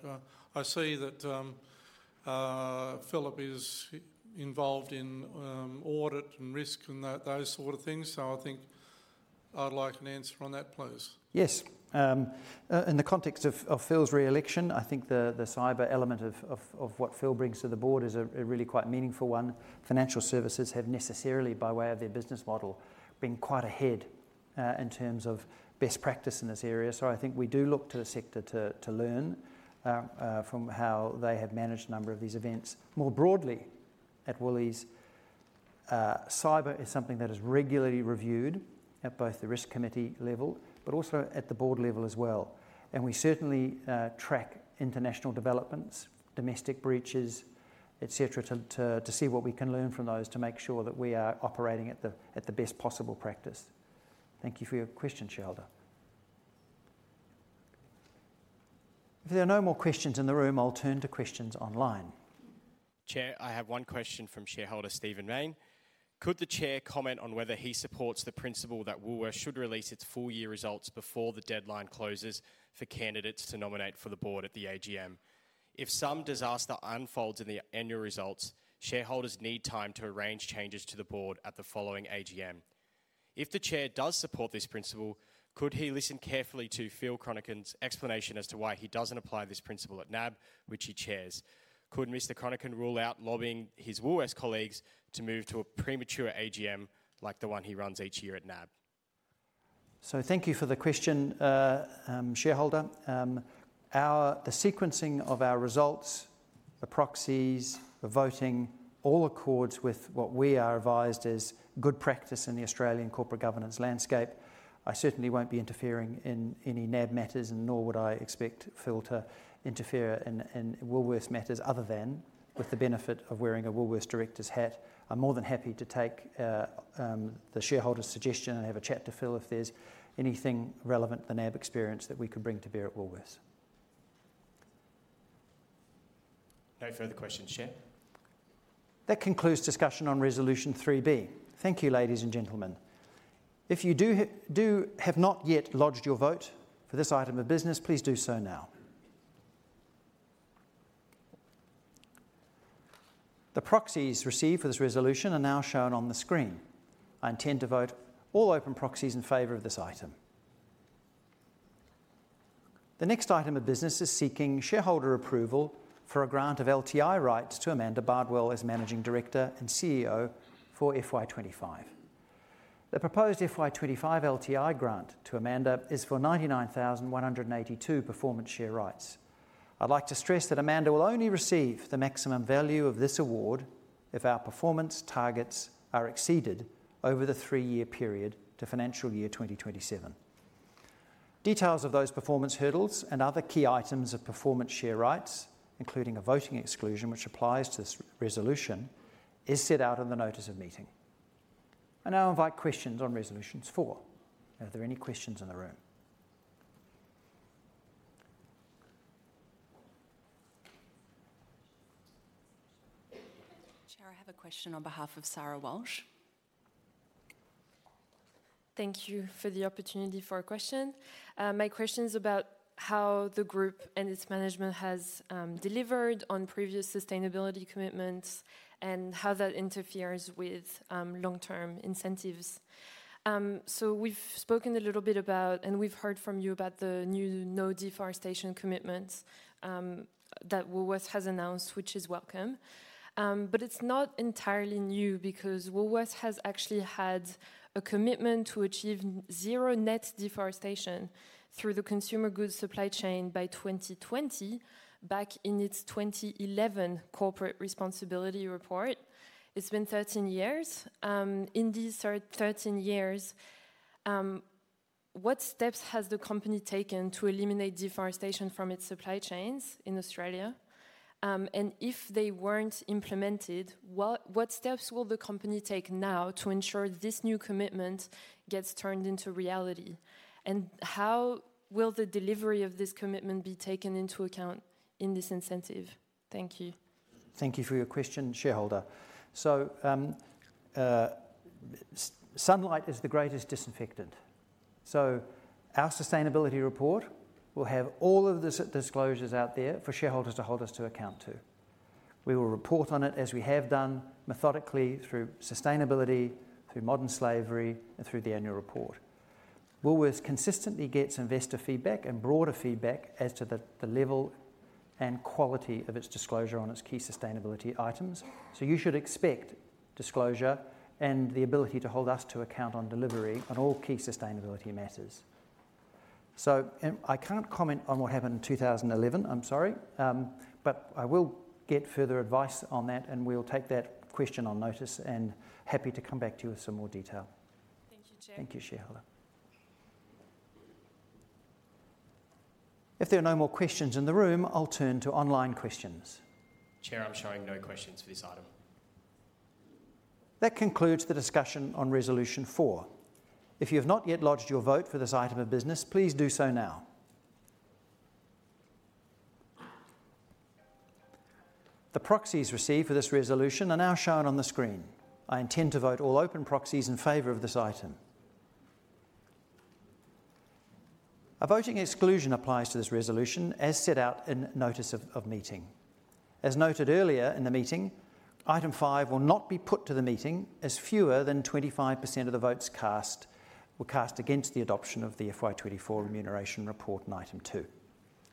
I see that Philip is involved in audit and risk and those sort of things, so I think I'd like an answer on that, please. Yes. In the context of Phil's re-election, I think the cyber element of what Phil brings to the board is a really quite meaningful one. Financial services have necessarily, by way of their business model, been quite ahead in terms of best practice in this area. So I think we do look to the sector to learn from how they have managed a number of these events. More broadly, at Woolworths, cyber is something that is regularly reviewed at both the risk committee level but also at the board level as well. And we certainly track international developments, domestic breaches, etc., to see what we can learn from those to make sure that we are operating at the best possible practice. Thank you for your question, Caterson. If there are no more questions in the room, I'll turn to questions online. Chair, I have one question from shareholder Stephen Mayne. Could the chair comment on whether he supports the principle that Woolworths should release its full-year results before the deadline closes for candidates to nominate for the board at the AGM? If some disaster unfolds in the annual results, shareholders need time to arrange changes to the board at the following AGM. If the chair does support this principle, could he listen carefully to Philip Chronican's explanation as to why he doesn't apply this principle at NAB, which he chairs? Could Mr. Chronican rule out lobbying his Woolworths colleagues to move to a premature AGM like the one he runs each year at NAB? So thank you for the question, shareholder. The sequencing of our results, the proxies, the voting, all accords with what we are advised as good practice in the Australian corporate governance landscape. I certainly won't be interfering in any NAB matters, and nor would I expect Phil to interfere in Woolworths' matters other than with the benefit of wearing a Woolworths director's hat. I'm more than happy to take the shareholder's suggestion and have a chat to Phil if there's anything relevant to the NAB experience that we could bring to bear at Woolworths. No further questions, Chair. That concludes discussion on Resolution 3B. Thank you, ladies and gentlemen. If you have not yet lodged your vote for this item of business, please do so now. The proxies received for this resolution are now shown on the screen. I intend to vote all open proxies in favor of this item. The next item of business is seeking shareholder approval for a grant of LTI rights to Amanda Bardwell as Managing Director and CEO for FY25. The proposed FY25 LTI grant to Amanda is for 99,182 performance share rights. I'd like to stress that Amanda will only receive the maximum value of this award if our performance targets are exceeded over the three-year period to financial year 2027. Details of those performance hurdles and other key items of performance share rights, including a voting exclusion which applies to this resolution, are set out in the notice of meeting. I now invite questions on Resolution 4. Are there any questions in the room? Chair, I have a question on behalf of Sarah Walsh. Thank you for the opportunity for a question. My question is about how the group and its management has delivered on previous sustainability commitments and how that interferes with long-term incentives. So we've spoken a little bit about, and we've heard from you about the new no deforestation commitment that Woolworths has announced, which is welcome. But it's not entirely new because Woolworths has actually had a commitment to achieve zero net deforestation through the consumer goods supply chain by 2020 back in its 2011 corporate responsibility report. It's been 13 years. In these 13 years, what steps has the company taken to eliminate deforestation from its supply chains in Australia? And if they weren't implemented, what steps will the company take now to ensure this new commitment gets turned into reality? And how will the delivery of this commitment be taken into account in this incentive? Thank you. Thank you for your question, shareholder. So sunlight is the greatest disinfectant. So our sustainability report will have all of the disclosures out there for shareholders to hold us to account to. We will report on it as we have done methodically through sustainability, through modern slavery, and through the annual report. Woolworths consistently gets investor feedback and broader feedback as to the level and quality of its disclosure on its key sustainability items. So you should expect disclosure and the ability to hold us to account on delivery on all key sustainability matters. So I can't comment on what happened in 2011, I'm sorry, but I will get further advice on that, and we'll take that question on notice and happy to come back to you with some more detail. Thank you, Chair. Thank you, shareholder. If there are no more questions in the room, I'll turn to online questions. Chair, I'm showing no questions for this item. That concludes the discussion on Resolution 4. If you have not yet lodged your vote for this item of business, please do so now. The proxies received for this resolution are now shown on the screen. I intend to vote all open proxies in favor of this item. A voting exclusion applies to this resolution as set out in notice of meeting. As noted earlier in the meeting, item five will not be put to the meeting as fewer than 25% of the votes cast were cast against the adoption of the FY 2024 remuneration report and item two.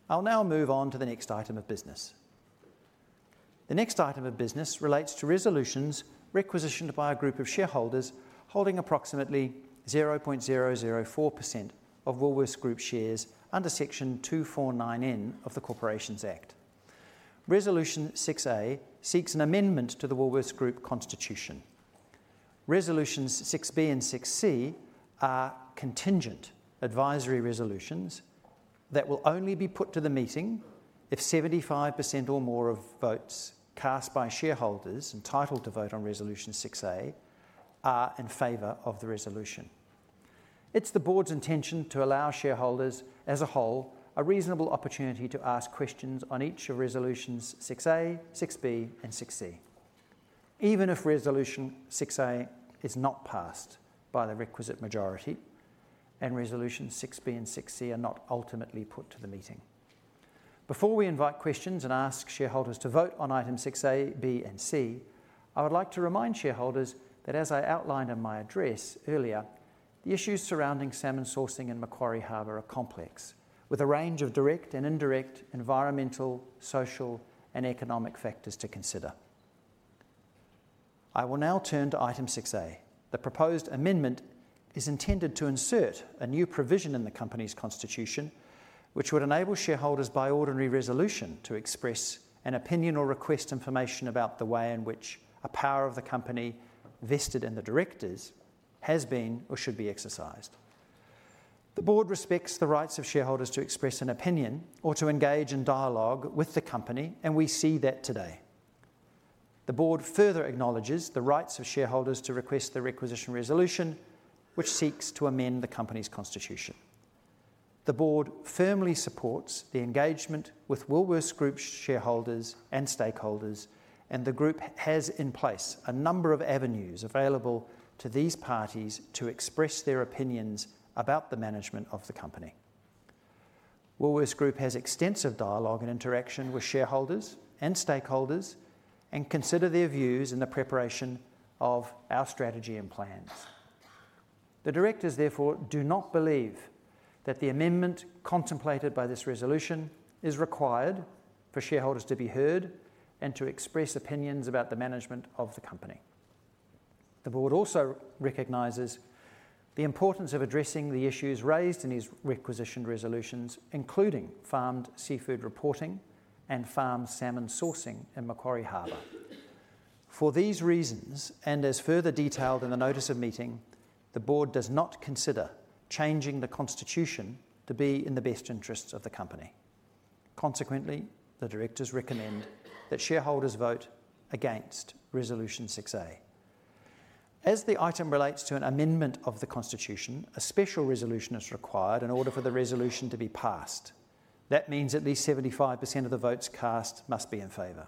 I'll now move on to the next item of business. The next item of business relates to resolutions requisitioned by a group of shareholders holding approximately 0.004% of Woolworths Group shares under section 249(n) of the Corporations Act. Resolution 6A seeks an amendment to the Woolworths Group constitution. Resolutions 6B and 6C are contingent advisory resolutions that will only be put to the meeting if 75% or more of votes cast by shareholders entitled to vote on Resolution 6A are in favor of the resolution. It's the board's intention to allow shareholders as a whole a reasonable opportunity to ask questions on each of Resolutions 6A, 6B, and 6C, even if Resolution 6A is not passed by the requisite majority and Resolutions 6B and 6C are not ultimately put to the meeting. Before we invite questions and ask shareholders to vote on items 6A, B, and C, I would like to remind shareholders that, as I outlined in my address earlier, the issues surrounding salmon sourcing in Macquarie Harbour are complex, with a range of direct and indirect environmental, social, and economic factors to consider. I will now turn to item 6A. The proposed amendment is intended to insert a new provision in the company's constitution which would enable shareholders by ordinary resolution to express an opinion or request information about the way in which a power of the company vested in the directors has been or should be exercised. The board respects the rights of shareholders to express an opinion or to engage in dialogue with the company, and we see that today. The board further acknowledges the rights of shareholders to request the requisition resolution which seeks to amend the company's constitution. The board firmly supports the engagement with Woolworths Group shareholders and stakeholders, and the group has in place a number of avenues available to these parties to express their opinions about the management of the company. Woolworths Group has extensive dialogue and interaction with shareholders and stakeholders and consider their views in the preparation of our strategy and plans. The directors, therefore, do not believe that the amendment contemplated by this resolution is required for shareholders to be heard and to express opinions about the management of the company. The board also recognizes the importance of addressing the issues raised in these requisition resolutions, including farmed seafood reporting and farmed salmon sourcing in Macquarie Harbour. For these reasons, and as further detailed in the notice of meeting, the board does not consider changing the constitution to be in the best interests of the company. Consequently, the directors recommend that shareholders vote against Resolution 6A. As the item relates to an amendment of the constitution, a special resolution is required in order for the resolution to be passed. That means at least 75% of the votes cast must be in favor.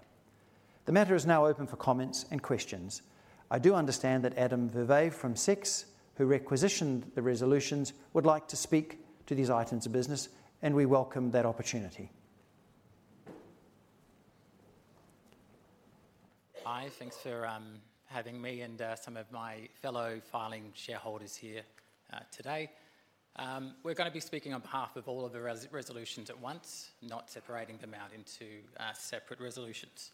The matter is now open for comments and questions. I do understand that Adam Verwey from Six, who requisitioned the resolutions, would like to speak to these items of business, and we welcome that opportunity. Hi. Thanks for having me and some of my fellow filing shareholders here today. We're going to be speaking on behalf of all of the resolutions at once, not separating them out into separate resolutions.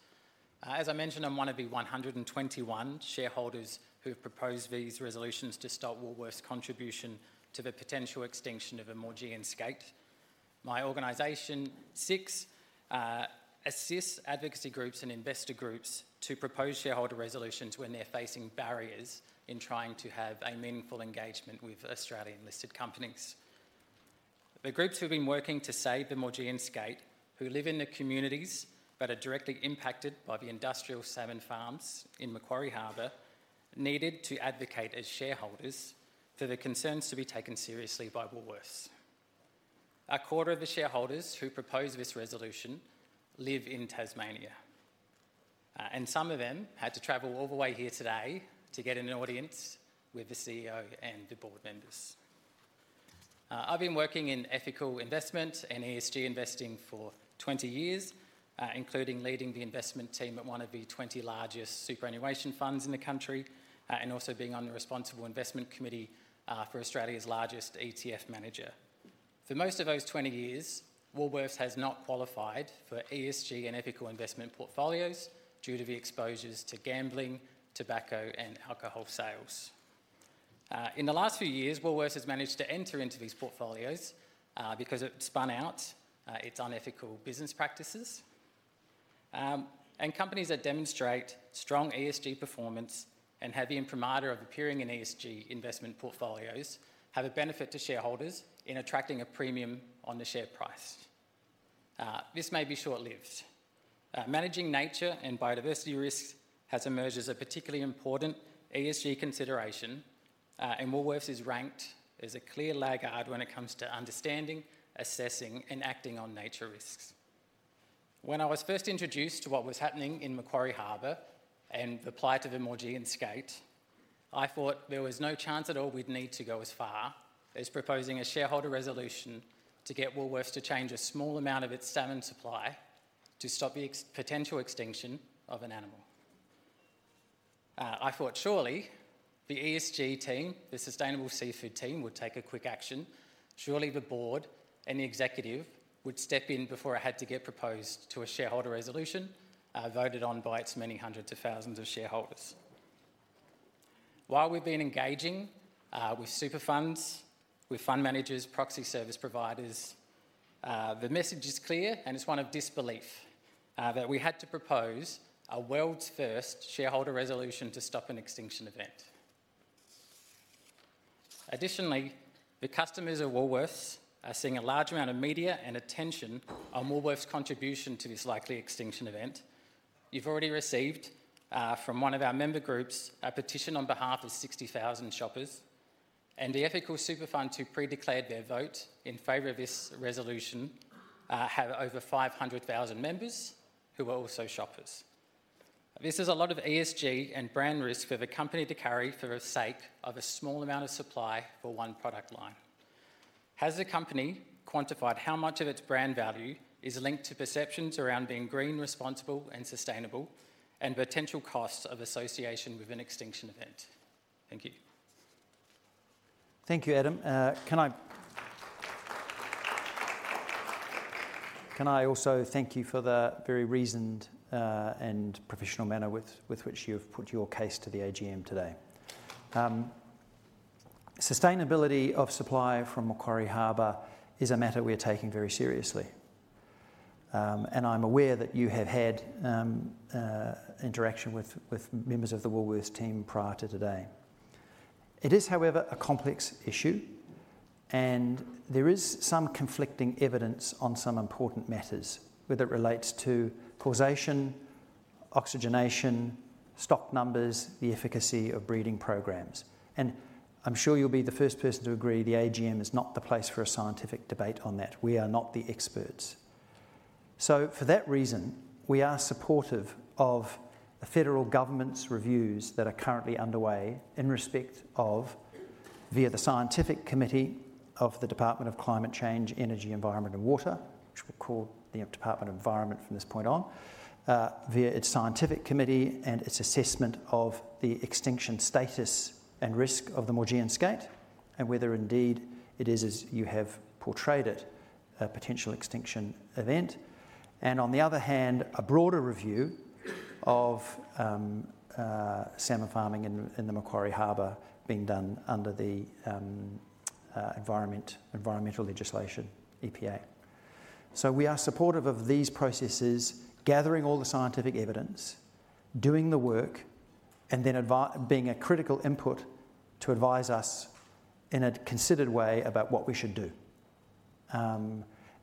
As I mentioned, I'm one of the 121 shareholders who have proposed these resolutions to stop Woolworths' contribution to the potential extinction of Maugean Skate. My organization, Six, assists advocacy groups and investor groups to propose shareholder resolutions when they're facing barriers in trying to have a meaningful engagement with Australian listed companies. The groups who have been working to save Maugean Skate, who live in the communities but are directly impacted by the industrial salmon farms in Macquarie Harbour, needed to advocate as shareholders for the concerns to be taken seriously by Woolworths. A quarter of the shareholders who propose this resolution live in Tasmania, and some of them had to travel all the way here today to get an audience with the CEO and the board members. I've been working in ethical investment and ESG investing for 20 years, including leading the investment team at one of the 20 largest superannuation funds in the country and also being on the Responsible Investment Committee for Australia's largest ETF manager. For most of those 20 years, Woolworths has not qualified for ESG and ethical investment portfolios due to the exposures to gambling, tobacco, and alcohol sales. In the last few years, Woolworths has managed to enter into these portfolios because it spun out its unethical business practices, and companies that demonstrate strong ESG performance and have the imprimatur of appearing in ESG investment portfolios have a benefit to shareholders in attracting a premium on the share price. This may be short-lived. Managing nature and biodiversity risks has emerged as a particularly important ESG consideration, and Woolworths is ranked as a clear laggard when it comes to understanding, assessing, and acting on nature risks. When I was first introduced to what was happening in Macquarie Harbour and the plight of the Maugean Skate, I thought there was no chance at all we'd need to go as far as proposing a shareholder resolution to get Woolworths to change a small amount of its salmon supply to stop the potential extinction of an animal. I thought surely the ESG team, the Sustainable Seafood team, would take a quick action. Surely the board and the executive would step in before it had to get proposed to a shareholder resolution voted on by its many hundreds of thousands of shareholders. While we've been engaging with super funds, with fund managers, proxy service providers, the message is clear, and it's one of disbelief, that we had to propose a world's first shareholder resolution to stop an extinction event. Additionally, the customers of Woolworths are seeing a large amount of media and attention on Woolworths' contribution to this likely extinction event. You've already received from one of our member groups a petition on behalf of 60,000 shoppers, and the ethical super fund who pre-declared their vote in favor of this resolution have over 500,000 members who are also shoppers. This is a lot of ESG and brand risk for the company to carry for the sake of a small amount of supply for one product line. Has the company quantified how much of its brand value is linked to perceptions around being green, responsible, and sustainable, and potential costs of association with an extinction event? Thank you. Thank you, Adam. Can I also thank you for the very reasoned and professional manner with which you have put your case to the AGM today? Sustainability of supply from Macquarie Harbour is a matter we are taking very seriously, and I'm aware that you have had interaction with members of the Woolworths team prior to today. It is, however, a complex issue, and there is some conflicting evidence on some important matters whether it relates to causation, oxygenation, stock numbers, the efficacy of breeding program, and I'm sure you'll be the first person to agree the AGM is not the place for a scientific debate on that. We are not the experts. So for that reason, we are supportive of the federal government's reviews that are currently underway in respect of, via the scientific committee of the Department of Climate Change, Energy, the Environment and Water, which we'll call the Department of Environment from this point on, via its scientific committee and its assessment of the extinction status and risk of the Maugean Skate and whether indeed it is, as you have portrayed it, a potential extinction event. And on the other hand, a broader review of salmon farming in the Macquarie Harbour being done under the environmental legislation, EPA. We are supportive of these processes, gathering all the scientific evidence, doing the work, and then being a critical input to advise us in a considered way about what we should do.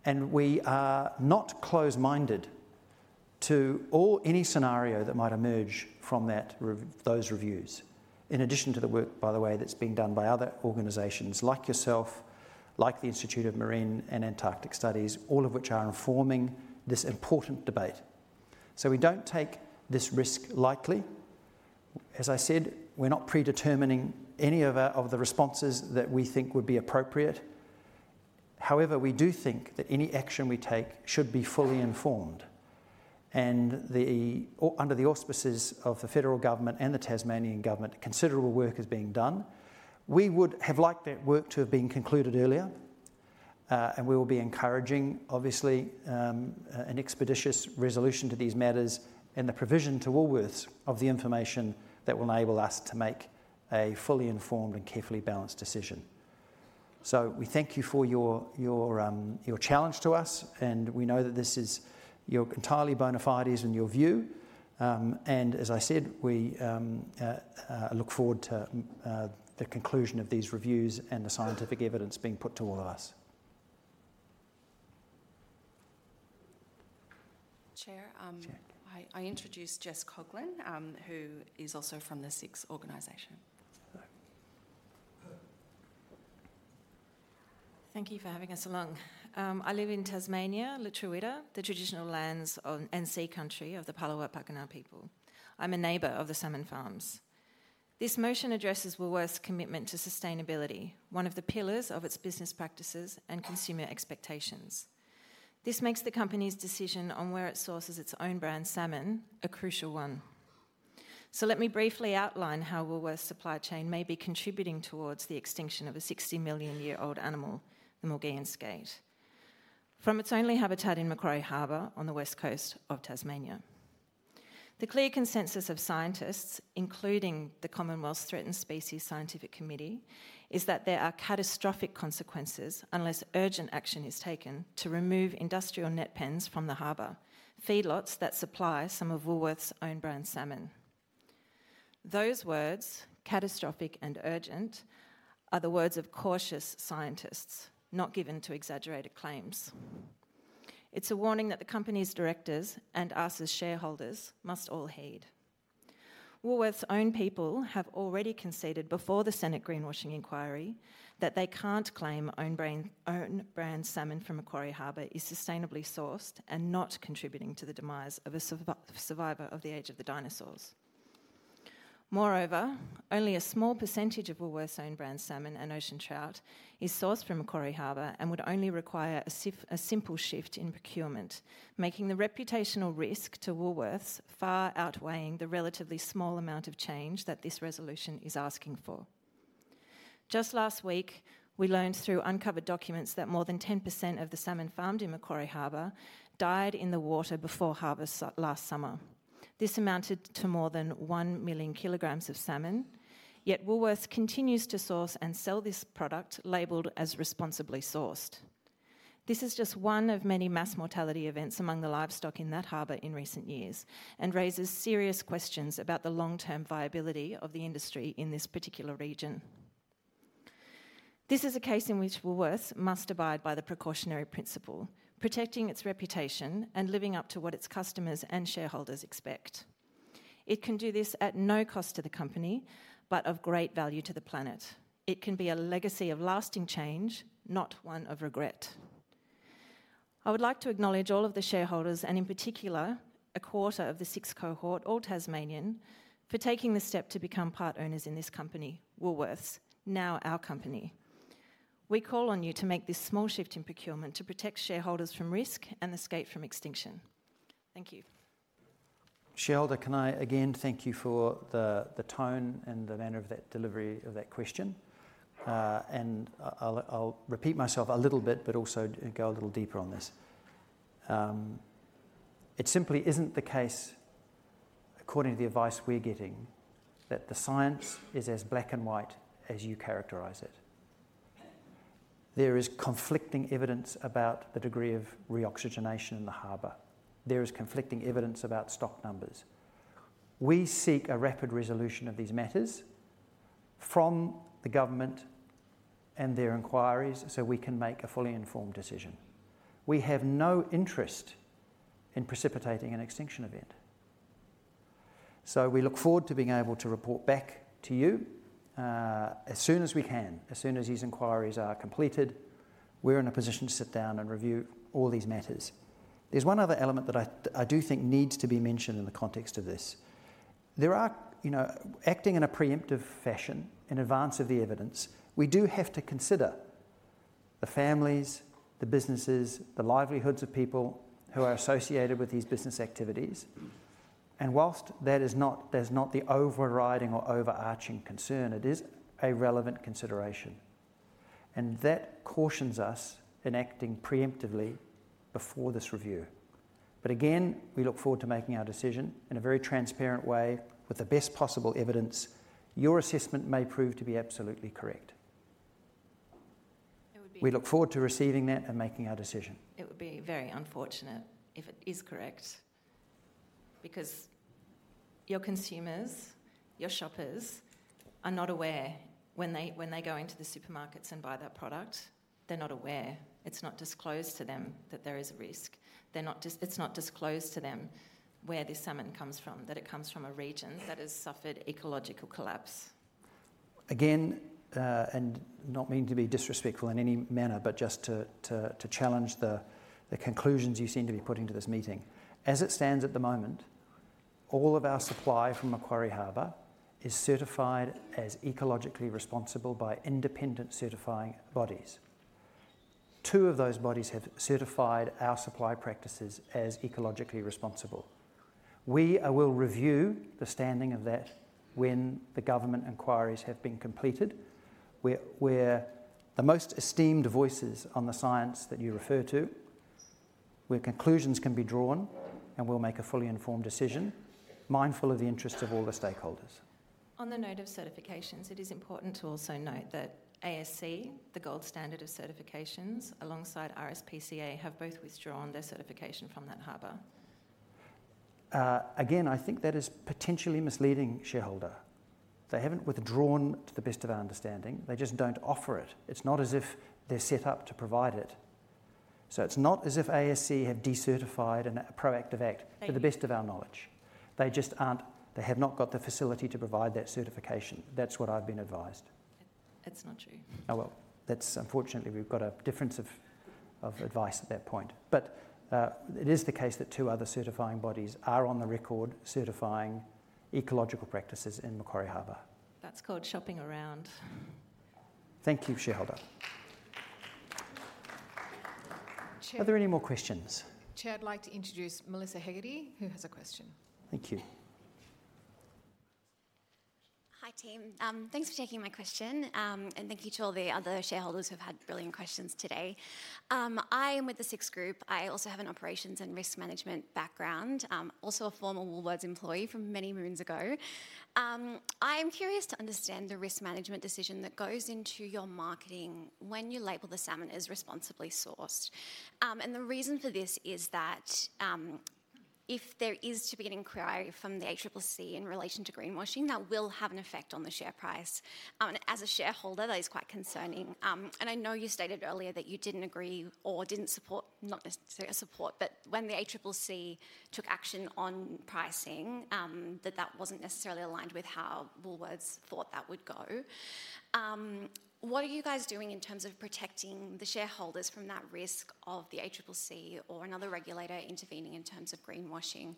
We are not close-minded to any scenario that might emerge from those reviews, in addition to the work, by the way, that's being done by other organizations like yourself, like the Institute for Marine and Antarctic Studies, all of which are informing this important debate. We don't take this risk lightly. As I said, we're not predetermining any of the responses that we think would be appropriate. However, we do think that any action we take should be fully informed. Under the auspices of the federal government and the Tasmanian government, considerable work is being done. We would have liked that work to have been concluded earlier, and we will be encouraging, obviously, an expeditious resolution to these matters and the provision to Woolworths of the information that will enable us to make a fully informed and carefully balanced decision. So we thank you for your challenge to us, and we know that this is your entirely bona fides and your view. And as I said, we look forward to the conclusion of these reviews and the scientific evidence being put to all of us. Chair, I introduce Jess Coughlan, who is also from the Six organization. Thank you for having us along. I live in Tasmania, lutruwita, the traditional lands and sea country of the Palawa pakana people. I'm a neighbor of the salmon farms. This motion addresses Woolworths' commitment to sustainability, one of the pillars of its business practices and consumer expectations. This makes the company's decision on where it sources its own brand salmon a crucial one. So let me briefly outline how Woolworths' supply chain may be contributing towards the extinction of a 60 million-year-old animal, the Maugean Skate, from its only habitat in Macquarie Harbour on the west coast of Tasmania. The clear consensus of scientists, including the Commonwealth's Threatened Species Scientific Committee, is that there are catastrophic consequences unless urgent action is taken to remove industrial net pens from the harbour, feedlots that supply some of Woolworths' own brand salmon. Those words, catastrophic and urgent, are the words of cautious scientists, not given to exaggerated claims. It's a warning that the company's directors and us as shareholders must all heed. Woolworths' own people have already conceded before the Senate greenwashing inquiry that they can't claim own brand salmon from Macquarie Harbour is sustainably sourced and not contributing to the demise of a survivor of the age of the dinosaurs. Moreover, only a small percentage of Woolworths' own brand salmon and ocean trout is sourced from Macquarie Harbour and would only require a simple shift in procurement, making the reputational risk to Woolworths far outweighing the relatively small amount of change that this resolution is asking for. Just last week, we learned through uncovered documents that more than 10% of the salmon farmed in Macquarie Harbour died in the water before harvest last summer. This amounted to more than 1 million kilog of salmon, yet Woolworths continues to source and sell this product labeled as responsibly sourced. This is just one of many mass mortality events among the livestock in that harbor in recent years and raises serious questions about the long-term viability of the industry in this particular region. This is a case in which Woolworths must abide by the precautionary principle, protecting its reputation and living up to what its customers and shareholders expect. It can do this at no cost to the company, but of great value to the planet. It can be a legacy of lasting change, not one of regret. I would like to acknowledge all of the shareholders and in particular a quarter of the Six cohort, all Tasmanian, for taking the step to become part owners in this company, Woolworths, now our company. We call on you to make this small shift in procurement to protect shareholders from risk and escape from extinction. Thank you. Shareholder, can I again thank you for the tone and the manner of that delivery of that question? And I'll repeat myself a little bit, but also go a little deeper on this. It simply isn't the case, according to the advice we're getting, that the science is as black and white as you characterize it. There is conflicting evidence about the degree of reoxygenation in the harbor. There is conflicting evidence about stock numbers. We seek a rapid resolution of these matters from the government and their inquiries so we can make a fully informed decision. We have no interest in precipitating an extinction event. So we look forward to being able to report back to you as soon as we can, as soon as these inquiries are completed. We're in a position to sit down and review all these matters. There's one other element that I do think needs to be mentioned in the context of this. We are acting in a preemptive fashion in advance of the evidence, we do have to consider the families, the businesses, the livelihoods of people who are associated with these business activities. And while that is not the overriding or overarching concern, it is a relevant consideration. And that cautions us in acting preemptively before this review. But again, we look forward to making our decision in a very transparent way with the best possible evidence. Your assessment may prove to be absolutely correct. We look forward to receiving that and making our decision. It would be very unfortunate if it is correct because your consumers, your shoppers are not aware when they go into the supermarkets and buy that product, they're not aware. It's not disclosed to them that there is a risk. It's not disclosed to them where this salmon comes from, that it comes from a region that has suffered ecological collapse. Again, and not meaning to be disrespectful in any manner, but just to challenge the conclusions you seem to be putting to this meeting. As it stands at the moment, all of our supply from Macquarie Harbour is certified as ecologically responsible by independent certifying bodies. Two of those bodies have certified our supply practices as ecologically responsible. We will review the standing of that when the government inquiries have been completed. We're the most esteemed voices on the science that you refer to. Where conclusions can be drawn, and we'll make a fully informed decision, mindful of the interests of all the stakeholders. On the note of certifications, it is important to also note that ASC, the gold standard of certifications, alongside RSPCA, have both withdrawn their certification from that harbor. Again, I think that is potentially misleading, shareholder. They haven't withdrawn to the best of our understanding. They just don't offer it. It's not as if they're set up to provide it. So it's not as if ASC have decertified in a proactive act, to the best of our knowledge. They just aren't. They have not got the facility to provide that certification. That's what I've been advised. It's not true. Oh, well, that's, unfortunately, we've got a difference of advice at that point. But it is the case that two other certifying bodies are on the record certifying ecological practices in Macquarie Harbour. That's called shopping around. Thank you, shareholder. Are there any more questions? Chair, I'd like to introduce Melissa Hegarty, who has a question. Thank you. Hi, team. Thanks for taking my question, and thank you to all the other shareholders who have had brilliant questions today. I am with the Six group. I also have an operations and risk management background, also a former Woolworths employee from many moons ago. I am curious to understand the risk management decision that goes into your marketing when you label the salmon as responsibly sourced. And the reason for this is that if there is to be an inquiry from the ACCC in relation to greenwashing, that will have an effect on the share price. As a shareholder, that is quite concerning. And I know you stated earlier that you didn't agree or didn't support, not necessarily support, but when the ACCC took action on pricing, that wasn't necessarily aligned with how Woolworths thought that would go. What are you guys doing in terms of protecting the shareholders from that risk of the ACCC or another regulator intervening in terms of greenwashing?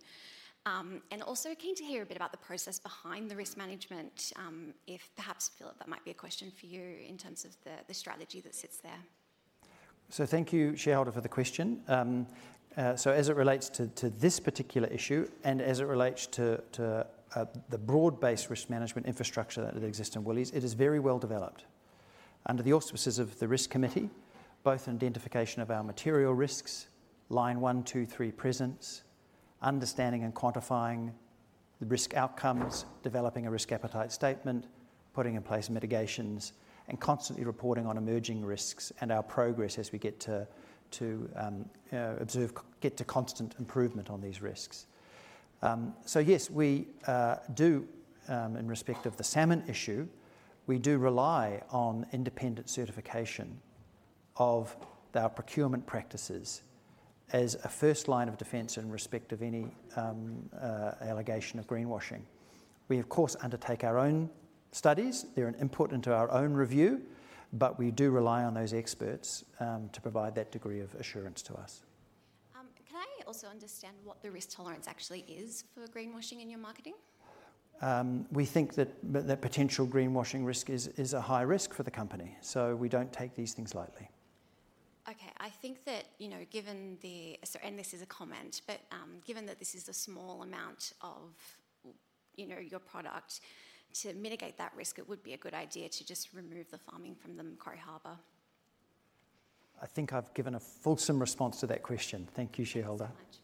And also keen to hear a bit about the process behind the risk management, if perhaps Philip, that might be a question for you in terms of the strategy that sits there. So thank you, shareholder, for the question. So as it relates to this particular issue and as it relates to the broad-based risk management infrastructure that exists in Woolworths, it is very well developed. Under the auspices of the risk committee, both an identification of our material risks, line one, two, three presence, understanding and quantifying the risk outcomes, developing a risk appetite statement, putting in place mitigations, and constantly reporting on emerging risks and our progress as we get to observe, get to constant improvement on these risks. So yes, we do, in respect of the salmon issue, we do rely on independent certification of our procurement practices as a first line of defense in respect of any allegation of greenwashing. We, of course, undertake our own studies. They're an input into our own review, but we do rely on those experts to provide that degree of assurance to us. Can I also understand what the risk tolerance actually is for greenwashing in your marketing? We think that potential greenwashing risk is a high risk for the company. So we don't take these things lightly. Okay. I think that, you know, given the, and this is a comment, but given that this is a small amount of your product, to mitigate that risk, it would be a good idea to just remove the farming from the Macquarie Harbour. I think I've given a fulsome response to that question. Thank you, shareholder. Thank you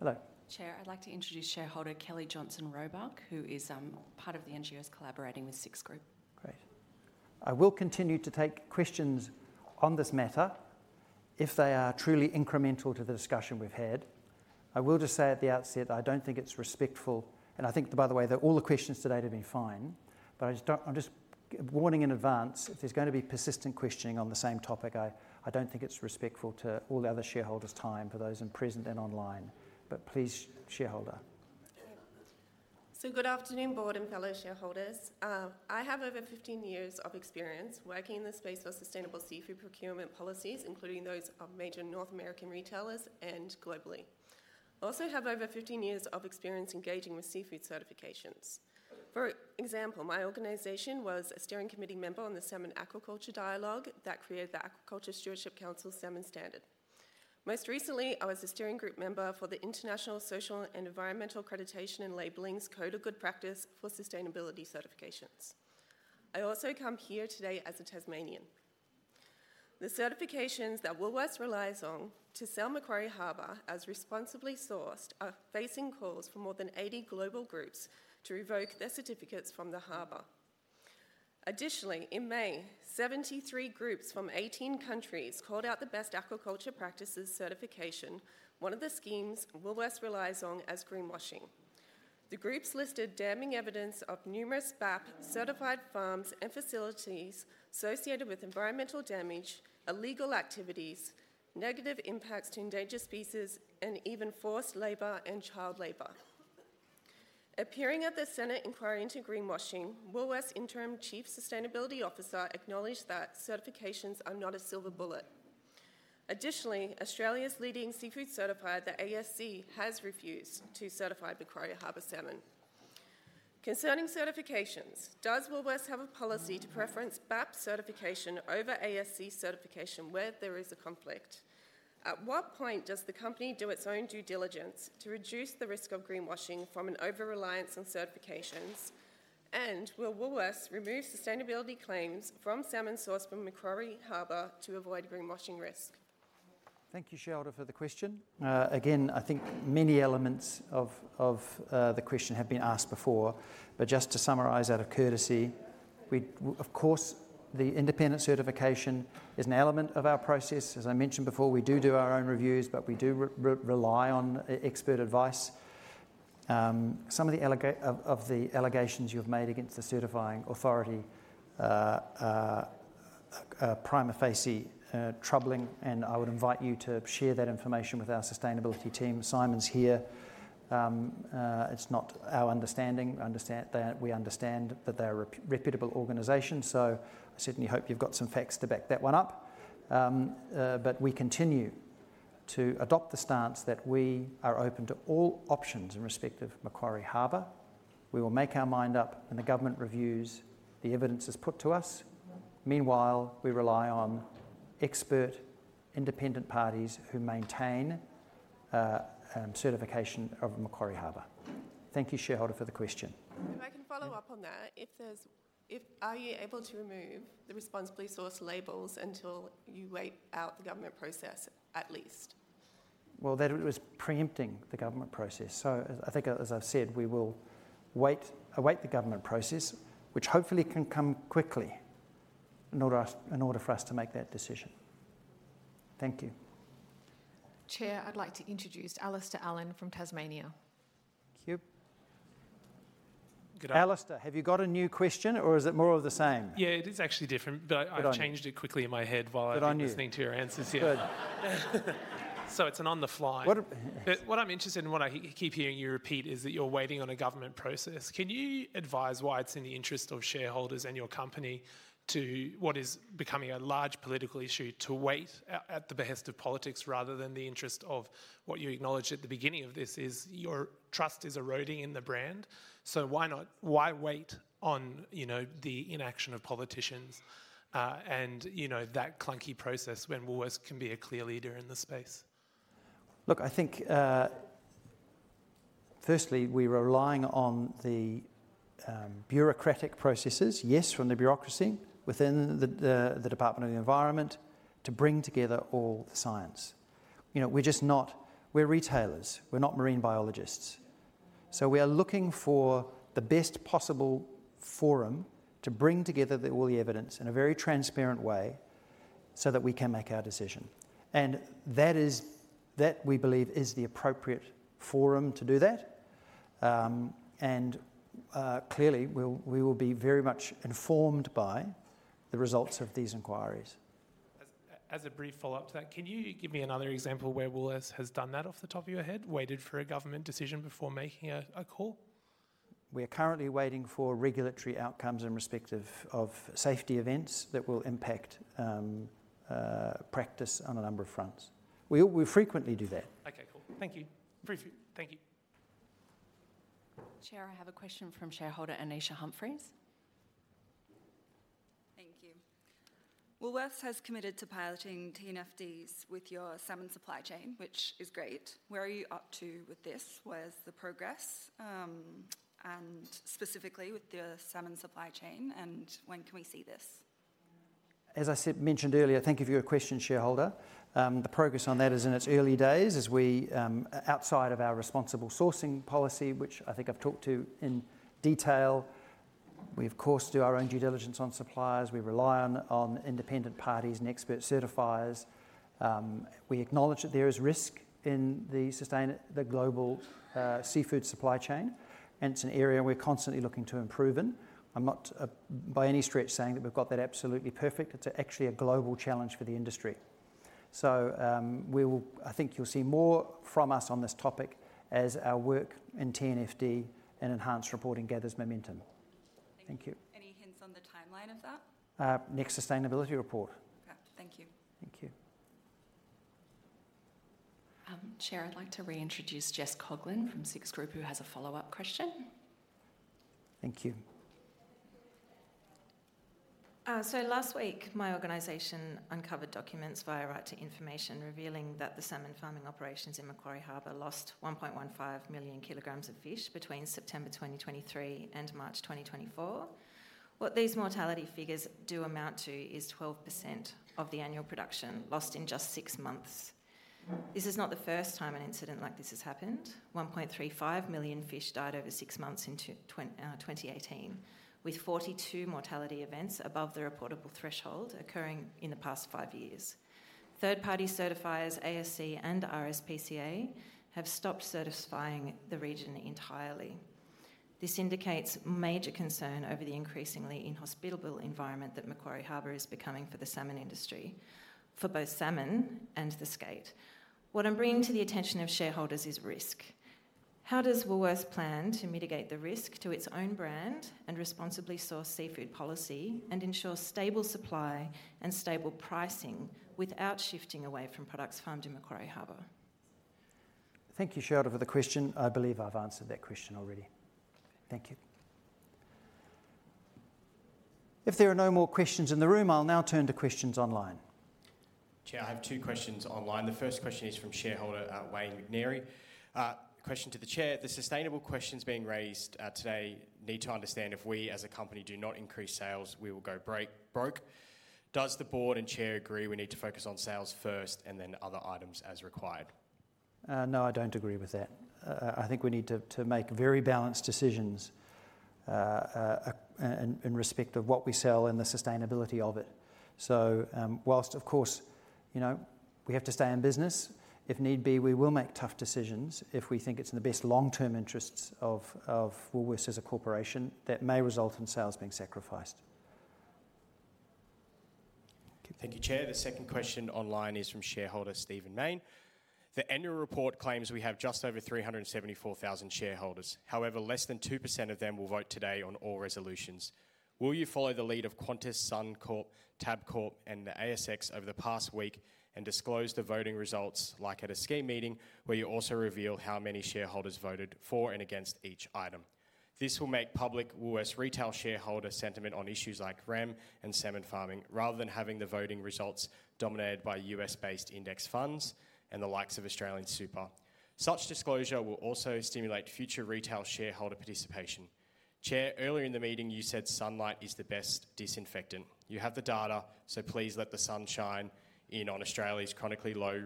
so much. Hello. Chair, I'd like to introduce shareholder Kelly Johnson-Roebuck, who is part of the NGOs collaborating with Six group. Great. I will continue to take questions on this matter if they are truly incremental to the discussion we've had. I will just say at the outset, I don't think it's respectful, and I think, by the way, that all the questions today have been fine, but I'm just warning in advance, if there's going to be persistent questioning on the same topic, I don't think it's respectful to all the other shareholders' time for those in person present and online. But please, shareholder. Good afternoon, board and fellow shareholders. I have over 15 years of experience working in the space of sustainable seafood procurement policies, including those of major North American retailers and globally. I also have over 15 years of experience engaging with seafood certifications. For example, my organization was a steering committee member on the Salmon Aquaculture Dialogue that created the Aquaculture Stewardship Council Salmon Standard. Most recently, I was a steering group member for the International Social and Environmental Accreditation and Labelling's Code of Good Practice for Sustainability Certifications. I also come here today as a Tasmanian. The certifications that Woolworths relies on to sell Macquarie Harbour as responsibly sourced are facing calls from more than 80 global groups to revoke their certificates from the harbour. Additionally, in May, 73 groups from 18 countries called out the Best Aquaculture Practices Certification, one of the schemes Woolworths relies on as greenwashing. The groups listed damning evidence of numerous BAP certified farms and facilities associated with environmental damage, illegal activities, negative impacts to endangered species, and even forced labor and child labor. Appearing at the Senate inquiry into greenwashing, Woolworths' interim chief sustainability officer acknowledged that certifications are not a silver bullet. Additionally, Australia's leading seafood certifier, the ASC, has refused to certify Macquarie Harbour salmon. Concerning certifications, does Woolworths have a policy to preference BAP certification over ASC certification where there is a conflict? At what point does the company do its own due diligence to reduce the risk of greenwashing from an over-reliance on certifications? And will Woolworths remove sustainability claims from salmon sourced from Macquarie Harbour to avoid greenwashing risk? Thank you, shareholder, for the question. Again, I think many elements of the question have been asked before, but just to summarize out of courtesy, of course, the independent certification is an element of our process. As I mentioned before, we do do our own reviews, but we do rely on expert advice. Some of the allegations you've made against the certifying authority are prima facie troubling, and I would invite you to share that information with our sustainability team. Simon's here. It's not our understanding. We understand that they are a reputable organization, so I certainly hope you've got some facts to back that one up. But we continue to adopt the stance that we are open to all options in respect of Macquarie Harbour. We will make our mind up when the government reviews the evidence it's put to us. Meanwhile, we rely on expert independent parties who maintain certification of Macquarie Harbour. Thank you, shareholder, for the question. If I can follow up on that, are you able to remove the responsibly sourced labels until you wait out the government process at least? That was preempting the government process. I think, as I've said, we will wait the government process, which hopefully can come quickly in order for us to make that decision. Thank you. Chair, I'd like to introduce Alistair Allan from Tasmania. Thank you. Good afternoon. Alistair, have you got a new question, or is it more of the same? Yeah, it is actually different, but I changed it quickly in my head while I was listening to your answers. Good. So it's an on-the-fly. What I'm interested in, what I keep hearing you repeat, is that you're waiting on a government process. Can you advise why it's in the interest of shareholders and your company to what is becoming a large political issue to wait at the behest of politics rather than the interest of what you acknowledged at the beginning of this is your trust is eroding in the brand? So why not? Why wait on the inaction of politicians and that clunky process when Woolworths can be a clear leader in the space? Look, I think, firstly, we're relying on the bureaucratic processes, yes, from the bureaucracy within the Department of the Environment to bring together all the science. We're just not. We're retailers. We're not marine biologists. So we are looking for the best possible forum to bring together all the evidence in a very transparent way so that we can make our decision, and that is, we believe, is the appropriate forum to do that, and clearly, we will be very much informed by the results of these inquiries. As a brief follow-up to that, can you give me another example where Woolworths has done that off the top of your head, waited for a government decision before making a call? We are currently waiting for regulatory outcomes in respect of safety events that will impact practice on a number of fronts. We frequently do that. Okay, cool. Thank you. Thank you. Chair, I have a question from shareholder Anisha Humphreys. Thank you. Woolworths has committed to piloting TNFDs with your salmon supply chain, which is great. Where are you up to with this? Where's the progress? And specifically with the salmon supply chain, and when can we see this? As I mentioned earlier, thank you for your question, shareholder. The progress on that is in its early days as we, outside of our responsible sourcing policy, which I think I've talked to in detail. We, of course, do our own due diligence on suppliers. We rely on independent parties and expert certifiers. We acknowledge that there is risk in the global seafood supply chain, and it's an area we're constantly looking to improve in. I'm not by any stretch saying that we've got that absolutely perfect. It's actually a global challenge for the industry. So I think you'll see more from us on this topic as our work in TNFD and enhanced reporting gathers momentum. Thank you. Any hints on the timeline of that? Next sustainability report. Okay. Thank you. Thank you. Chair, I'd like to reintroduce Jess Coughlan from Six, who has a follow-up question. Thank you. So last week, my organization uncovered documents via Right to Information revealing that the salmon farming operations in Macquarie Harbour lost 1.15 million kilog of fish between September 2023 and March 2024. What these mortality figures do amount to is 12% of the annual production lost in just six months. This is not the first time an incident like this has happened. 1.35 million fish died over six months in 2018, with 42 mortality events above the reportable threshold occurring in the past five years. Third-party certifiers, ASC and RSPCA, have stopped certifying the region entirely. This indicates major concern over the increasingly inhospitable environment that Macquarie Harbour is becoming for the salmon industry, for both salmon and the skate. What I'm bringing to the attention of shareholders is risk. How does Woolworths plan to mitigate the risk to its own brand and responsibly source seafood policy and ensure stable supply and stable pricing without shifting away from products farmed in Macquarie Harbour? Thank you, shareholder, for the question. I believe I've answered that question already. Thank you. If there are no more questions in the room, I'll now turn to questions online. Chair, I have two questions online. The first question is from shareholder Wayne McNeary. Question to the Chair. The sustainable questions being raised today need to understand if we, as a company, do not increase sales, we will go broke. Does the board and chair agree we need to focus on sales first and then other items as required? No, I don't agree with that. I think we need to make very balanced decisions in respect of what we sell and the sustainability of it. So whilst, of course, we have to stay in business, if need be, we will make tough decisions if we think it's in the best long-term interests of Woolworths as a corporation that may result in sales being sacrificed. Thank you, Chair. The second question online is from shareholder Stephen Mayne. The annual report claims we have just over 374,000 shareholders. However, less than 2% of them will vote today on all resolutions. Will you follow the lead of Qantas, Suncorp, Tabcorp, and the ASX over the past week and disclose the voting results like at a scheme meeting where you also reveal how many shareholders voted for and against each item? This will make public Woolworths' retail shareholder sentiment on issues like Rem and salmon farming rather than having the voting results dominated by US-based index funds and the likes of AustralianSuper. Such disclosure will also stimulate future retail shareholder participation. Chair, earlier in the meeting, you said sunlight is the best disinfectant. You have the data, so please let the sun shine in on Australia's chronically low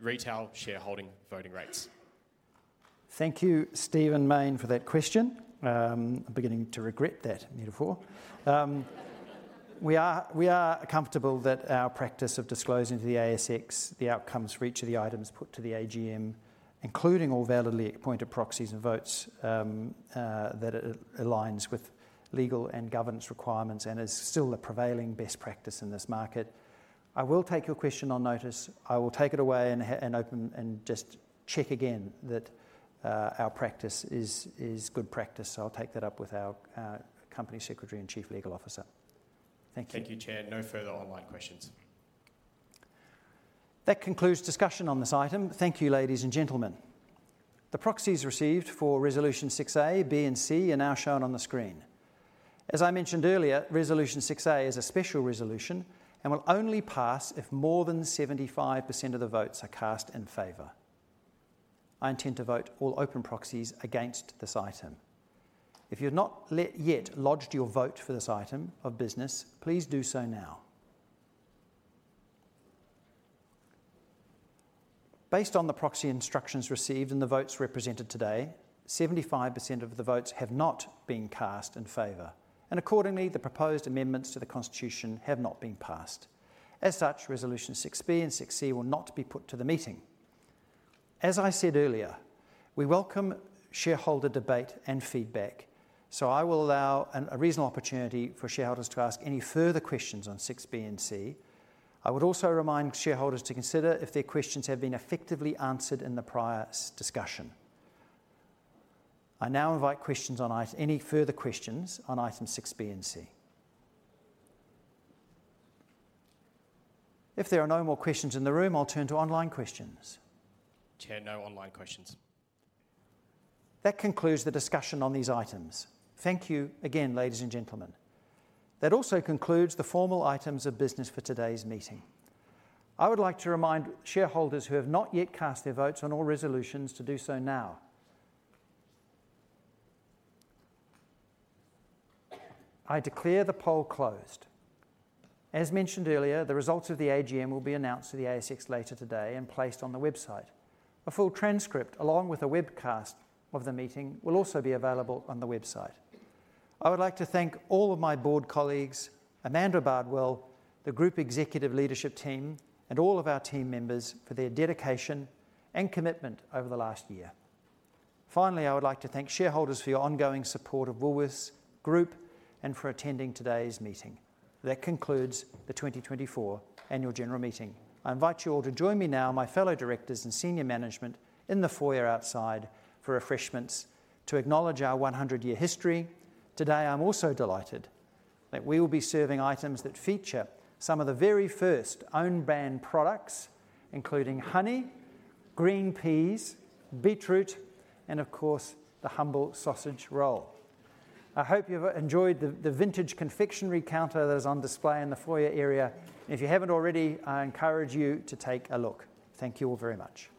retail shareholding voting rates. Thank you, Stephen Mayne, for that question. I'm beginning to regret that metaphor. We are comfortable that our practice of disclosing to the ASX the outcomes for each of the items put to the AGM, including all validly appointed proxies and votes, that it aligns with legal and governance requirements and is still the prevailing best practice in this market. I will take your question on notice. I will take it away and open and just check again that our practice is good practice. I'll take that up with our company secretary and chief legal officer. Thank you. Thank you, Chair. No further online questions. That concludes discussion on this item. Thank you, ladies and gentlemen. The proxies received for Resolution 6A, B, and C are now shown on the screen. As I mentioned earlier, Resolution 6A is a special resolution and will only pass if more than 75% of the votes are cast in favor. I intend to vote all open proxies against this item. If you have not yet lodged your vote for this item of business, please do so now. Based on the proxy instructions received and the votes represented today, 75% of the votes have not been cast in favor, and accordingly, the proposed amendments to the Constitution have not been passed. As such, Resolution 6B and 6C will not be put to the meeting. As I said earlier, we welcome shareholder debate and feedback, so I will allow a reasonable opportunity for shareholders to ask any further questions on 6B and C. I would also remind shareholders to consider if their questions have been effectively answered in the prior discussion. I now invite any further questions on items 6B and C. If there are no more questions in the room, I'll turn to online questions. Chair, no online questions. That concludes the discussion on these items. Thank you again, ladies and gentlemen. That also concludes the formal items of business for today's meeting. I would like to remind shareholders who have not yet cast their votes on all resolutions to do so now. I declare the poll closed. As mentioned earlier, the results of the AGM will be announced to the ASX later today and placed on the website. A full transcript along with a webcast of the meeting will also be available on the website. I would like to thank all of my board colleagues, Amanda Bardwell, the Group Executive Leadership Team, and all of our team members for their dedication and commitment over the last year. Finally, I would like to thank shareholders for your ongoing support of Woolworths Group and for attending today's meeting. That concludes the 2024 Annual General Meeting. I invite you all to join me now, my fellow directors and senior management, in the foyer outside for refreshments to acknowledge our 100-year history. Today, I'm also delighted that we will be serving items that feature some of the very first own-brand products, including honey, green peas, beetroot, and, of course, the humble sausage roll. I hope you've enjoyed the vintage confectionery counter that is on display in the foyer area. If you haven't already, I encourage you to take a look. Thank you all very much.